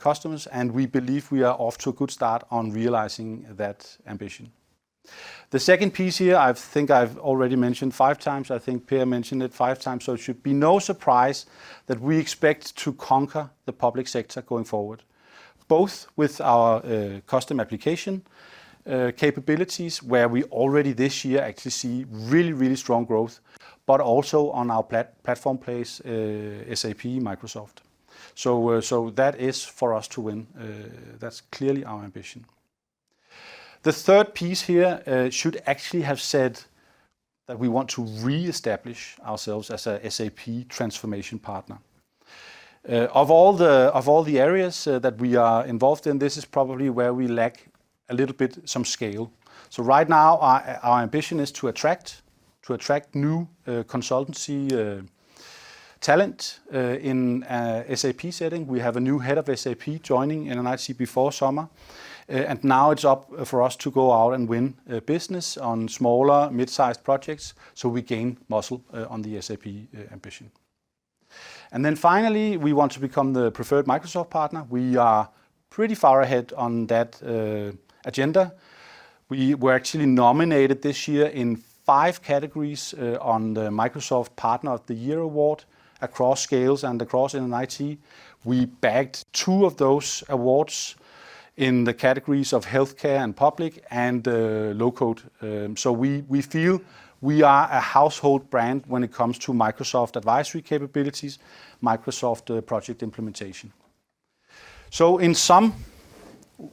customers, and we believe we are off to a good start on realizing that ambition. The second piece here, I think I've already mentioned five times. I think Pär mentioned it five times, so it should be no surprise that we expect to conquer the public sector going forward, both with our custom application capabilities, where we already this year actually see really, really strong growth, but also on our platform plays, SAP, Microsoft. So that is for us to win. That's clearly our ambition. The third piece here should actually have said that we want to reestablish ourselves as a SAP transformation partner. Of all the areas that we are involved in, this is probably where we lack a little bit some scale. So right now, our ambition is to attract new consultancy talent in SAP setting. We have a new head of SAP joining NNIT before summer. And now it's up for us to go out and win business on smaller, mid-sized projects, so we gain muscle on the SAP ambition. And then finally, we want to become the preferred Microsoft partner. We are pretty far ahead on that agenda. We were actually nominated this year in 5 categories on the Microsoft Partner of the Year award across SCALES and across NNIT. We bagged two of those awards in the categories of healthcare and public and low code. So we, we feel we are a household brand when it comes to Microsoft advisory capabilities, Microsoft project implementation. So in sum,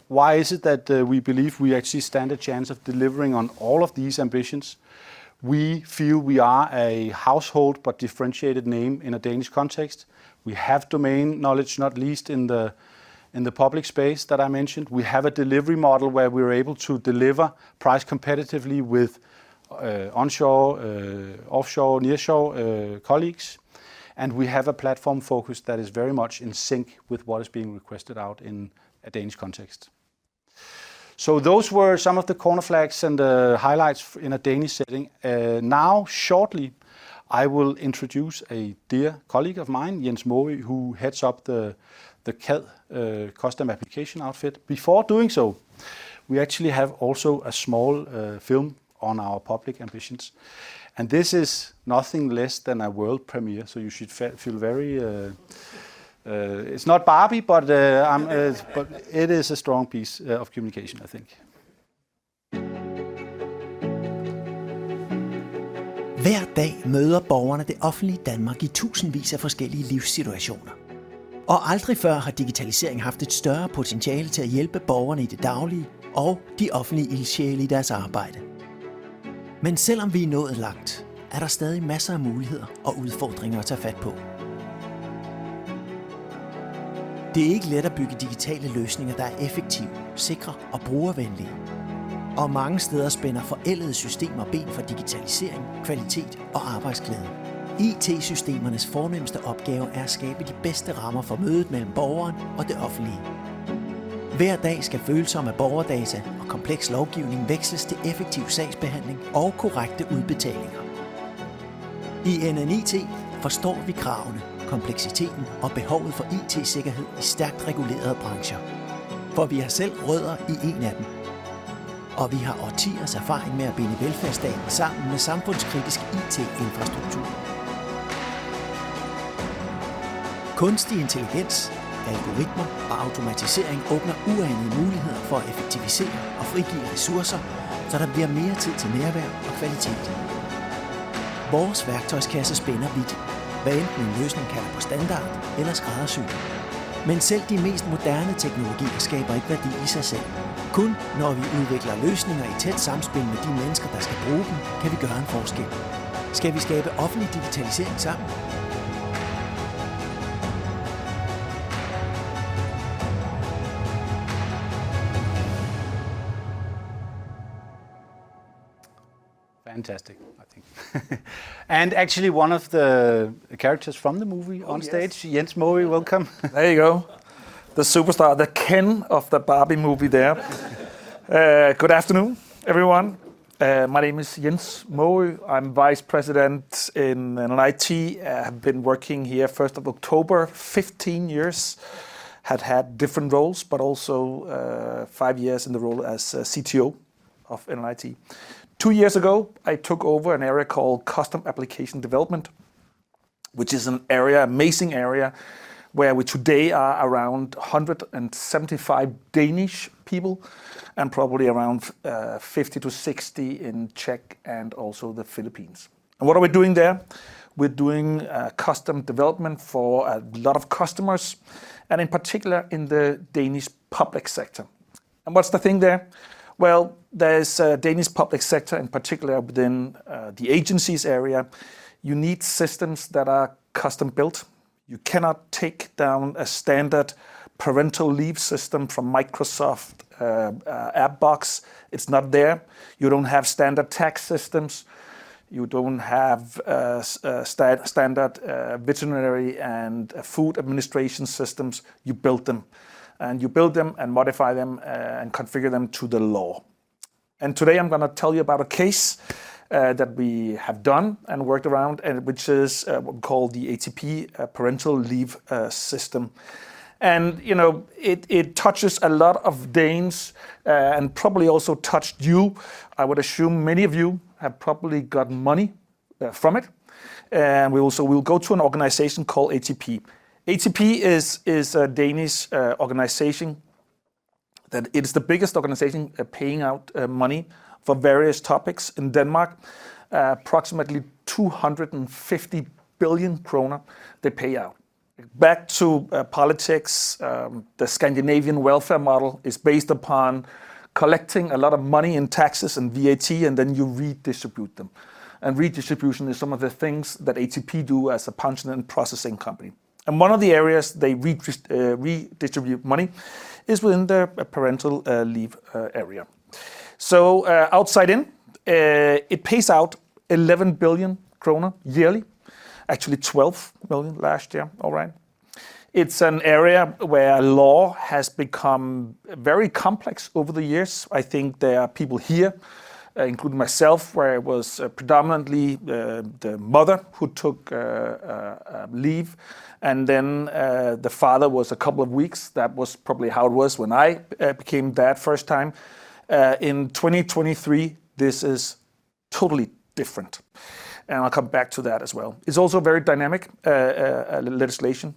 why is it that we believe we actually stand a chance of delivering on all of these ambitions? We feel we are a household but differentiated name in a Danish context. We have domain knowledge, not least in the public space that I mentioned. We have a delivery model where we're able to deliver price competitively with onshore, offshore, nearshore colleagues. And we have a platform focus that is very much in sync with what is being requested out in a Danish context. So those were some of the corner flags and the highlights in a Danish setting. Now, shortly, I will introduce a dear colleague of mine, Jens Maagøe, who heads up the CAD, custom application outfit. Before doing so, we actually have also a small film on our public ambitions, and this is nothing less than a world premiere, so you should feel very... It's not Barbie, but, but it is a strong piece of communication, I think. Hver dag møder borgerne det offentlige Danmark i tusindvis af forskellige livssituationer, og aldrig før har digitalisering haft et større potentiale til at hjælpe borgerne i det daglige og de offentlige ildsjæle i deres arbejde. Men selvom vi er nået langt, er der stadig masser af muligheder og udfordringer at tage fat på. Det er ikke let at bygge digitale løsninger, der er effektive, sikre og brugervenlige, og mange steder spænder forældede systemer ben for digitalisering, kvalitet og arbejdsglæde. IT-systemernes fornemmeste opgave er at skabe de bedste rammer for mødet mellem borgeren og det offentlige. Hver dag skal følsomme borgerdata og kompleks lovgivning veksles til effektiv sagsbehandling og korrekte udbetalinger. I NNIT forstår vi kravene, kompleksiteten og behovet for IT-sikkerhed i stærkt regulerede brancher, for vi har selv rødder i en af dem, og vi har årtiers erfaring med at binde velfærdsstaten sammen med samfundskritisk IT-infrastruktur. Kunstig intelligens, algoritmer og automatisering åbner uendelige muligheder for at effektivisere og frigive ressourcer, så der bliver mere tid til merværdi og kvalitet. Vores værktøjskasse spænder vidt. Hvad end en løsning kalder på standard eller skræddersyning. Men selv de mest moderne teknologier skaber ikke værdi i sig selv. Kun når vi udvikler løsninger i tæt samspil med de mennesker, der skal bruge dem, kan vi gøre en forskel. Skal vi skabe offentlig digitalisering sammen? Fantastic, I think. Actually, one of the characters from the movie on stage- Oh, yes. Jens Maagøe, welcome. There you go. The superstar, the Ken of the Barbie movie there. Good afternoon, everyone. My name is Jens Maagøe. I'm Vice President in NNIT. I have been working here, first of October, 15 years. Have had different roles, but also, 5 years in the role as CTO of NNIT. 2 years ago, I took over an area called Custom Application Development, which is an area, amazing area, where we today are around 175 Danish people and probably around 50-60 in Czech and also the Philippines. And what are we doing there? We're doing custom development for a lot of customers, and in particular in the Danish public sector. And what's the thing there? Well, there's a Danish public sector, in particular within the agencies area, you need systems that are custom-built. You cannot take down a standard parental leave system from Microsoft, app box. It's not there. You don't have standard tax systems. You don't have standard Veterinary and Food Administration systems. You build them, and you build them and modify them, and configure them to the law. Today, I'm going to tell you about a case that we have done and worked around, and which is called the ATP Parental Leave System. You know, it touches a lot of Danes, and probably also touched you. I would assume many of you have probably gotten money from it. We'll also go to an organization called ATP. ATP is a Danish organization that it is the biggest organization paying out money for various topics in Denmark. Approximately 250 billion kroner they pay out. Back to politics, the Scandinavian welfare model is based upon collecting a lot of money in taxes and VAT, and then you redistribute them. Redistribution is some of the things that ATP do as a pension and processing company. One of the areas they redistribute money is within the parental leave area. So outside in, it pays out 11 billion kroner yearly. Actually, 12 billion last year. All right. It's an area where law has become very complex over the years. I think there are people here, including myself, where it was predominantly the mother who took leave, and then the father was a couple of weeks. That was probably how it was when I became dad first time. In 2023, this is totally different, and I'll come back to that as well. It's also very dynamic legislation.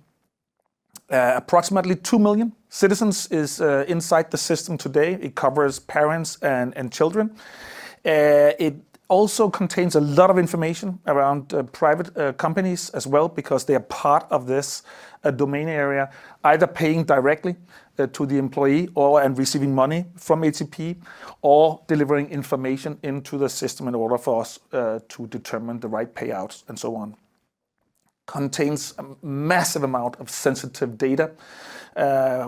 Approximately 2 million citizens is inside the system today. It covers parents and children. It also contains a lot of information around private companies as well, because they are part of this domain area, either paying directly to the employee or receiving money from ATP or delivering information into the system in order for us to determine the right payouts and so on. Contains a massive amount of sensitive data.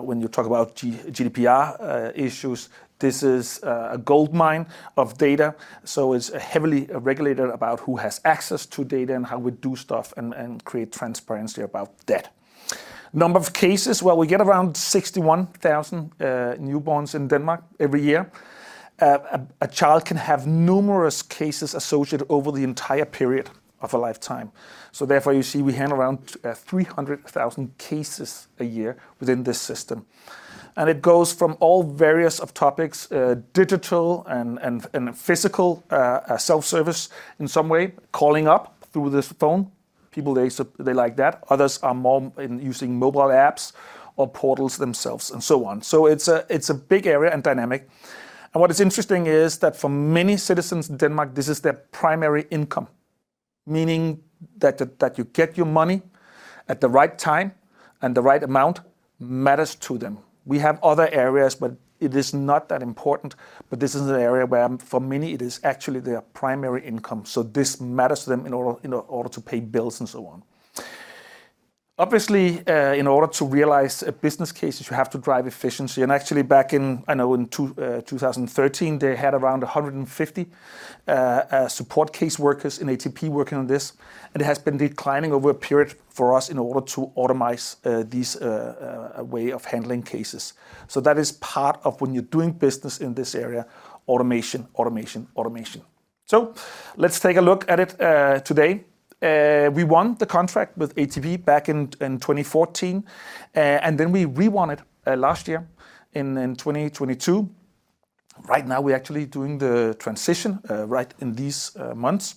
When you talk about GDPR issues, this is a goldmine of data, so it's heavily regulated about who has access to data and how we do stuff and create transparency about that. Number of cases, well, we get around 61,000 newborns in Denmark every year. A child can have numerous cases associated over the entire period of a lifetime. So therefore, you see, we handle around 300,000 cases a year within this system. And it goes from all various of topics, digital and physical, self-service, in some way, calling up through the phone. People, they so—they like that. Others are more in using mobile apps or portals themselves and so on. So it's a big area and dynamic. And what is interesting is that for many citizens in Denmark, this is their primary income, meaning that you get your money at the right time and the right amount matters to them. We have other areas, but it is not that important. But this is an area where, for many, it is actually their primary income, so this matters to them in order, in order to pay bills and so on. Obviously, in order to realize business cases, you have to drive efficiency. And actually, back in, I know in 2013, they had around 150 support caseworkers in ATP working on this, and it has been declining over a period for us in order to automate this way of handling cases. So that is part of when you're doing business in this area, automation, automation, automation. So let's take a look at it today. We won the contract with ATP back in 2014, and then we rewon it last year in 2022. Right now, we're actually doing the transition right in these months,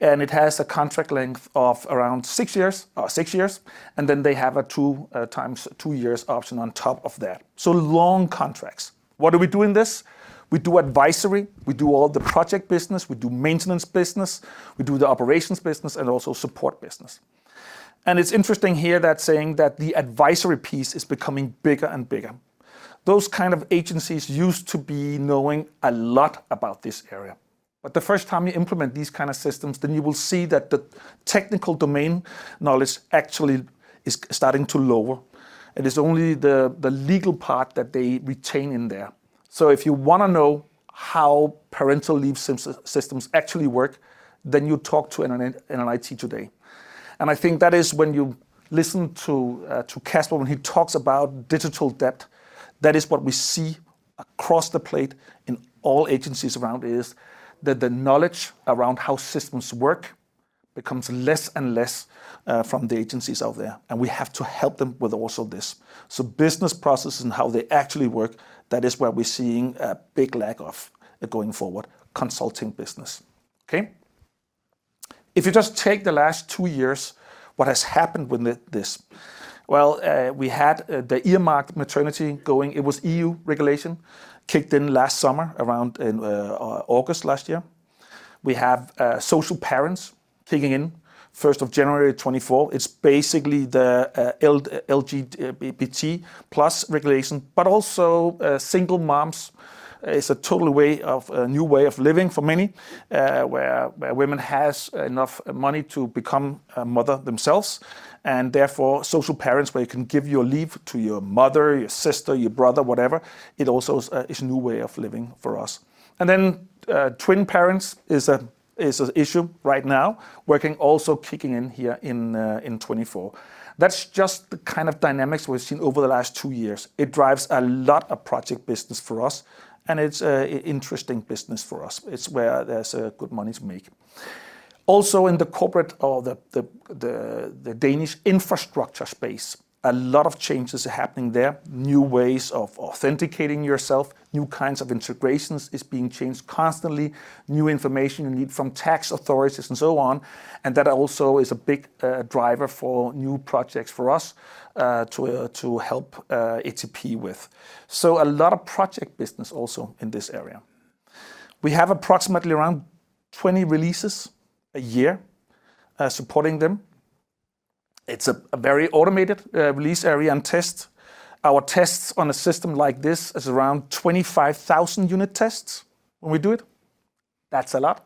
and it has a contract length of around 6 years, or 6 years, and then they have a 2 times 2 years option on top of that. So long contracts. What do we do in this? We do advisory. We do all the project business, we do maintenance business, we do the operations business and also support business. And it's interesting here that saying that the advisory piece is becoming bigger and bigger. Those kind of agencies used to be knowing a lot about this area, but the first time you implement these kind of systems, then you will see that the technical domain knowledge actually is starting to lower, and it's only the legal part that they retain in there. So if you want to know how parental leave systems actually work, then you talk to an IT today. And I think that is when you listen to Kasper, when he talks about digital debt, that is what we see across the plate in all agencies around, is that the knowledge around how systems work becomes less and less from the agencies out there, and we have to help them with also this. So business processes and how they actually work, that is where we're seeing a big lack of going forward consulting business. Okay? If you just take the last two years, what has happened with this? Well, we had the earmarked maternity going. It was EU regulation, kicked in last summer, around August last year. We have social parents kicking in 1st of January 2024. It's basically the LGBT plus regulation, but also single moms. It's a total way of a new way of living for many, where women has enough money to become a mother themselves, and therefore social parents, where you can give your leave to your mother, your sister, your brother, whatever. It also is a new way of living for us. And then twin parents is an issue right now, working also kicking in here in 2024. That's just the kind of dynamics we've seen over the last two years. It drives a lot of project business for us, and it's an interesting business for us. It's where there's good money to make. Also, in the corporate or the Danish infrastructure space, a lot of changes are happening there. New ways of authenticating yourself, new kinds of integrations is being changed constantly, new information you need from tax authorities and so on, and that also is a big, driver for new projects for us, to help, ATP with. So a lot of project business also in this area. We have approximately around 20 releases a year, supporting them. It's a very automated, release area and test. Our tests on a system like this is around 25,000 unit tests when we do it. That's a lot.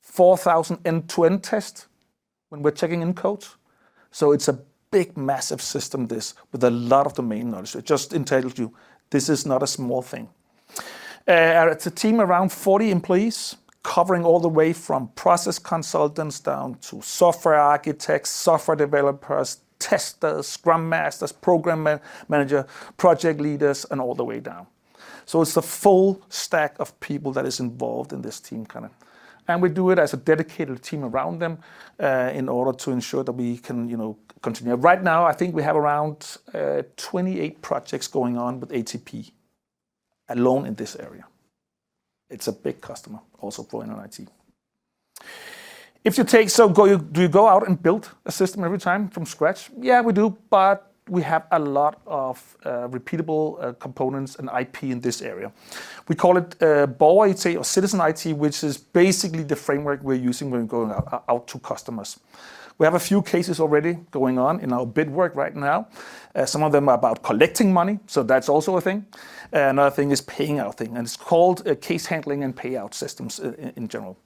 4,000 end-to-end tests when we're checking in code. So it's a big, massive system, this, with a lot of domain knowledge. It just entails you, this is not a small thing. It's a team around 40 employees, covering all the way from process consultants down to software architects, software developers, testers, Scrum Masters, program manager, project leaders, and all the way down. So it's a full stack of people that is involved in this team, kind of. And we do it as a dedicated team around them in order to ensure that we can, you know, continue. Right now, I think we have around 28 projects going on with ATP alone in this area. It's a big customer also for NNIT. If you take, so go, do you go out and build a system every time from scratch? Yeah, we do, but we have a lot of repeatable components and IP in this area. We call it BorgerIT or Citizen IT, which is basically the framework we're using when going out to customers. We have a few cases already going on in our bid work right now. Some of them are about collecting money, so that's also a thing. Another thing is paying out thing, and it's called a case handling and payout systems in general.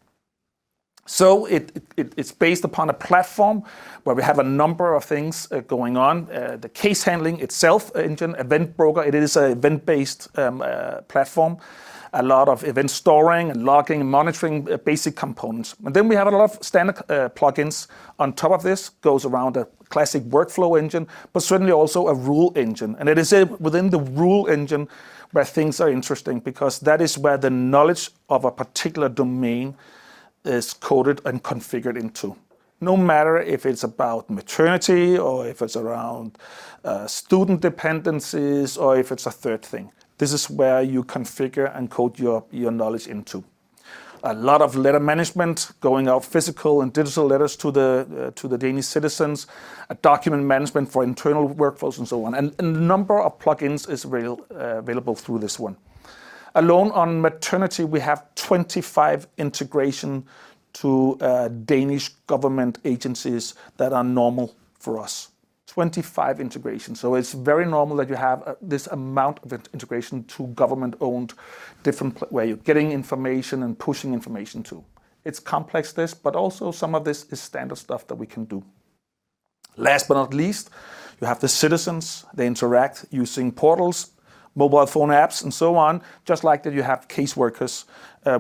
So it, it's based upon a platform where we have a number of things going on. The case handling itself, engine, event broker, it is an event-based platform, a lot of event storing and logging and monitoring, basic components. And then we have a lot of standard plugins on top of this, goes around a classic workflow engine, but certainly also a rule engine. And it is within the rule engine where things are interesting because that is where the knowledge of a particular domain is coded and configured into. No matter if it's about maternity or if it's around student dependencies or if it's a third thing, this is where you configure and code your knowledge into. A lot of letter management going out, physical and digital letters to the Danish citizens, a document management for internal workflows and so on. And a number of plugins is available through this one. Alone on maternity, we have 25 integrations to Danish government agencies that are normal for us. 25 integrations, so it's very normal that you have this amount of integration to government-owned different places where you're getting information and pushing information to. It's complex, this, but also some of this is standard stuff that we can do. Last but not least, you have the citizens. They interact using portals, mobile phone apps, and so on, just like that you have caseworkers,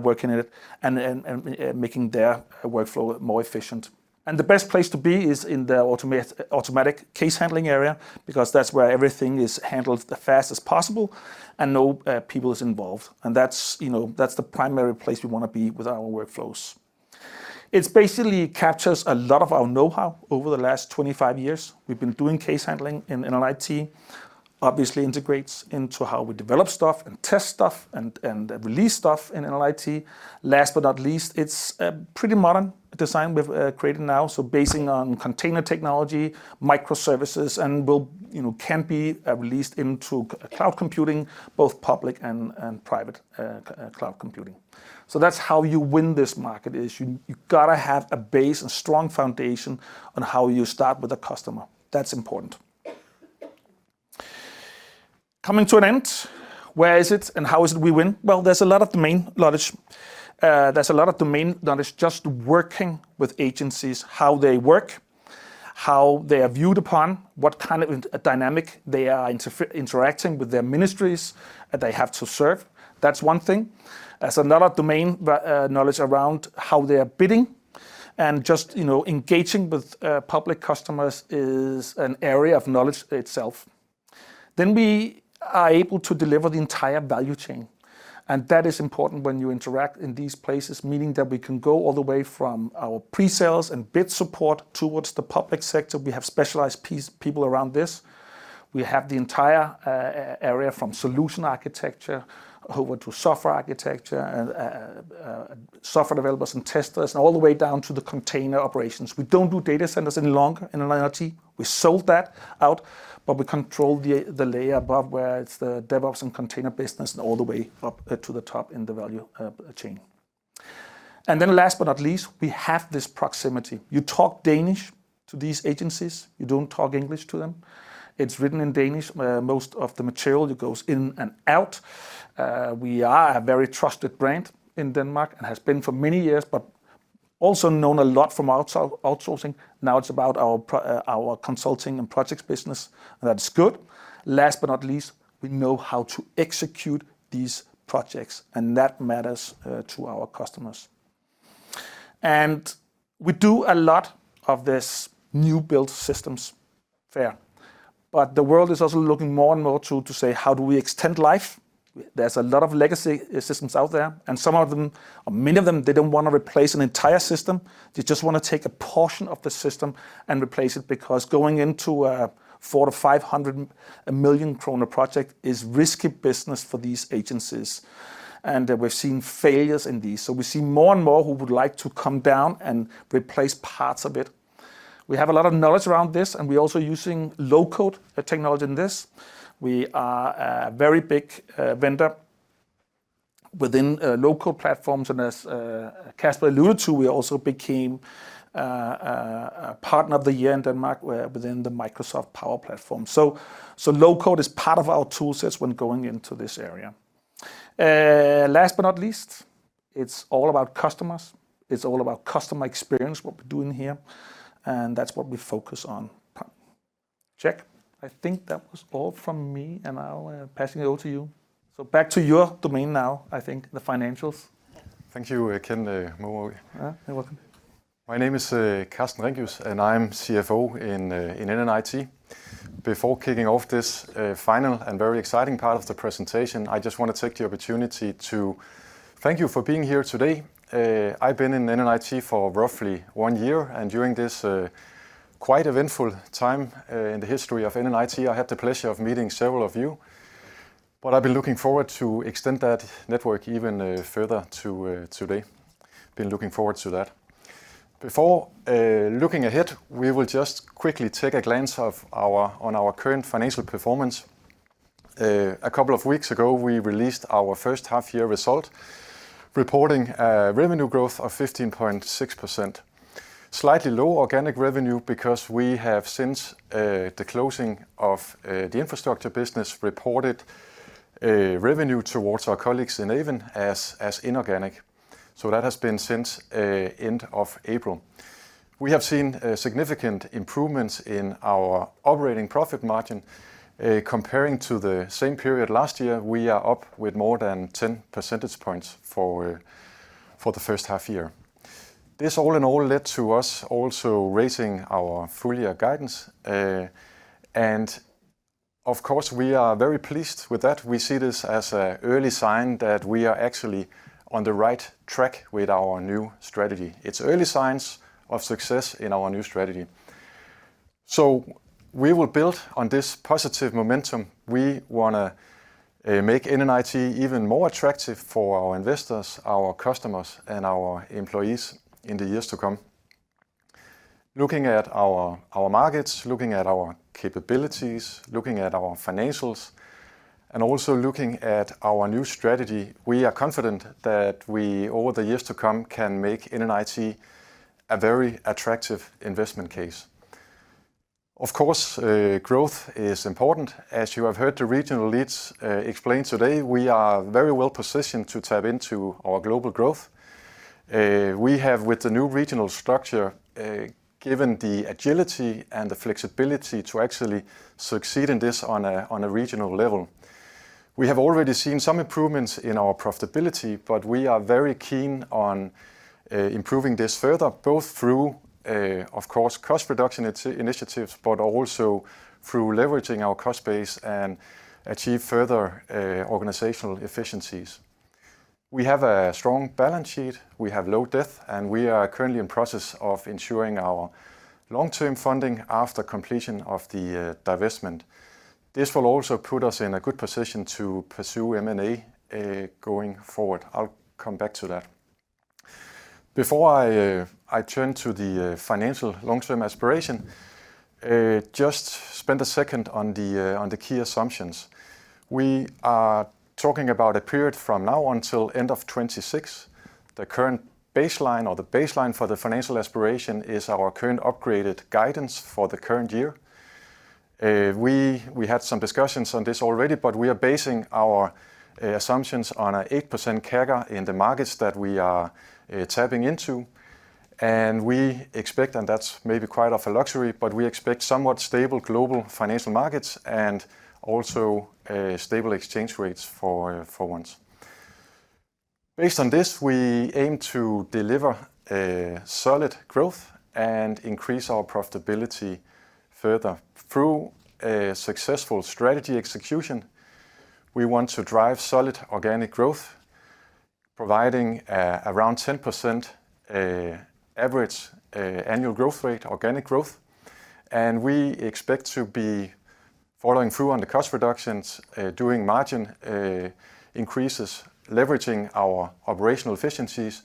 working in it and making their workflow more efficient. And the best place to be is in the automate, automatic case handling area, because that's where everything is handled as fast as possible and no people is involved. And that's, you know, that's the primary place we want to be with our workflows. It's basically captures a lot of our know-how over the last 25 years. We've been doing case handling in NNIT, obviously integrates into how we develop stuff and test stuff and release stuff in NNIT. Last but not least, it's a pretty modern design we've created now, so basing on container technology, microservices, and will, you know, can be released into cloud computing, both public and private cloud computing. So that's how you win this market, is you got to have a base, a strong foundation on how you start with a customer. That's important. Coming to an end, where is it and how is it we win? Well, there's a lot of domain knowledge. There's a lot of domain knowledge just working with agencies, how they work, how they are viewed upon, what kind of dynamic they are interacting with their ministries that they have to serve. That's one thing. There's another domain knowledge around how they are bidding and just, you know, engaging with public customers is an area of knowledge itself. Then we are able to deliver the entire value chain, and that is important when you interact in these places, meaning that we can go all the way from our pre-sales and bid support towards the public sector. We have specialized people around this. We have the entire area from solution architecture over to software architecture, software developers and testers, and all the way down to the container operations. We don't do data centers any longer in NNIT. We sold that out, but we control the layer above where it's the DevOps and container business, and all the way up to the top in the value chain. Then last but not least, we have this proximity. You talk Danish to these agencies, you don't talk English to them. It's written in Danish, most of the material that goes in and out. We are a very trusted brand in Denmark, and has been for many years, but also known a lot from outsourcing. Now, it's about our consulting and projects business, and that's good. Last but not least, we know how to execute these projects, and that matters to our customers. We do a lot of this new build systems fair, but the world is also looking more and more to, to say: How do we extend life? There's a lot of legacy systems out there, and some of them, or many of them, they don't want to replace an entire system. They just want to take a portion of the system and replace it, because going into a 400 million-500 million kroner project is risky business for these agencies, and we're seeing failures in these. So we see more and more who would like to come down and replace parts of it. We have a lot of knowledge around this, and we're also using low-code technology in this. We are a very big vendor within low-code platforms, and as Kasper alluded to, we also became a partner of the year in Denmark, where within the Microsoft Power Platform. So, so low-code is part of our toolsets when going into this area. Last but not least, it's all about customers, it's all about customer experience, what we're doing here, and that's what we focus on. Check. I think that was all from me, and now passing it over to you. So back to your domain now, I think, the financials. Thank you, Jens Maagøe. You're welcome. My name is Carsten Ringius, and I'm CFO in NNIT. Before kicking off this final and very exciting part of the presentation, I just want to take the opportunity to thank you for being here today. I've been in NNIT for roughly one year, and during this quite eventful time in the history of NNIT, I had the pleasure of meeting several of you. But I've been looking forward to extend that network even further to today. Been looking forward to that. Before looking ahead, we will just quickly take a glance on our current financial performance. A couple of weeks ago, we released our first half-year result, reporting revenue growth of 15.6%. Slightly low organic revenue because we have, since the closing of the infrastructure business, reported revenue towards our colleagues in Aeven as, as inorganic. So that has been since end of April. We have seen significant improvements in our operating profit margin. Comparing to the same period last year, we are up with more than 10 percentage points for, for the first half year. This, all in all, led to us also raising our full year guidance. And of course, we are very pleased with that. We see this as a early sign that we are actually on the right track with our new strategy. It's early signs of success in our new strategy. So we will build on this positive momentum. We wanna make NNIT even more attractive for our investors, our customers, and our employees in the years to come. Looking at our markets, looking at our capabilities, looking at our financials, and also looking at our new strategy, we are confident that we, over the years to come, can make NNIT a very attractive investment case. Of course, growth is important. As you have heard the regional leads explain today, we are very well positioned to tap into our global growth. We have, with the new regional structure, given the agility and the flexibility to actually succeed in this on a regional level. We have already seen some improvements in our profitability, but we are very keen on improving this further, both through, of course, cost reduction initiatives, but also through leveraging our cost base and achieve further organizational efficiencies. We have a strong balance sheet, we have low debt, and we are currently in process of ensuring our long-term funding after completion of the divestment. This will also put us in a good position to pursue M&A going forward. I'll come back to that. Before I turn to the financial long-term aspiration, just spend a second on the key assumptions. We are talking about a period from now until end of 2026. The current baseline or the baseline for the financial aspiration is our current upgraded guidance for the current year. We had some discussions on this already, but we are basing our assumptions on a 8% CAGR in the markets that we are tapping into. And we expect, and that's maybe quite of a luxury, but we expect somewhat stable global financial markets and also stable exchange rates for once. Based on this, we aim to deliver a solid growth and increase our profitability further. Through a successful strategy execution, we want to drive solid organic growth, providing around 10% average annual growth rate, organic growth. And we expect to be following through on the cost reductions, doing margin increases, leveraging our operational efficiencies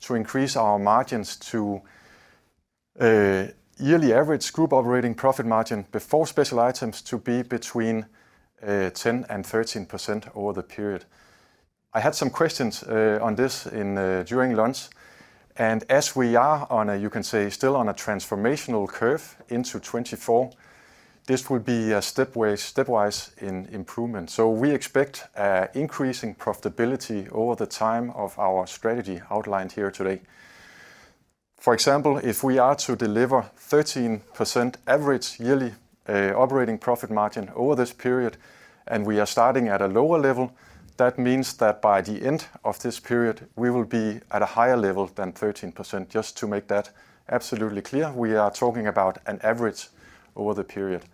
to increase our margins to yearly average group operating profit margin before special items to be between 10% and 13% over the period. I had some questions on this during lunch, and as we are on a, you can say, still on a transformational curve into 2024, this will be a stepwise in improvement. So we expect increasing profitability over the time of our strategy outlined here today. For example, if we are to deliver 13% average yearly operating profit margin over this period, and we are starting at a lower level, that means that by the end of this period, we will be at a higher level than 13%, just to make that absolutely clear. We are talking about an average over the period.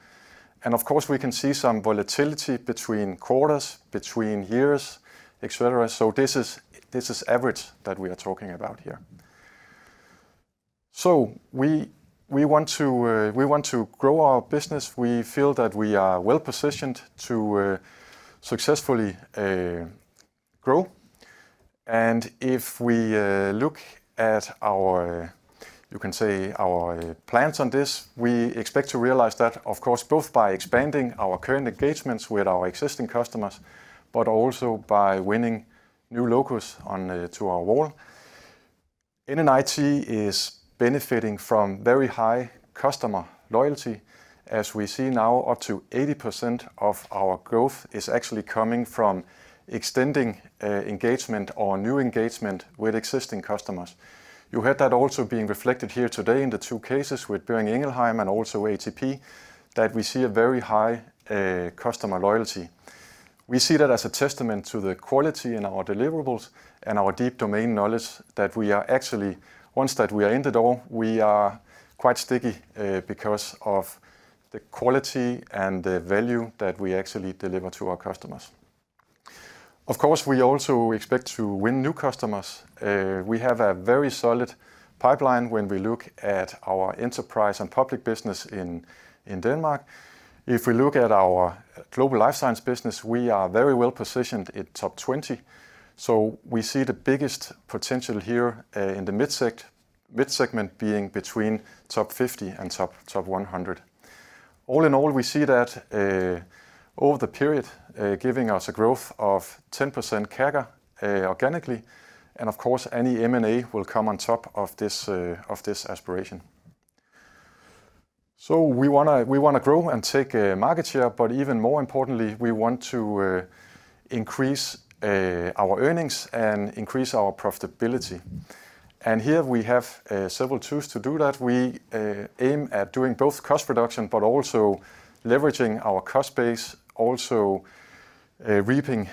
And of course, we can see some volatility between quarters, between years, et cetera, so this is average that we are talking about here. So we want to grow our business. We feel that we are well-positioned to successfully grow. If we look at our, you can say, our plans on this, we expect to realize that, of course, both by expanding our current engagements with our existing customers, but also by winning new logos on to our wall. NNIT is benefiting from very high customer loyalty, as we see now, up to 80% of our growth is actually coming from extending engagement or new engagement with existing customers. You heard that also being reflected here today in the two cases with Boehringer Ingelheim and also ATP, that we see a very high customer loyalty. We see that as a testament to the quality in our deliverables and our deep domain knowledge, that we are actually, once that we are in the door, we are quite sticky, because of the quality and the value that we actually deliver to our customers. Of course, we also expect to win new customers. We have a very solid pipeline when we look at our enterprise and public business in Denmark. If we look at our global life science business, we are very well positioned in top 20, so we see the biggest potential here in the mid-segment, being between top 50 and top 100. All in all, we see that over the period, giving us a growth of 10% CAGR organically, and of course, any M&A will come on top of this aspiration. So we wanna grow and take market share, but even more importantly, we want to increase our earnings and increase our profitability. And here we have several tools to do that. We aim at doing both cost reduction but also leveraging our cost base, also reaping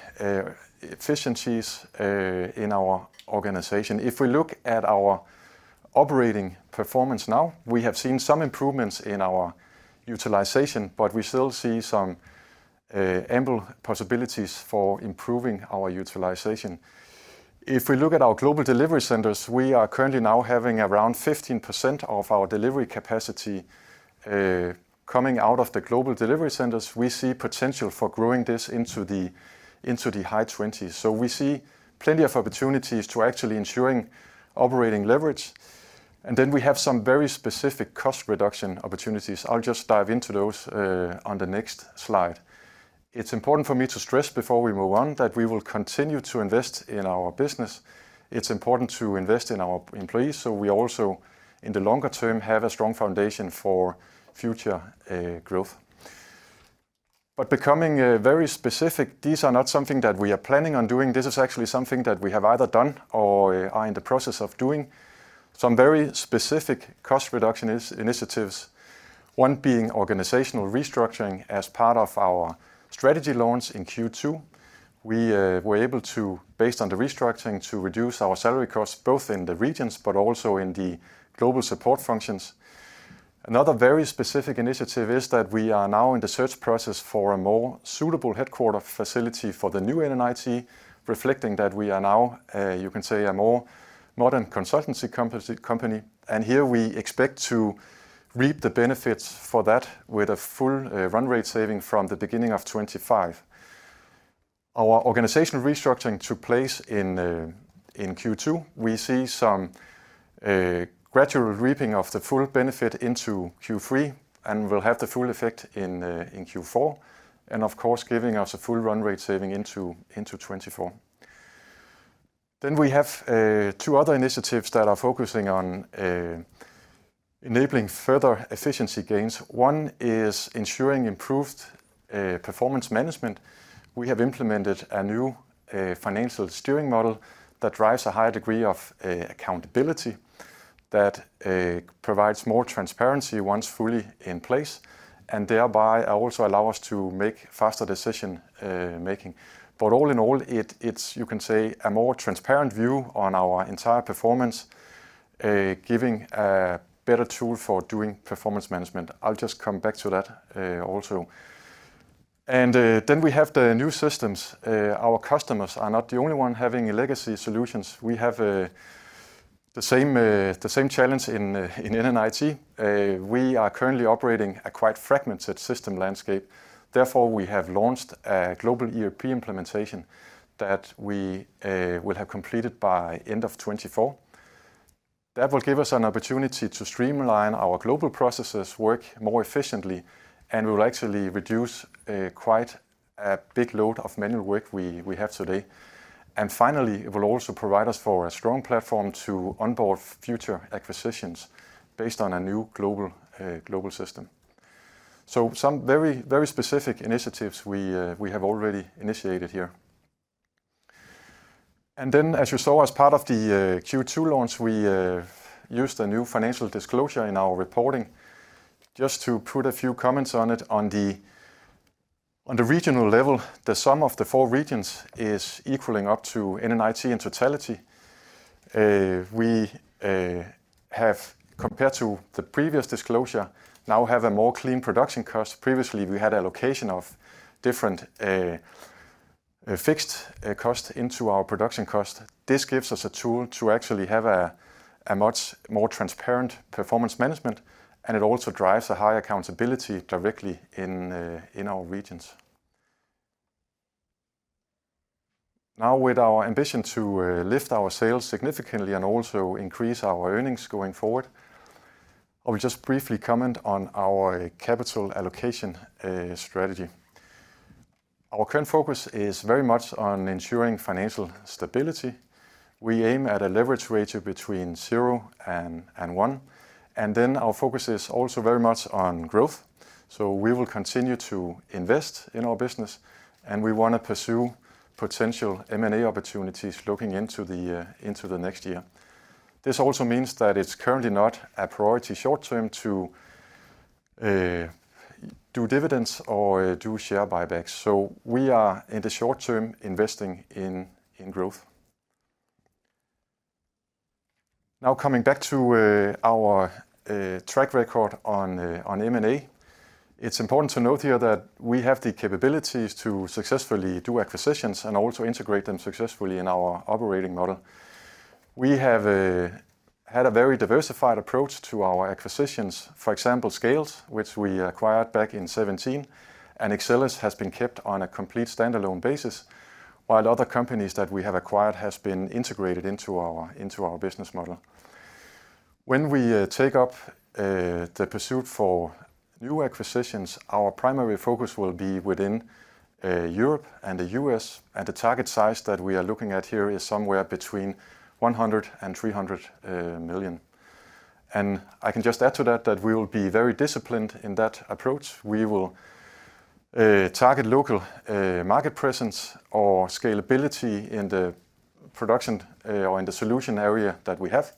efficiencies in our organization. If we look at our operating performance now, we have seen some improvements in our utilization, but we still see some ample possibilities for improving our utilization. If we look at our global delivery centers, we are currently now having around 15% of our delivery capacity coming out of the global delivery centers. We see potential for growing this into the high 20s. So we see plenty of opportunities to actually ensuring operating leverage, and then we have some very specific cost reduction opportunities. I'll just dive into those on the next slide. It's important for me to stress before we move on, that we will continue to invest in our business. It's important to invest in our employees, so we also, in the longer term, have a strong foundation for future growth. But becoming very specific, these are not something that we are planning on doing. This is actually something that we have either done or are in the process of doing. Some very specific cost reduction initiatives, one being organizational restructuring as part of our strategy launch in Q2. We were able to, based on the restructuring, to reduce our salary costs, both in the regions but also in the global support functions. Another very specific initiative is that we are now in the search process for a more suitable headquarters facility for the new NNIT, reflecting that we are now, you can say, a more modern consultancy company, and here we expect to reap the benefits for that with a full run rate saving from the beginning of 2025. Our organizational restructuring took place in Q2. We see some gradual reaping of the full benefit into Q3, and will have the full effect in Q4, and of course, giving us a full run rate saving into 2024. Then we have two other initiatives that are focusing on enabling further efficiency gains. One is ensuring improved performance management. We have implemented a new financial steering model that drives a high degree of accountability, that provides more transparency once fully in place, and thereby also allow us to make faster decision making. But all in all, it, it's, you can say, a more transparent view on our entire performance, giving a better tool for doing performance management. I'll just come back to that also. Then we have the new systems. Our customers are not the only one having legacy solutions. We have the same challenge in NNIT. We are currently operating a quite fragmented system landscape, therefore, we have launched a global ERP implementation that we will have completed by end of 2024. That will give us an opportunity to streamline our global processes, work more efficiently, and will actually reduce quite a big load of manual work we have today. Finally, it will also provide us for a strong platform to onboard future acquisitions based on a new global system. Some very, very specific initiatives we have already initiated here. Then, as you saw, as part of the Q2 launch, we used a new financial disclosure in our reporting. Just to put a few comments on it, on the regional level, the sum of the four regions is equaling up to NNIT in totality. We, compared to the previous disclosure, now have a more clean production cost. Previously, we had allocation of different fixed cost into our production cost. This gives us a tool to actually have a much more transparent performance management, and it also drives a high accountability directly in our regions. Now, with our ambition to lift our sales significantly and also increase our earnings going forward, I will just briefly comment on our capital allocation strategy. Our current focus is very much on ensuring financial stability. We aim at a leverage ratio between zero and one, and then our focus is also very much on growth. So we will continue to invest in our business, and we wanna pursue potential M&A opportunities looking into the next year. This also means that it's currently not a priority short term to do dividends or do share buybacks. So we are, in the short term, investing in growth. Now, coming back to our track record on M&A, it's important to note here that we have the capabilities to successfully do acquisitions and also integrate them successfully in our operating model. We have had a very diversified approach to our acquisitions. For example, SCALES, which we acquired back in 2017, and Excellis has been kept on a complete standalone basis, while other companies that we have acquired has been integrated into our business model. When we take up the pursuit for new acquisitions, our primary focus will be within Europe and the U.S., and the target size that we are looking at here is somewhere between $100 million-$300 million. And I can just add to that, that we will be very disciplined in that approach. We will target local market presence or scalability in the production or in the solution area that we have,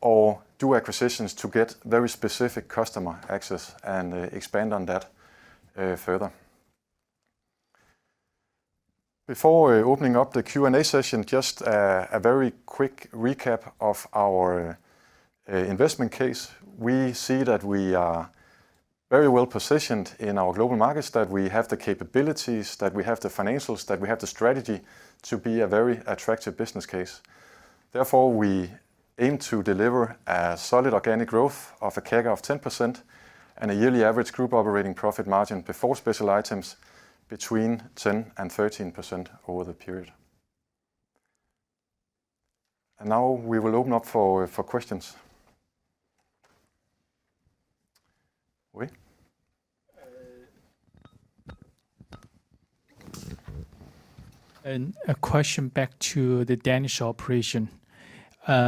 or do acquisitions to get very specific customer access and expand on that further. Before opening up the Q&A session, just a very quick recap of our investment case. We see that we are very well positioned in our global markets, that we have the capabilities, that we have the financials, that we have the strategy to be a very attractive business case. Therefore, we aim to deliver a solid organic growth of a CAGR of 10% and a yearly average group operating profit margin before special items between 10% and 13% over the period. Now we will open up for questions. Wei? A question back to the Danish operation. So,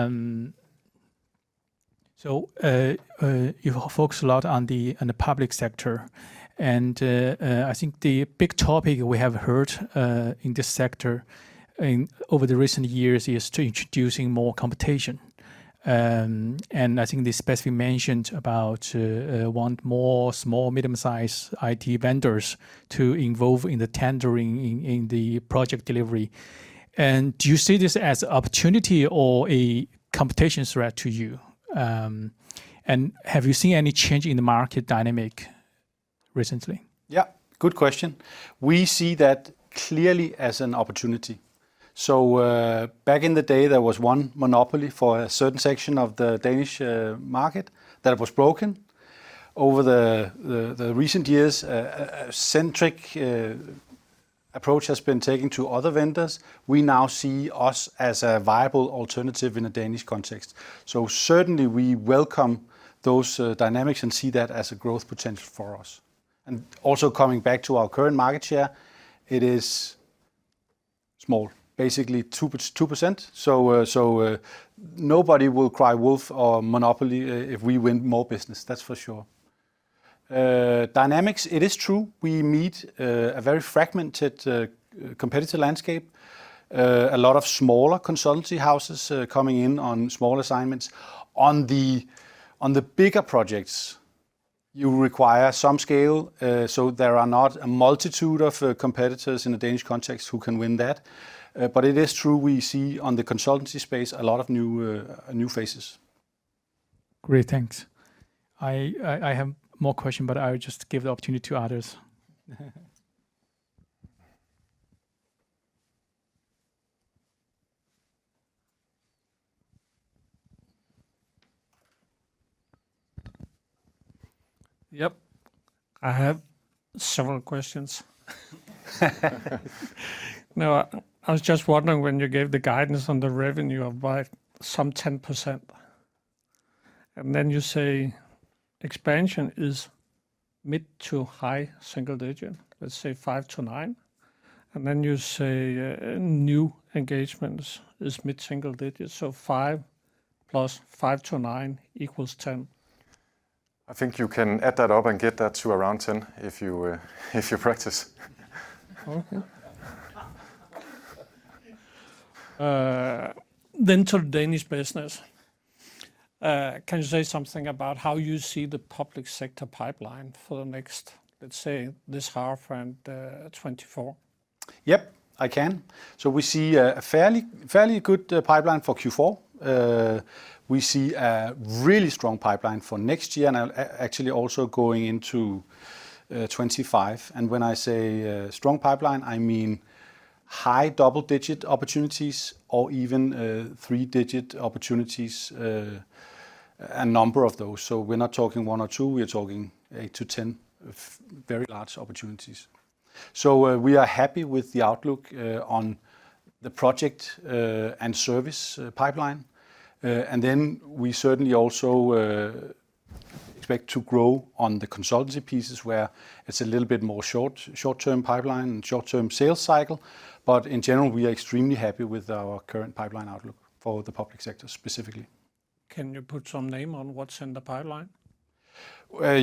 you focus a lot on the public sector, and I think the big topic we have heard in this sector over the recent years is to introducing more competition. And I think this specifically mentioned about want more small, medium-sized IT vendors to involve in the tendering in the project delivery. And do you see this as an opportunity or a competition threat to you? And have you seen any change in the market dynamic recently? Yeah, good question. We see that clearly as an opportunity. So, back in the day, there was one monopoly for a certain section of the Danish market that was broken. Over the recent years, a centric approach has been taken to other vendors. We now see us as a viable alternative in a Danish context. So certainly, we welcome those dynamics and see that as a growth potential for us. And also coming back to our current market share, it is small, basically 2%. So, nobody will cry wolf or monopoly if we win more business, that's for sure. Dynamics, it is true, we meet a very fragmented competitive landscape. A lot of smaller consultancy houses are coming in on small assignments. On the bigger projects, you require some scale, so there are not a multitude of competitors in the Danish context who can win that. But it is true, we see on the consultancy space, a lot of new faces. Great, thanks. I have more questions, but I would just give the opportunity to others. Yep, I have several questions. Now, I was just wondering when you gave the guidance on the revenue of by some 10%, and then you say expansion is mid- to high-single-digit, let's say 5%-9%. And then you say new engagements is mid-single-digits, so 5 + 5-9 = 10. I think you can add that up and get that to around 10% if you practice. Okay. Then to the Danish business, can you say something about how you see the public sector pipeline for the next, let's say, this half and 2024? Yep, I can. So we see a fairly good pipeline for Q4. We see a really strong pipeline for next year, and actually also going into 2025. And when I say strong pipeline, I mean high double-digit opportunities or even three-digit opportunities, a number of those. So we're not talking one or two, we are talking 8%-10% very large opportunities. So we are happy with the outlook on the project and service pipeline. And then we certainly also expect to grow on the consultancy pieces, where it's a little bit more short, short-term pipeline and short-term sales cycle. But in general, we are extremely happy with our current pipeline outlook for the public sector specifically. Can you put some name on what's in the pipeline?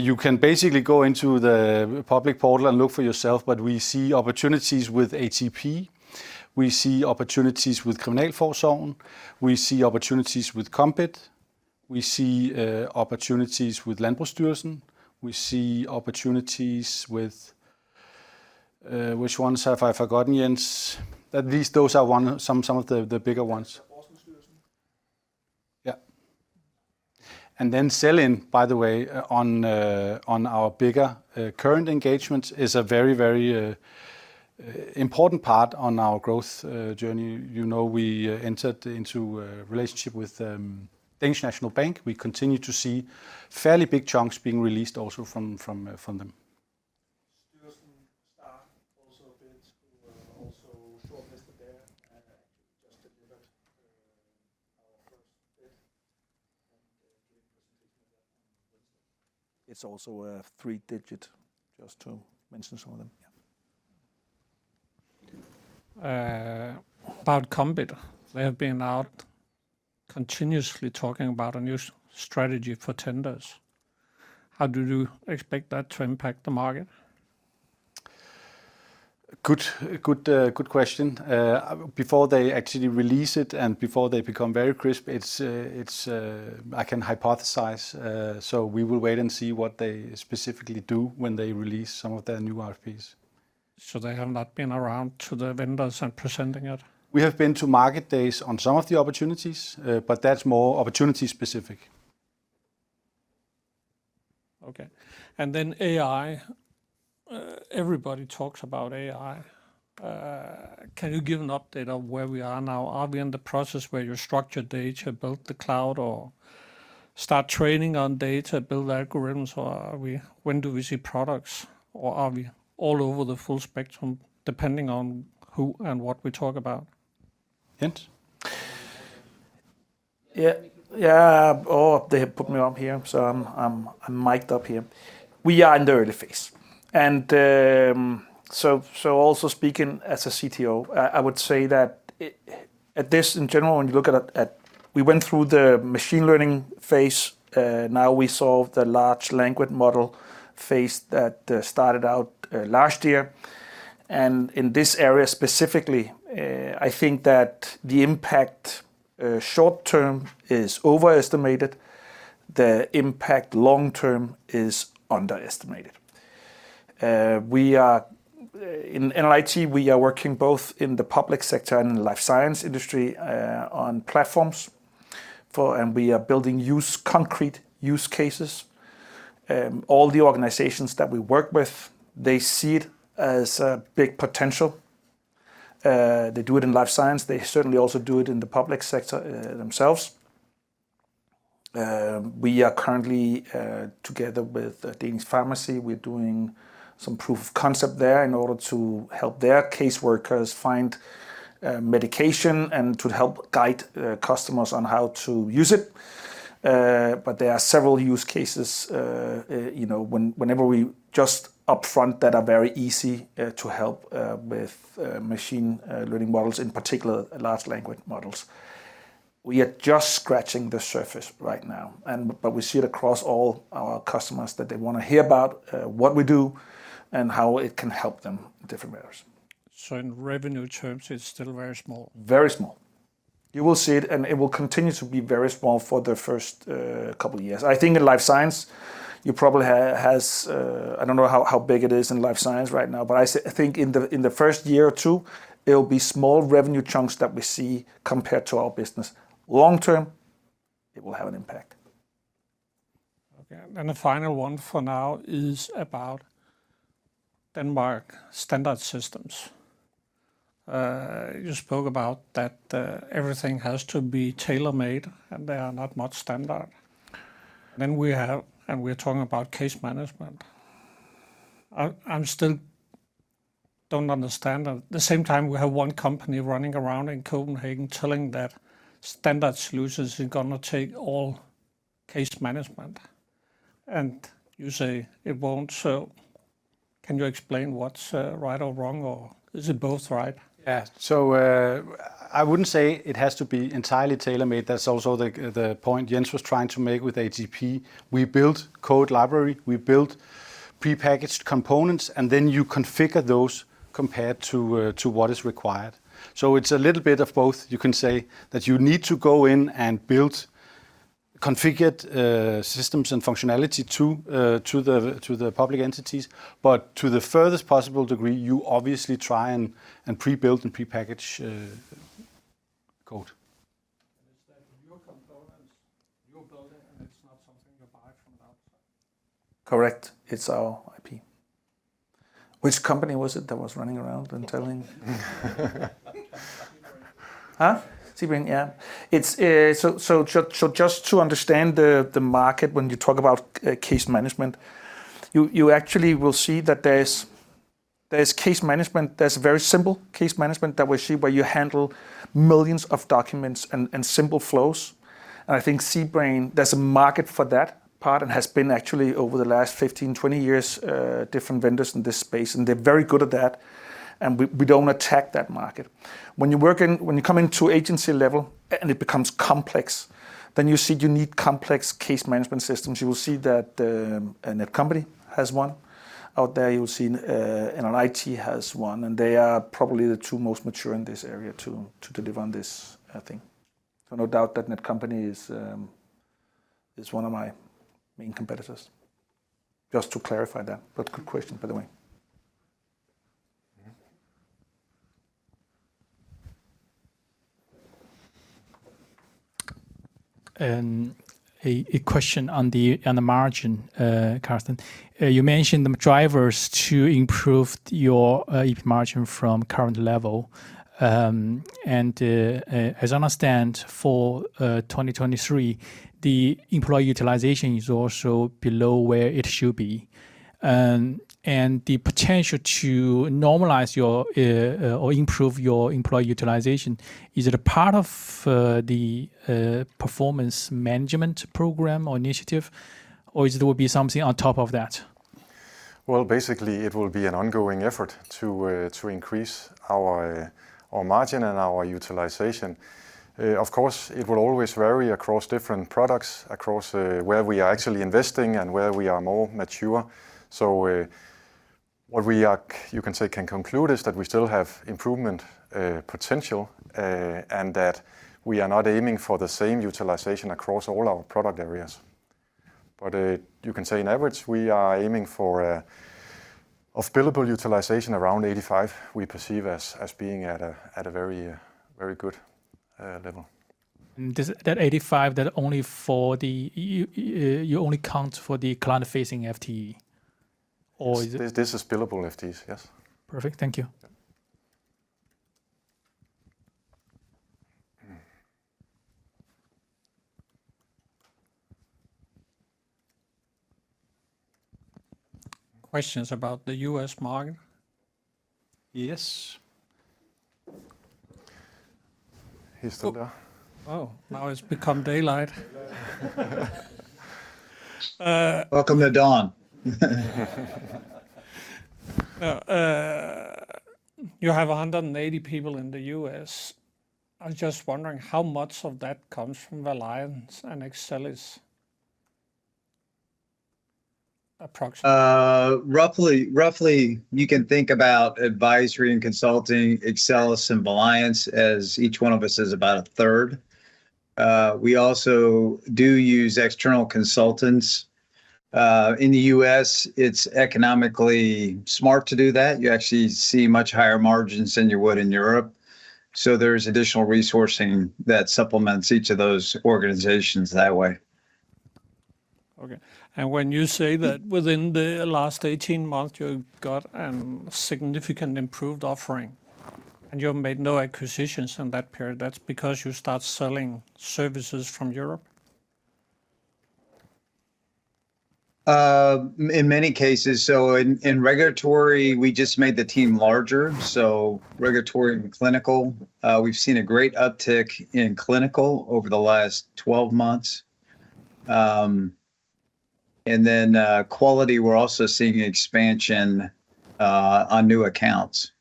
You can basically go into the public portal and look for yourself, but we see opportunities with ATP. We see opportunities with Kriminalforsorgen. We see opportunities with KOMBIT. We see opportunities with Landbrugsstyrelsen. We see opportunities with, which ones have I forgotten, Jens? At least those are some of the bigger ones. Fødevarestyrelsen. Yeah. And then sell-in, by the way, on our bigger current engagements, is a very, very important part on our growth journey. You know, we entered into a relationship with the Danish National Bank. We continue to see fairly big chunks being released also from them. Sandoz-start also a bit, who are also short-listed there, and actually just delivered our first bit and giving presentation on that on Wednesday. It's also a 3-digit, just to mention some of them. Yeah. About KOMBIT, they have been out continuously talking about a new strategy for tenders. How do you expect that to impact the market? Good, good, good question. Before they actually release it, and before they become very crisp, it's... I can hypothesize, so we will wait and see what they specifically do when they release some of their new RFPs. They have not been around to the vendors and presenting it? We have been to market days on some of the opportunities, but that's more opportunity specific. Okay, and then AI, everybody talks about AI. Can you give an update on where we are now? Are we in the process where you structure data, build the cloud, or start training on data, build algorithms? Or are we—when do we see products, or are we all over the full spectrum, depending on who and what we talk about? Jens? Yeah, yeah. Oh, they have put me up here, so I'm miked up here. We are in the early phase, and so also speaking as a CTO, I would say that at this, in general, when you look at it. We went through the machine learning phase, now we saw the large language model phase that started out last year. And in this area specifically, I think that the impact short term is overestimated, the impact long term is underestimated. We are in IT, we are working both in the public sector and life sciences industry, on platforms for and we are building concrete use cases. All the organizations that we work with, they see it as a big potential. They do it in life sciences. They certainly also do it in the public sector, themselves. We are currently, together with Danish Pharmacy, we're doing some proof of concept there in order to help their caseworkers find medication and to help guide customers on how to use it. But there are several use cases, you know, whenever we just upfront that are very easy to help with machine learning models, in particular, large language models. We are just scratching the surface right now, but we see it across all our customers, that they wanna hear about what we do and how it can help them in different matters. In revenue terms, it's still very small? Very small. You will see it, and it will continue to be very small for the first couple years. I think in life science, you probably has. I don't know how big it is in life science right now, but I say, I think in the first year or two, there will be small revenue chunks that we see compared to our business. Long term, it will have an impact. Okay, and the final one for now is about Denmark standard systems. You spoke about that, everything has to be tailor-made, and there are not much standard. Then we have, and we're talking about case management. I'm still don't understand, and the same time, we have one company running around in Copenhagen telling that standard solutions are gonna take all case management, and you say it won't. So can you explain what's right or wrong, or is it both right? Yeah. So, I wouldn't say it has to be entirely tailor-made. That's also the point Jens was trying to make with ATP. We built code library, we built prepackaged components, and then you configure those compared to what is required. So it's a little bit of both. You can say that you need to go in and build configured systems and functionality to the public entities, but to the furthest possible degree, you obviously try and pre-build and prepackage code. Is that your components, you build it, and it's not something you buy from the outside? Correct. It's our IP. Which company was it that was running around and telling? Huh? cBrain. Yeah. It's so just to understand the market, when you talk about case management, you actually will see that there's- There's case management, there's very simple case management that we see where you handle millions of documents and simple flows. And I think cBrain, there's a market for that part, and has been actually over the last 15, 20 years, different vendors in this space, and they're very good at that, and we don't attack that market. When you come into agency level and it becomes complex, then you see you need complex case management systems. You will see that a Netcompany has one out there. You'll see and NNIT has one, and they are probably the two most mature in this area to deliver on this, I think. So no doubt that Netcompany is one of my main competitors, just to clarify that. But good question, by the way. A question on the margin, Carsten. You mentioned the drivers to improve your margin from current level. And as I understand for 2023, the employee utilization is also below where it should be. And the potential to normalize your or improve your employee utilization, is it a part of the performance management program or initiative, or is there will be something on top of that? Well, basically, it will be an ongoing effort to, to increase our, our margin and our utilization. Of course, it will always vary across different products, across, where we are actually investing and where we are more mature. So, what we are, you can say, can conclude is that we still have improvement, potential, and that we are not aiming for the same utilization across all our product areas. But, you can say, in average, we are aiming for a, a billable utilization around 85%, we perceive as, as being at a, at a very, very good, level. Does that 85%, that only for the... You only count for the client-facing FTE, or is it? This is billable FTEs, yes. Perfect. Thank you. Yeah. Questions about the U.S. market? Yes. He's still there. Oh, now it's become daylight. Welcome to dawn. You have 180 people in the U.S. I'm just wondering how much of that comes from Valiance and Excellis approximately? Roughly, roughly, you can think about advisory and consulting, Excellis and Valiance, as each one of us is about a third. We also do use external consultants. In the U.S., it's economically smart to do that. You actually see much higher margins than you would in Europe. So there's additional resourcing that supplements each of those organizations that way. Okay. And when you say that within the last 18 months, you've got significant improved offering, and you have made no acquisitions in that period, that's because you start selling services from Europe? In many cases. So in regulatory, we just made the team larger. So regulatory and clinical, we've seen a great uptick in clinical over the last 12 months. And then quality, we're also seeing an expansion on new accounts.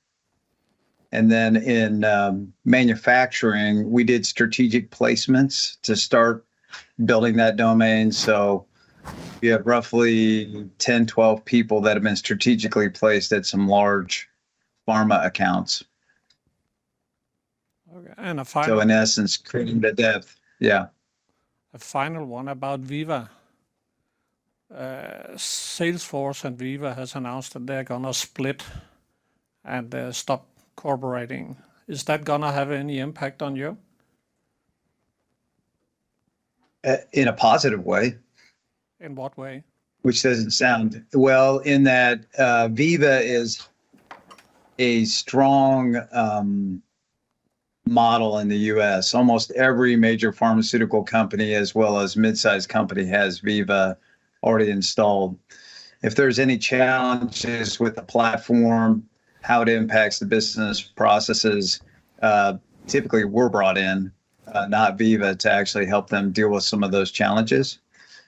And then in manufacturing, we did strategic placements to start building that domain. So we have roughly 10, 12 people that have been strategically placed at some large pharma accounts. Okay, and a final- So in essence, creating the depth. Yeah. A final one about Veeva. Salesforce and Veeva has announced that they're gonna split and stop cooperating. Is that gonna have any impact on you? In a positive way. In what way? Which doesn't sound well. In that, Veeva is a strong model in the U.S. Almost every major pharmaceutical company, as well as mid-sized company, has Veeva already installed. If there's any challenges with the platform, how it impacts the business processes, typically we're brought in, not Veeva, to actually help them deal with some of those challenges.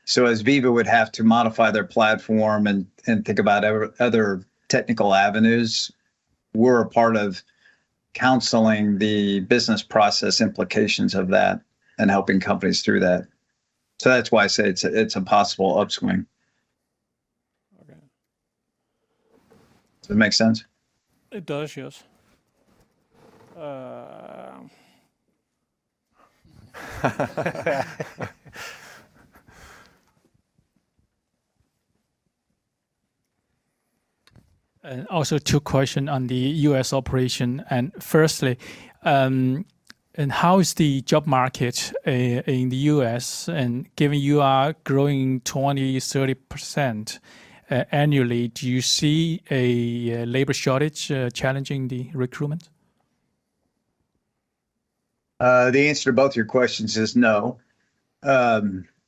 So as Veeva would have to modify their platform and think about other technical avenues, we're a part of counseling the business process implications of that and helping companies through that. So that's why I say it's a possible upswing. Okay. Does it make sense? It does, yes. Also, two questions on the U.S. operation. First, how is the job market in the U.S., and given you are growing 20%-30% annually, do you see a labor shortage challenging the recruitment? The answer to both of your questions is no.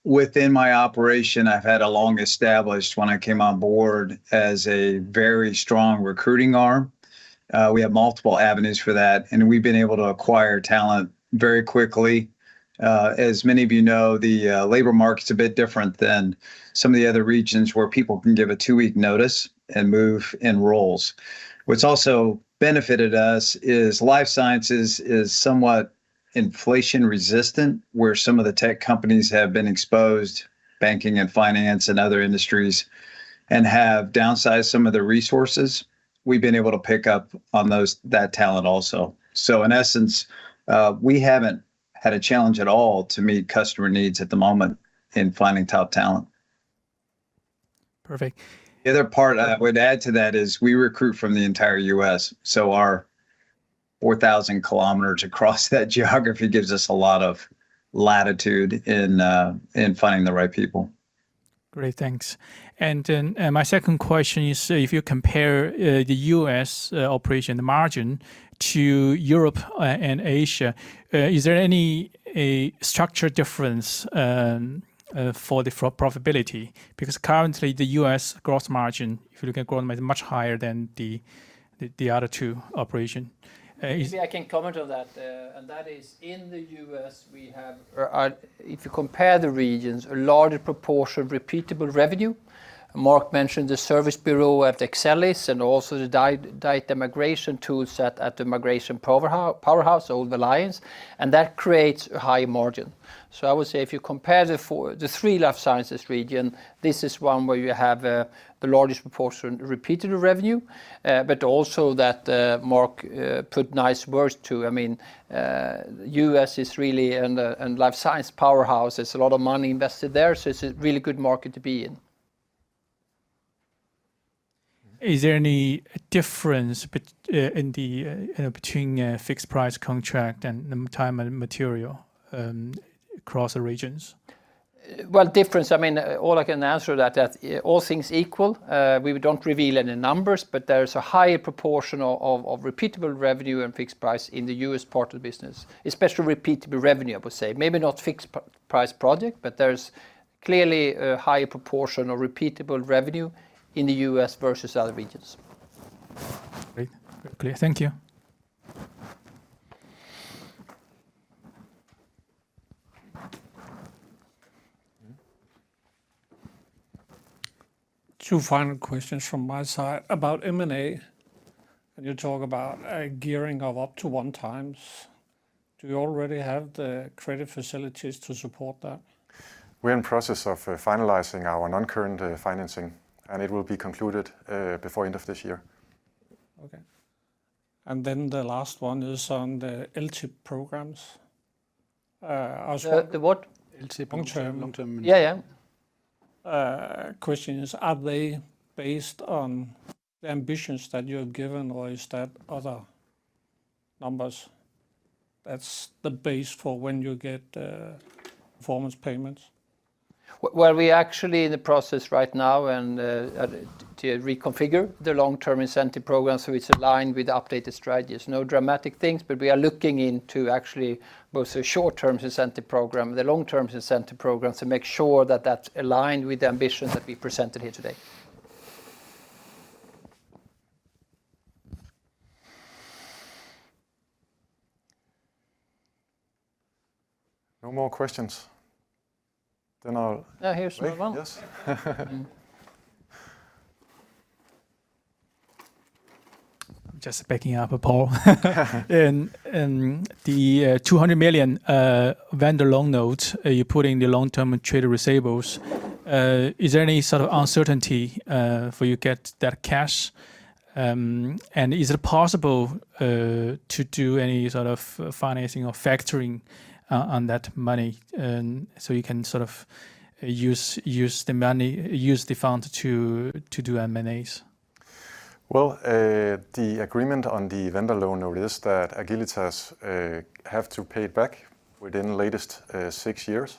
Within my operation, I've had a long-established, when I came on board, has a very strong recruiting arm. We have multiple avenues for that, and we've been able to acquire talent very quickly. As many of you know, the labor market's a bit different than some of the other regions where people can give a two-week notice and move in roles. What's also benefited us is life sciences is somewhat inflation-resistant, where some of the tech companies have been exposed, banking and finance and other industries, and have downsized some of their resources. We've been able to pick up on those that talent also. So in essence, we haven't had a challenge at all to meet customer needs at the moment in finding top talent. Perfect. The other part I would add to that is we recruit from the entire U.S., so our 4,000 kilometers across that geography gives us a lot of latitude in finding the right people. Great. Thanks. And then, my second question is, so if you compare the U.S. operation, the margin, to Europe and Asia, is there any structural difference for the profitability? Because currently, the U.S. gross margin, if you look at growth, is much higher than the other two operations. Is- Maybe I can comment on that, and that is in the U.S., we have... if you compare the regions, a larger proportion of repeatable revenue. Mark mentioned the service bureau at Excellis and also the data migration tool set at the Migration Powerhouse, all the lines, and that creates a high margin. So I would say if you compare the three life sciences region, this is one where you have, the largest proportion of repeatable revenue, but also that, Mark, put nice words to. I mean, U.S. is really, and a, and life science powerhouse. There's a lot of money invested there, so it's a really good market to be in. Is there any difference between fixed price contract and the time and material across the regions? Well, difference, I mean, all I can answer that, all things equal, we don't reveal any numbers, but there is a higher proportion of repeatable revenue and fixed price in the U.S. part of the business, especially repeatable revenue, I would say. Maybe not fixed-price project, but there's clearly a higher proportion of repeatable revenue in the U.S. versus other regions. Great. Clear. Thank you. Two final questions from my side about M&A. When you talk about a gearing of up to 1 times, do you already have the credit facilities to support that? We're in process of finalizing our non-current financing, and it will be concluded before end of this year. Okay. The last one is on the LTIP programs. As- The what? LTIP. Long term. Long term. Yeah, yeah. Question is, are they based on the ambitions that you have given, or is that other numbers that's the base for when you get performance payments? Well, well, we are actually in the process right now and to reconfigure the long-term incentive program, so it's aligned with the updated strategies. No dramatic things, but we are looking into actually both the short-term incentive program, the long-term incentive program, to make sure that that's aligned with the ambitions that we presented here today. No more questions, then I'll- Here's one more. Yes. Just picking up a poll. In the $200 million vendor loan note, are you putting the long-term trade receivables? Is there any sort of uncertainty for you to get that cash? And is it possible to do any sort of financing or factoring on that money, so you can sort of use the money, use the fund to do M&As? Well, the agreement on the vendor loan note is that Agilitas have to pay back within the latest six years.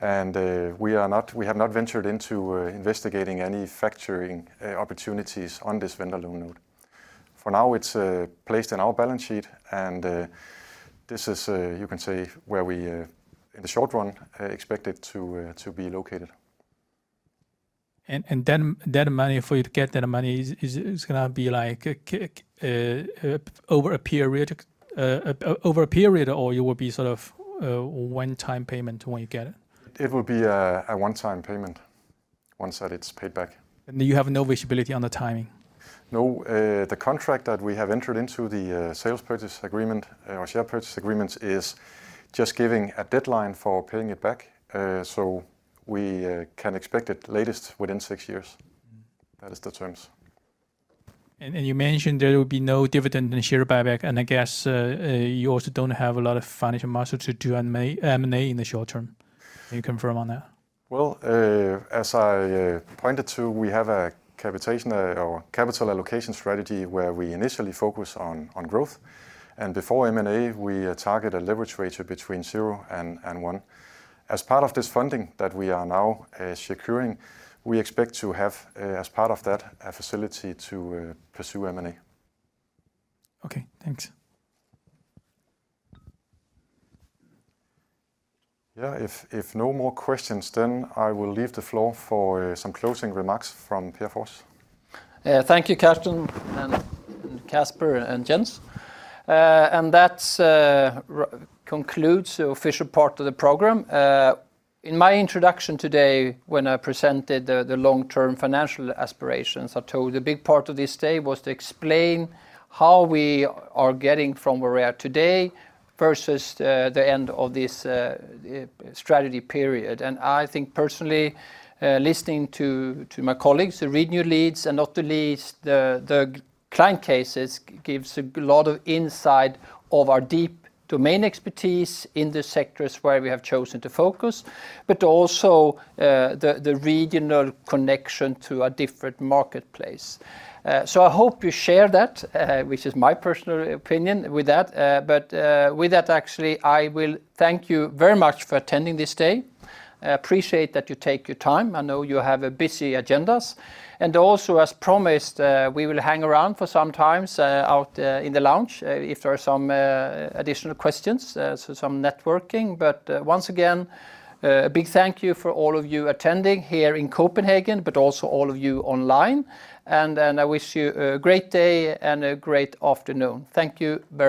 And we have not ventured into investigating any factoring opportunities on this vendor loan note. For now, it's placed in our balance sheet, and this is, you can say, where we in the short run expect it to be located. That money, for you to get that money, is gonna be like over a period, or it will be sort of a one-time payment when you get it? It will be a one-time payment, once that it's paid back. You have no visibility on the timing? No. The contract that we have entered into, the sales purchase agreement, or share purchase agreement, is just giving a deadline for paying it back. So we can expect it latest within six years. Mm-hmm. That is the terms. You mentioned there will be no dividend and share buyback, and I guess you also don't have a lot of financial muscle to do M&A in the short term. Can you confirm on that? Well, as I pointed to, we have a capital allocation strategy where we initially focus on growth, and before M&A, we target a leverage ratio between zero and one. As part of this funding that we are now securing, we expect to have, as part of that, a facility to pursue M&A. Okay, thanks. Yeah, if no more questions, then I will leave the floor for some closing remarks from Pär Fors. Thank you, Carsten and Kasper and Jens. That concludes the official part of the program. In my introduction today, when I presented the long-term financial aspirations, I told a big part of this day was to explain how we are getting from where we are today versus the end of this strategy period. I think personally, listening to my colleagues, the regional leads, and not the least, the client cases, gives a lot of insight of our deep domain expertise in the sectors where we have chosen to focus, but also the regional connection to a different marketplace. So I hope you share that, which is my personal opinion with that. But with that, actually, I will thank you very much for attending this day. I appreciate that you take your time. I know you have a busy agendas. Also, as promised, we will hang around for some time out in the lounge if there are some additional questions, so some networking. Once again, a big thank you for all of you attending here in Copenhagen, but also all of you online. And I wish you a great day and a great afternoon. Thank you very much!